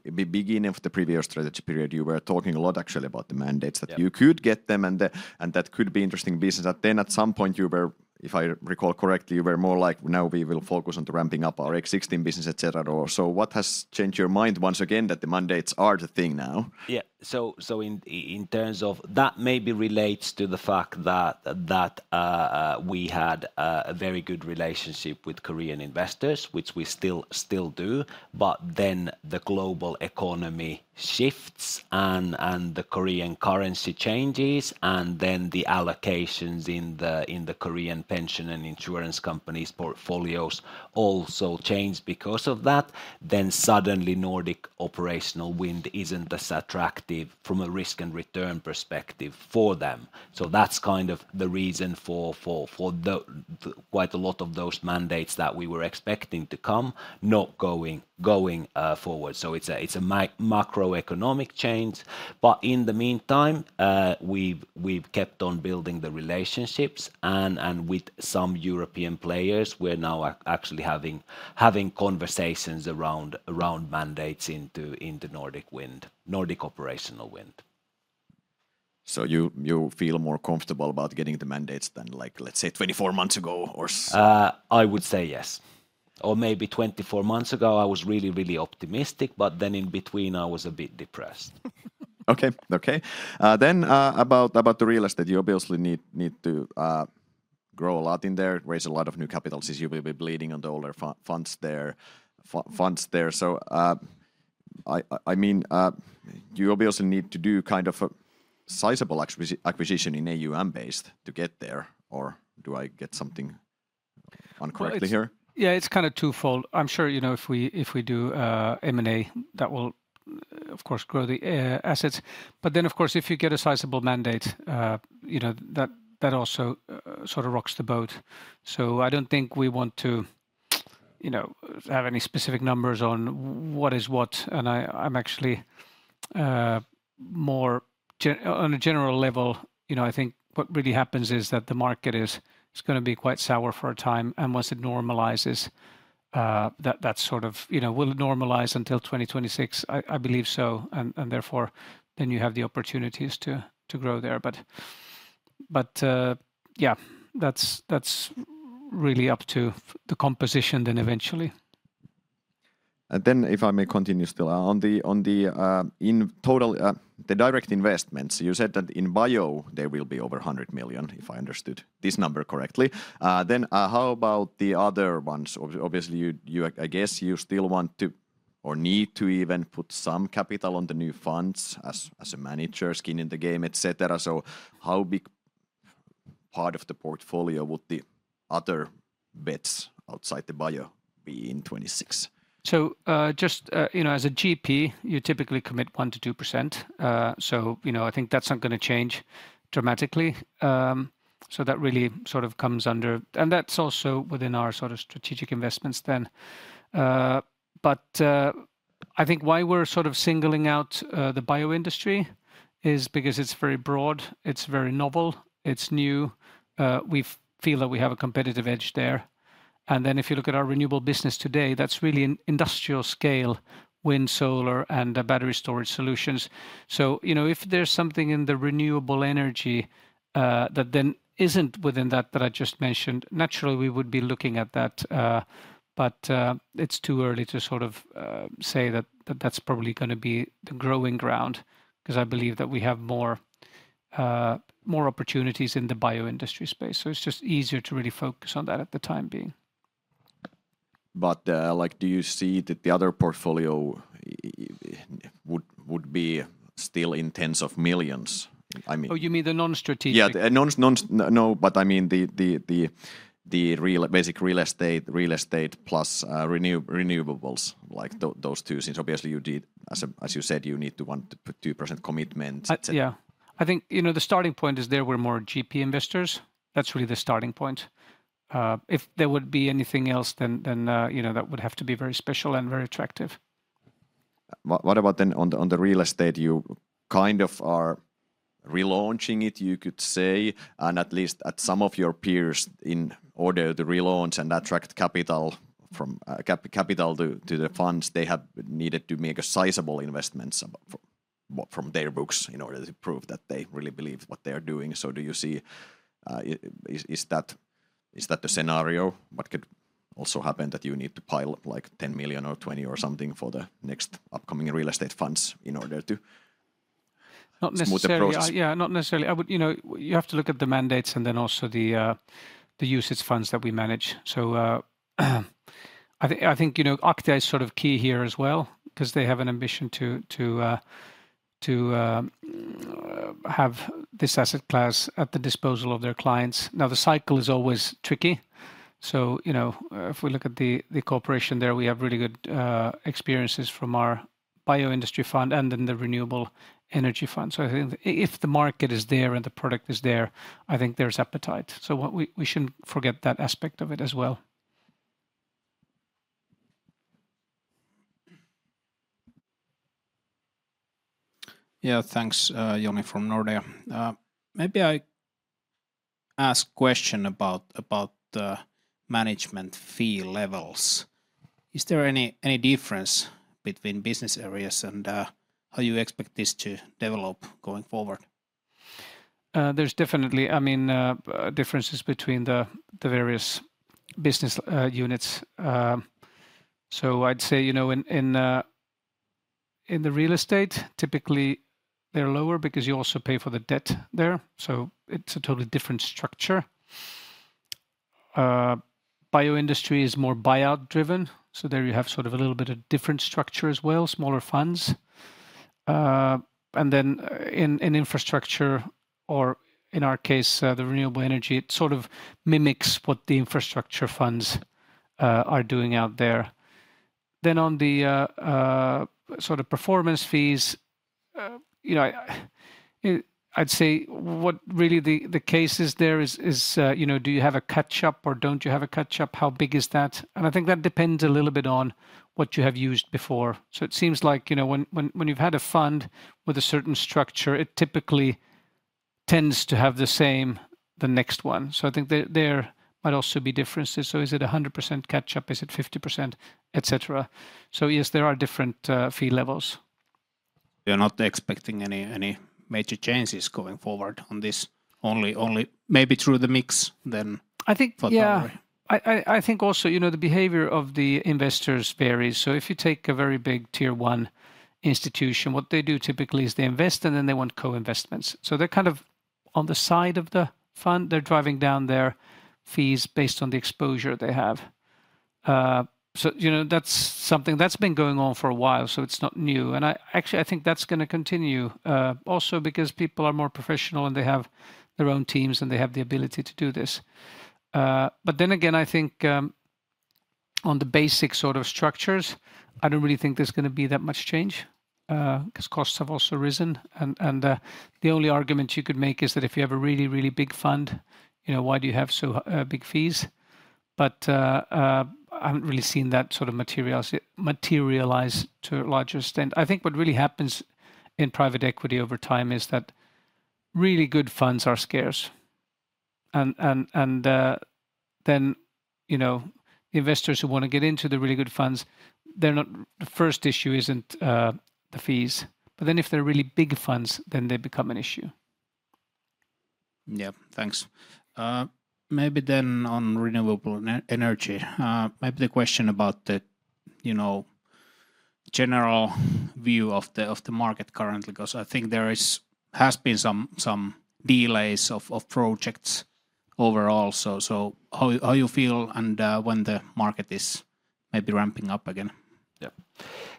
the beginning of the previous strategy period, you were talking a lot actually about the mandates- Yeah... that you could get them, and, and that could be interesting business. But then at some point, you were, if I recall correctly, you were more like, "Now we will focus on the ramping up our existing business," et cetera. So what has changed your mind once again, that the mandates are the thing now? Yeah. So in terms of... That maybe relates to the fact that we had a very good relationship with Korean investors, which we still do. But then the global economy shifts, and the Korean currency changes, and then the allocations in the Korean pension and insurance companies' portfolios also change because of that. Then suddenly, Nordic operational wind isn't as attractive from a risk and return perspective for them. So that's kind of the reason for quite a lot of those mandates that we were expecting to come, not going forward. So it's a macroeconomic change, but in the meantime, we've kept on building the relationships and with some European players, we're now actually having conversations around mandates into the Nordic operational wind. So you feel more comfortable about getting the mandates than, like, let's say, 24 months ago, or s- I would say yes, or maybe 24 months ago, I was really, really optimistic, but then in between, I was a bit depressed. Okay, okay. Then, about the real estate, you obviously need to grow a lot in there, raise a lot of new capital, since you will be bleeding on the older funds there. So, I mean, you obviously need to do kind of a sizable acquisition in AUM-based to get there, or do I get something incorrectly here? Yeah, it's kind of twofold. I'm sure, you know, if we do M&A, that will, of course, grow the assets. But then, of course, if you get a sizable mandate, you know, that also sort of rocks the boat. So I don't think we want to, you know, have any specific numbers on what is what, and I, I'm actually more on a general level. You know, I think what really happens is that the market is gonna be quite sour for a time, and once it normalizes, that sort of, you know, will it normalize until 2026? I believe so, and therefore, then you have the opportunities to grow there. But yeah, that's really up to the composition then eventually. If I may continue still, on the direct investments, you said that in bio there will be over 100 million, if I understood this number correctly. Then, how about the other ones? Obviously, I guess you still want to or need to even put some capital on the new funds as a manager's skin in the game, et cetera. So how big part of the portfolio would the other bets outside the bio be in 2026? So, just, you know, as a GP, you typically commit 1%-2%. So, you know, I think that's not gonna change dramatically. So that really sort of comes under... And that's also within our sort of strategic investments then. But, I think why we're sort of singling out the bioindustry is because it's very broad, it's very novel, it's new. We feel that we have a competitive edge there. And then if you look at our renewable business today, that's really an industrial scale: wind, solar, and the battery storage solutions. So, you know, if there's something in the renewable energy that then isn't within that that I just mentioned, naturally, we would be looking at that, but it's too early to sort of say that that's probably gonna be the growing ground, 'cause I believe that we have more, more opportunities in the bioindustry space. So it's just easier to really focus on that at the time being. But, like, do you see that the other portfolio would be still in tens of millions? I mean- Oh, you mean the non-strategic? Yeah, no, but I mean, the basic real estate, real estate plus renewables, like those two things. Obviously, you did, as you said, you need to want to put 2% commitment, et cetera. Yeah. I think, you know, the starting point is there were more GP investors. That's really the starting point. If there would be anything else, then, you know, that would have to be very special and very attractive. What about then on the real estate? You kind of are relaunching it, you could say, and at least at some of your peers, in order to relaunch and attract capital from capital to the funds, they have needed to make sizable investments from their books in order to prove that they really believe what they are doing. So do you see, is that the scenario? What could also happen that you need to pile up like 10 million or 20 million or something for the next upcoming real estate funds in order to- Not necessarily- Smooth the process? Yeah, not necessarily. I would... You know, you have to look at the mandates and then also the UCITS funds that we manage. So, I think, I think, you know, Aktia is sort of key here as well because they have an ambition to, to, have this asset class at the disposal of their clients. Now, the cycle is always tricky. So, you know, if we look at the cooperation there, we have really good experiences from our bioindustry fund and then the renewable energy fund. So I think if the market is there and the product is there, I think there's appetite. So what we... We shouldn't forget that aspect of it as well. Yeah, thanks, Joni, from Nordea. Maybe I ask question about, about the management fee levels. Is there any, any difference between business areas and, how you expect this to develop going forward? There's definitely, I mean, differences between the various business units. So I'd say, you know, in the real estate, typically, they're lower because you also pay for the debt there, so it's a totally different structure. Bioindustry is more buyout driven, so there you have sort of a little bit of different structure as well, smaller funds. And then in infrastructure, or in our case, the renewable energy, it sort of mimics what the infrastructure funds are doing out there. Then on the sort of performance fees, you know, I'd say what really the case is there is, you know, do you have a catch up or don't you have a catch up? How big is that? And I think that depends a little bit on what you have used before. So it seems like, you know, when you've had a fund with a certain structure, it typically tends to have the same the next one. So I think there might also be differences. So is it 100% catch up? Is it 50%, et cetera? So yes, there are different fee levels. You're not expecting any major changes going forward on this, only maybe through the mix then- I think- Probably. Yeah. I think also, you know, the behavior of the investors varies. So if you take a very big Tier One institution, what they do typically is they invest, and then they want co-investments. So they're kind of on the side of the fund, they're driving down their fees based on the exposure they have. So, you know, that's something that's been going on for a while, so it's not new. And actually, I think that's gonna continue, also because people are more professional, and they have their own teams, and they have the ability to do this. But then again, I think on the basic sort of structures, I don't really think there's gonna be that much change, 'cause costs have also risen. The only argument you could make is that if you have a really, really big fund, you know, why do you have so big fees? I haven't really seen that sort of materialize to a large extent. I think what really happens in private equity over time is that really good funds are scarce. Then, you know, investors who wanna get into the really good funds, they're not... The first issue isn't the fees, but then if they're really big funds, then they become an issue. Yeah. Thanks. Maybe then on renewable energy, maybe the question about the, you know, general view of the market currently, 'cause I think there has been some delays of projects overall. So how you feel and when the market is maybe ramping up again? Yeah.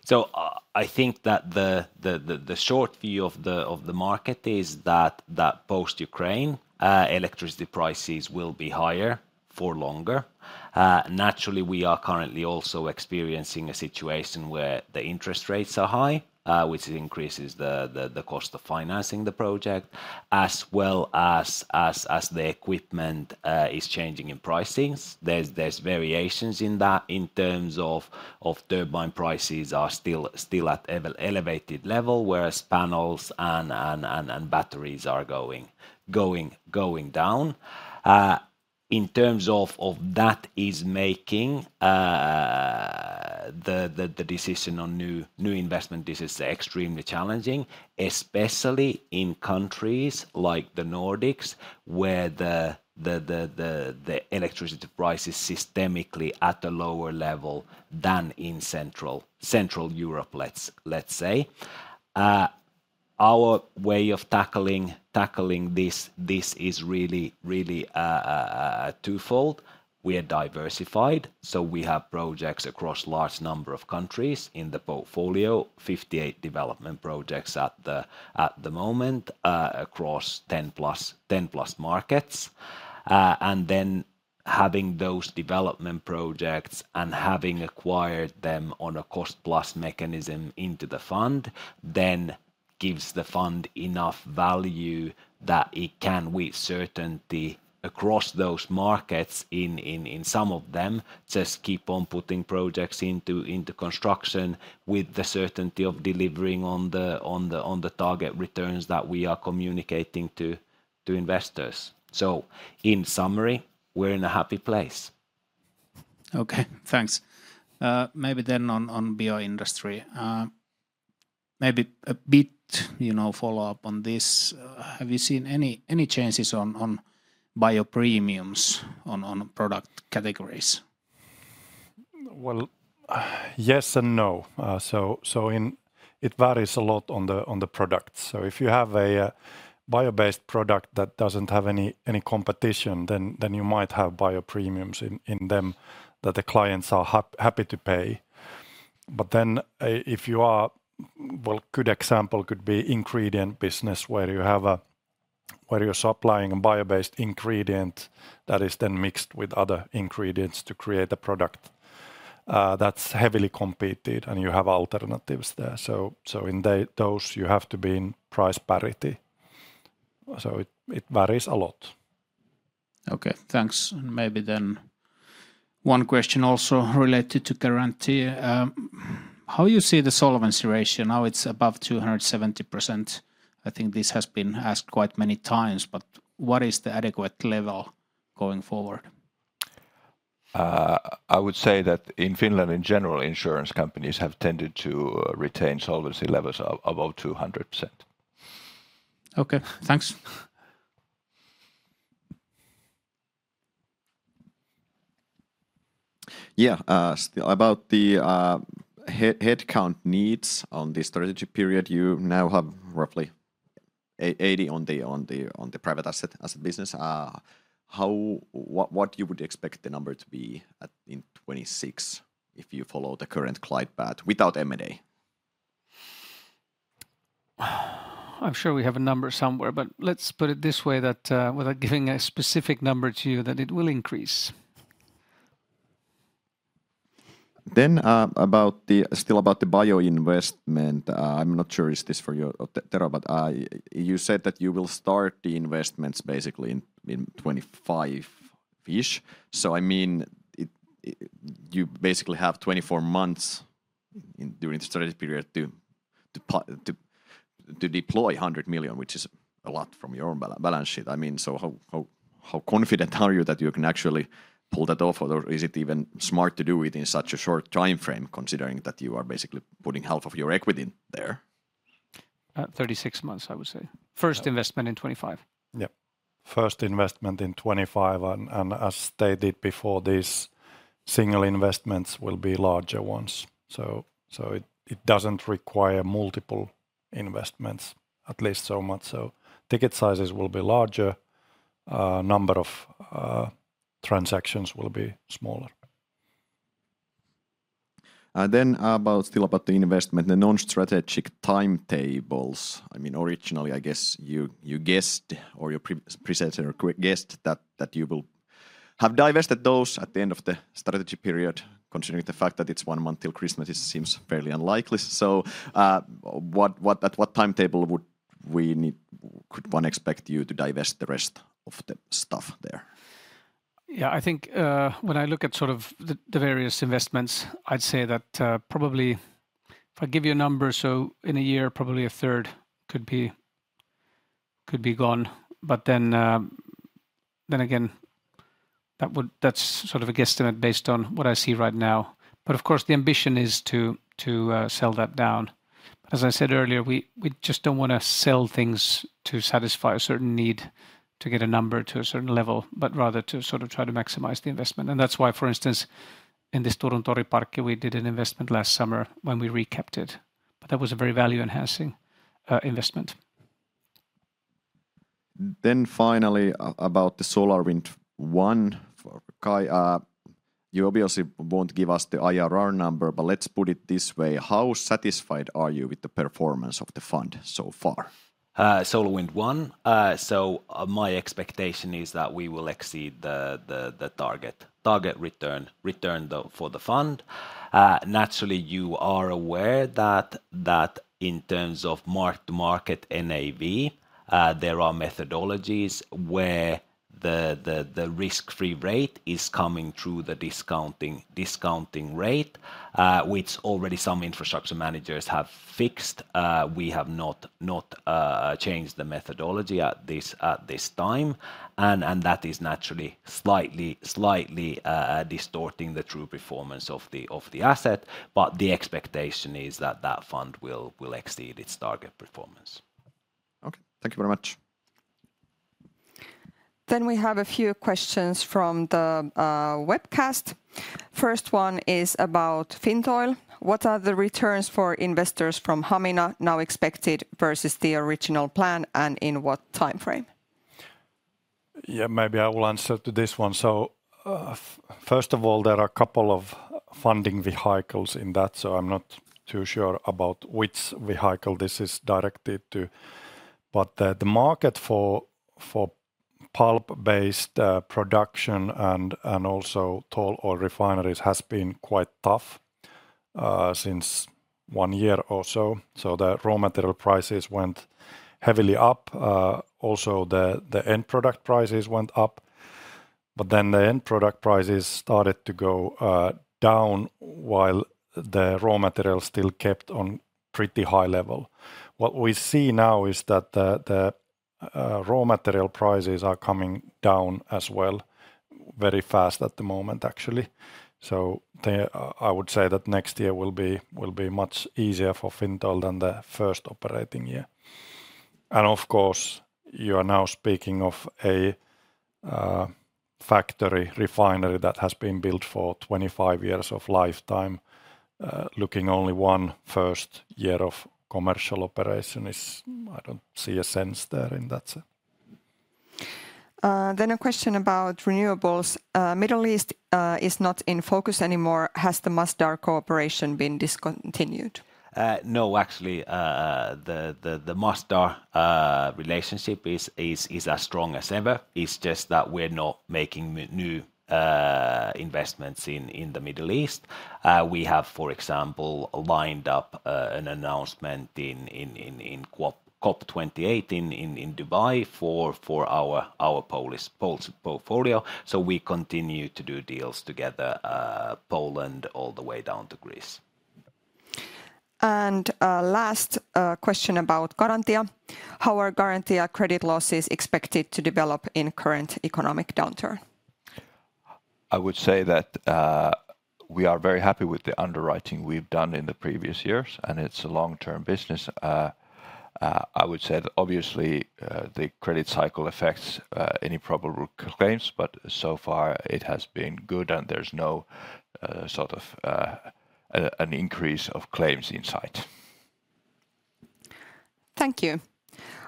So, I think that the short view of the market is that post-Ukraine electricity prices will be higher for longer. Naturally, we are currently also experiencing a situation where the interest rates are high, which increases the cost of financing the project, as well as the equipment is changing in pricings. There's variations in that in terms of turbine prices are still at elevated level, whereas panels and batteries are going down. In terms of that is making the decision on new investment, this is extremely challenging, especially in countries like the Nordics, where the electricity price is systemically at a lower level than in Central Europe, let's say. Our way of tackling this is really twofold. We are diversified, so we have projects across a large number of countries in the portfolio: 58 development projects at the moment, across 10+ markets. And then having those development projects and having acquired them on a cost-plus mechanism into the fund, then gives the fund enough value that it can, with certainty across those markets, in some of them, just keep on putting projects into construction with the certainty of delivering on the target returns that we are communicating to investors. So in summary, we're in a happy place. Okay, thanks. Maybe then on bioindustry. Maybe a bit, you know, follow-up on this. Have you seen any changes on bio premiums on product categories? Well, yes and no. It varies a lot on the product. So if you have a bio-based product that doesn't have any competition, then you might have bio premiums in them that the clients are happy to pay. But then, good example could be ingredient business, where you're supplying a bio-based ingredient that is then mixed with other ingredients to create a product. That's heavily competed, and you have alternatives there. So in those, you have to be in price parity. So it varies a lot. Okay, thanks. Maybe then one question also related to Garantia. How you see the solvency ratio? Now, it's above 270%. I think this has been asked quite many times, but what is the adequate level going forward? I would say that in Finland, in general, insurance companies have tended to retain solvency levels of above 200%. Okay, thanks. Yeah, still about the headcount needs on the strategy period, you now have roughly 80 on the private asset business. What you would expect the number to be at in 2026 if you follow the current client path without M&A? I'm sure we have a number somewhere, but let's put it this way, that, without giving a specific number to you, that it will increase. Then, still about the bio investment, I'm not sure is this for you, Tero, but you said that you will start the investments basically in 25-ish. So, I mean, you basically have 24 months during the strategy period to deploy 100 million, which is a lot from your own balance sheet. I mean, so how confident are you that you can actually pull that off, or is it even smart to do it in such a short timeframe, considering that you are basically putting half of your equity there? 36 months, I would say. First investment in 2025. Yeah, first investment in 2025, and as stated before, these single investments will be larger ones. So, it doesn't require multiple investments, at least so much. So ticket sizes will be larger, number of transactions will be smaller. And then about still about the investment, the non-strategic timetables. I mean, originally, I guess, you guessed or your previous presenter guessed that you will have divested those at the end of the strategy period, considering the fact that it's one month till Christmas, it seems fairly unlikely. So, what timetable could one expect you to divest the rest of the stuff there? Yeah, I think, when I look at sort of the various investments, I'd say that, probably if I give you a number, so in a year, probably a third could be gone. But then, then again, that would... That's sort of a guesstimate based on what I see right now. But of course, the ambition is to sell that down. As I said earlier, we just don't wanna sell things to satisfy a certain need to get a number to a certain level, but rather to sort of try to maximize the investment. And that's why, for instance, in this Turun Toriparkki, we did an investment last summer when we recapped it, but that was a very value-enhancing investment. Then finally, about the SolarWind I for Kai. You obviously won't give us the IRR number, but let's put it this way: How satisfied are you with the performance of the fund so far? SolarWind I, so my expectation is that we will exceed the target return for the fund. Naturally, you are aware that in terms of mark-to-market NAV, there are methodologies where the risk-free rate is coming through the discounting rate, which already some infrastructure managers have fixed. We have not changed the methodology at this time, and that is naturally slightly distorting the true performance of the asset, but the expectation is that that fund will exceed its target performance. Okay. Thank you very much. Then we have a few questions from the webcast. First one is about Fintoil: What are the returns for investors from Hamina now expected versus the original plan, and in what timeframe? Yeah, maybe I will answer to this one. So, first of all, there are a couple of funding vehicles in that, so I'm not too sure about which vehicle this is directed to. But the market for pulp-based production and also tall oil refineries has been quite tough since one year or so. So the raw material prices went heavily up. Also, the end product prices went up, but then the end product prices started to go down, while the raw material still kept on pretty high level. What we see now is that the raw material prices are coming down as well, very fast at the moment, actually. So I would say that next year will be much easier for Fintoil than the first operating year. Of course, you are now speaking of a factory refinery that has been built for 25 years of lifetime. Looking only one first year of commercial operation is... I don't see a sense there in that sense. Then a question about renewables. Middle East is not in focus anymore. Has the Masdar cooperation been discontinued? No, actually, the Masdar relationship is as strong as ever. It's just that we're not making new investments in the Middle East. We have, for example, lined up an announcement in COP 28 in Dubai for our Polish portfolio. So we continue to do deals together, Poland all the way down to Greece. Last question about Garantia: How are Garantia credit losses expected to develop in current economic downturn? I would say that, we are very happy with the underwriting we've done in the previous years, and it's a long-term business. I would say that obviously, the credit cycle affects, any probable claims, but so far it has been good, and there's no, sort of, an increase of claims in sight. Thank you.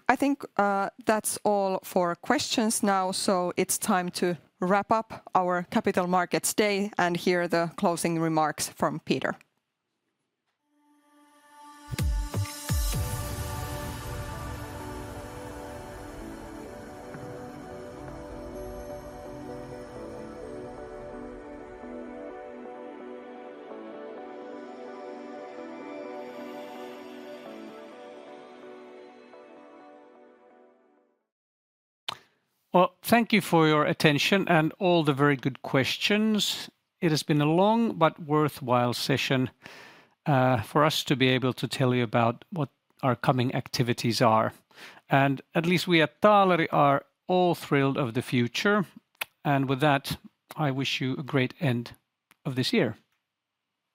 I think, that's all for questions now, so it's time to wrap up our Capital Markets Day and hear the closing remarks from Peter. Well, thank you for your attention and all the very good questions. It has been a long but worthwhile session for us to be able to tell you about what our coming activities are, and at least we at Taaleri are all thrilled of the future. With that, I wish you a great end of this year.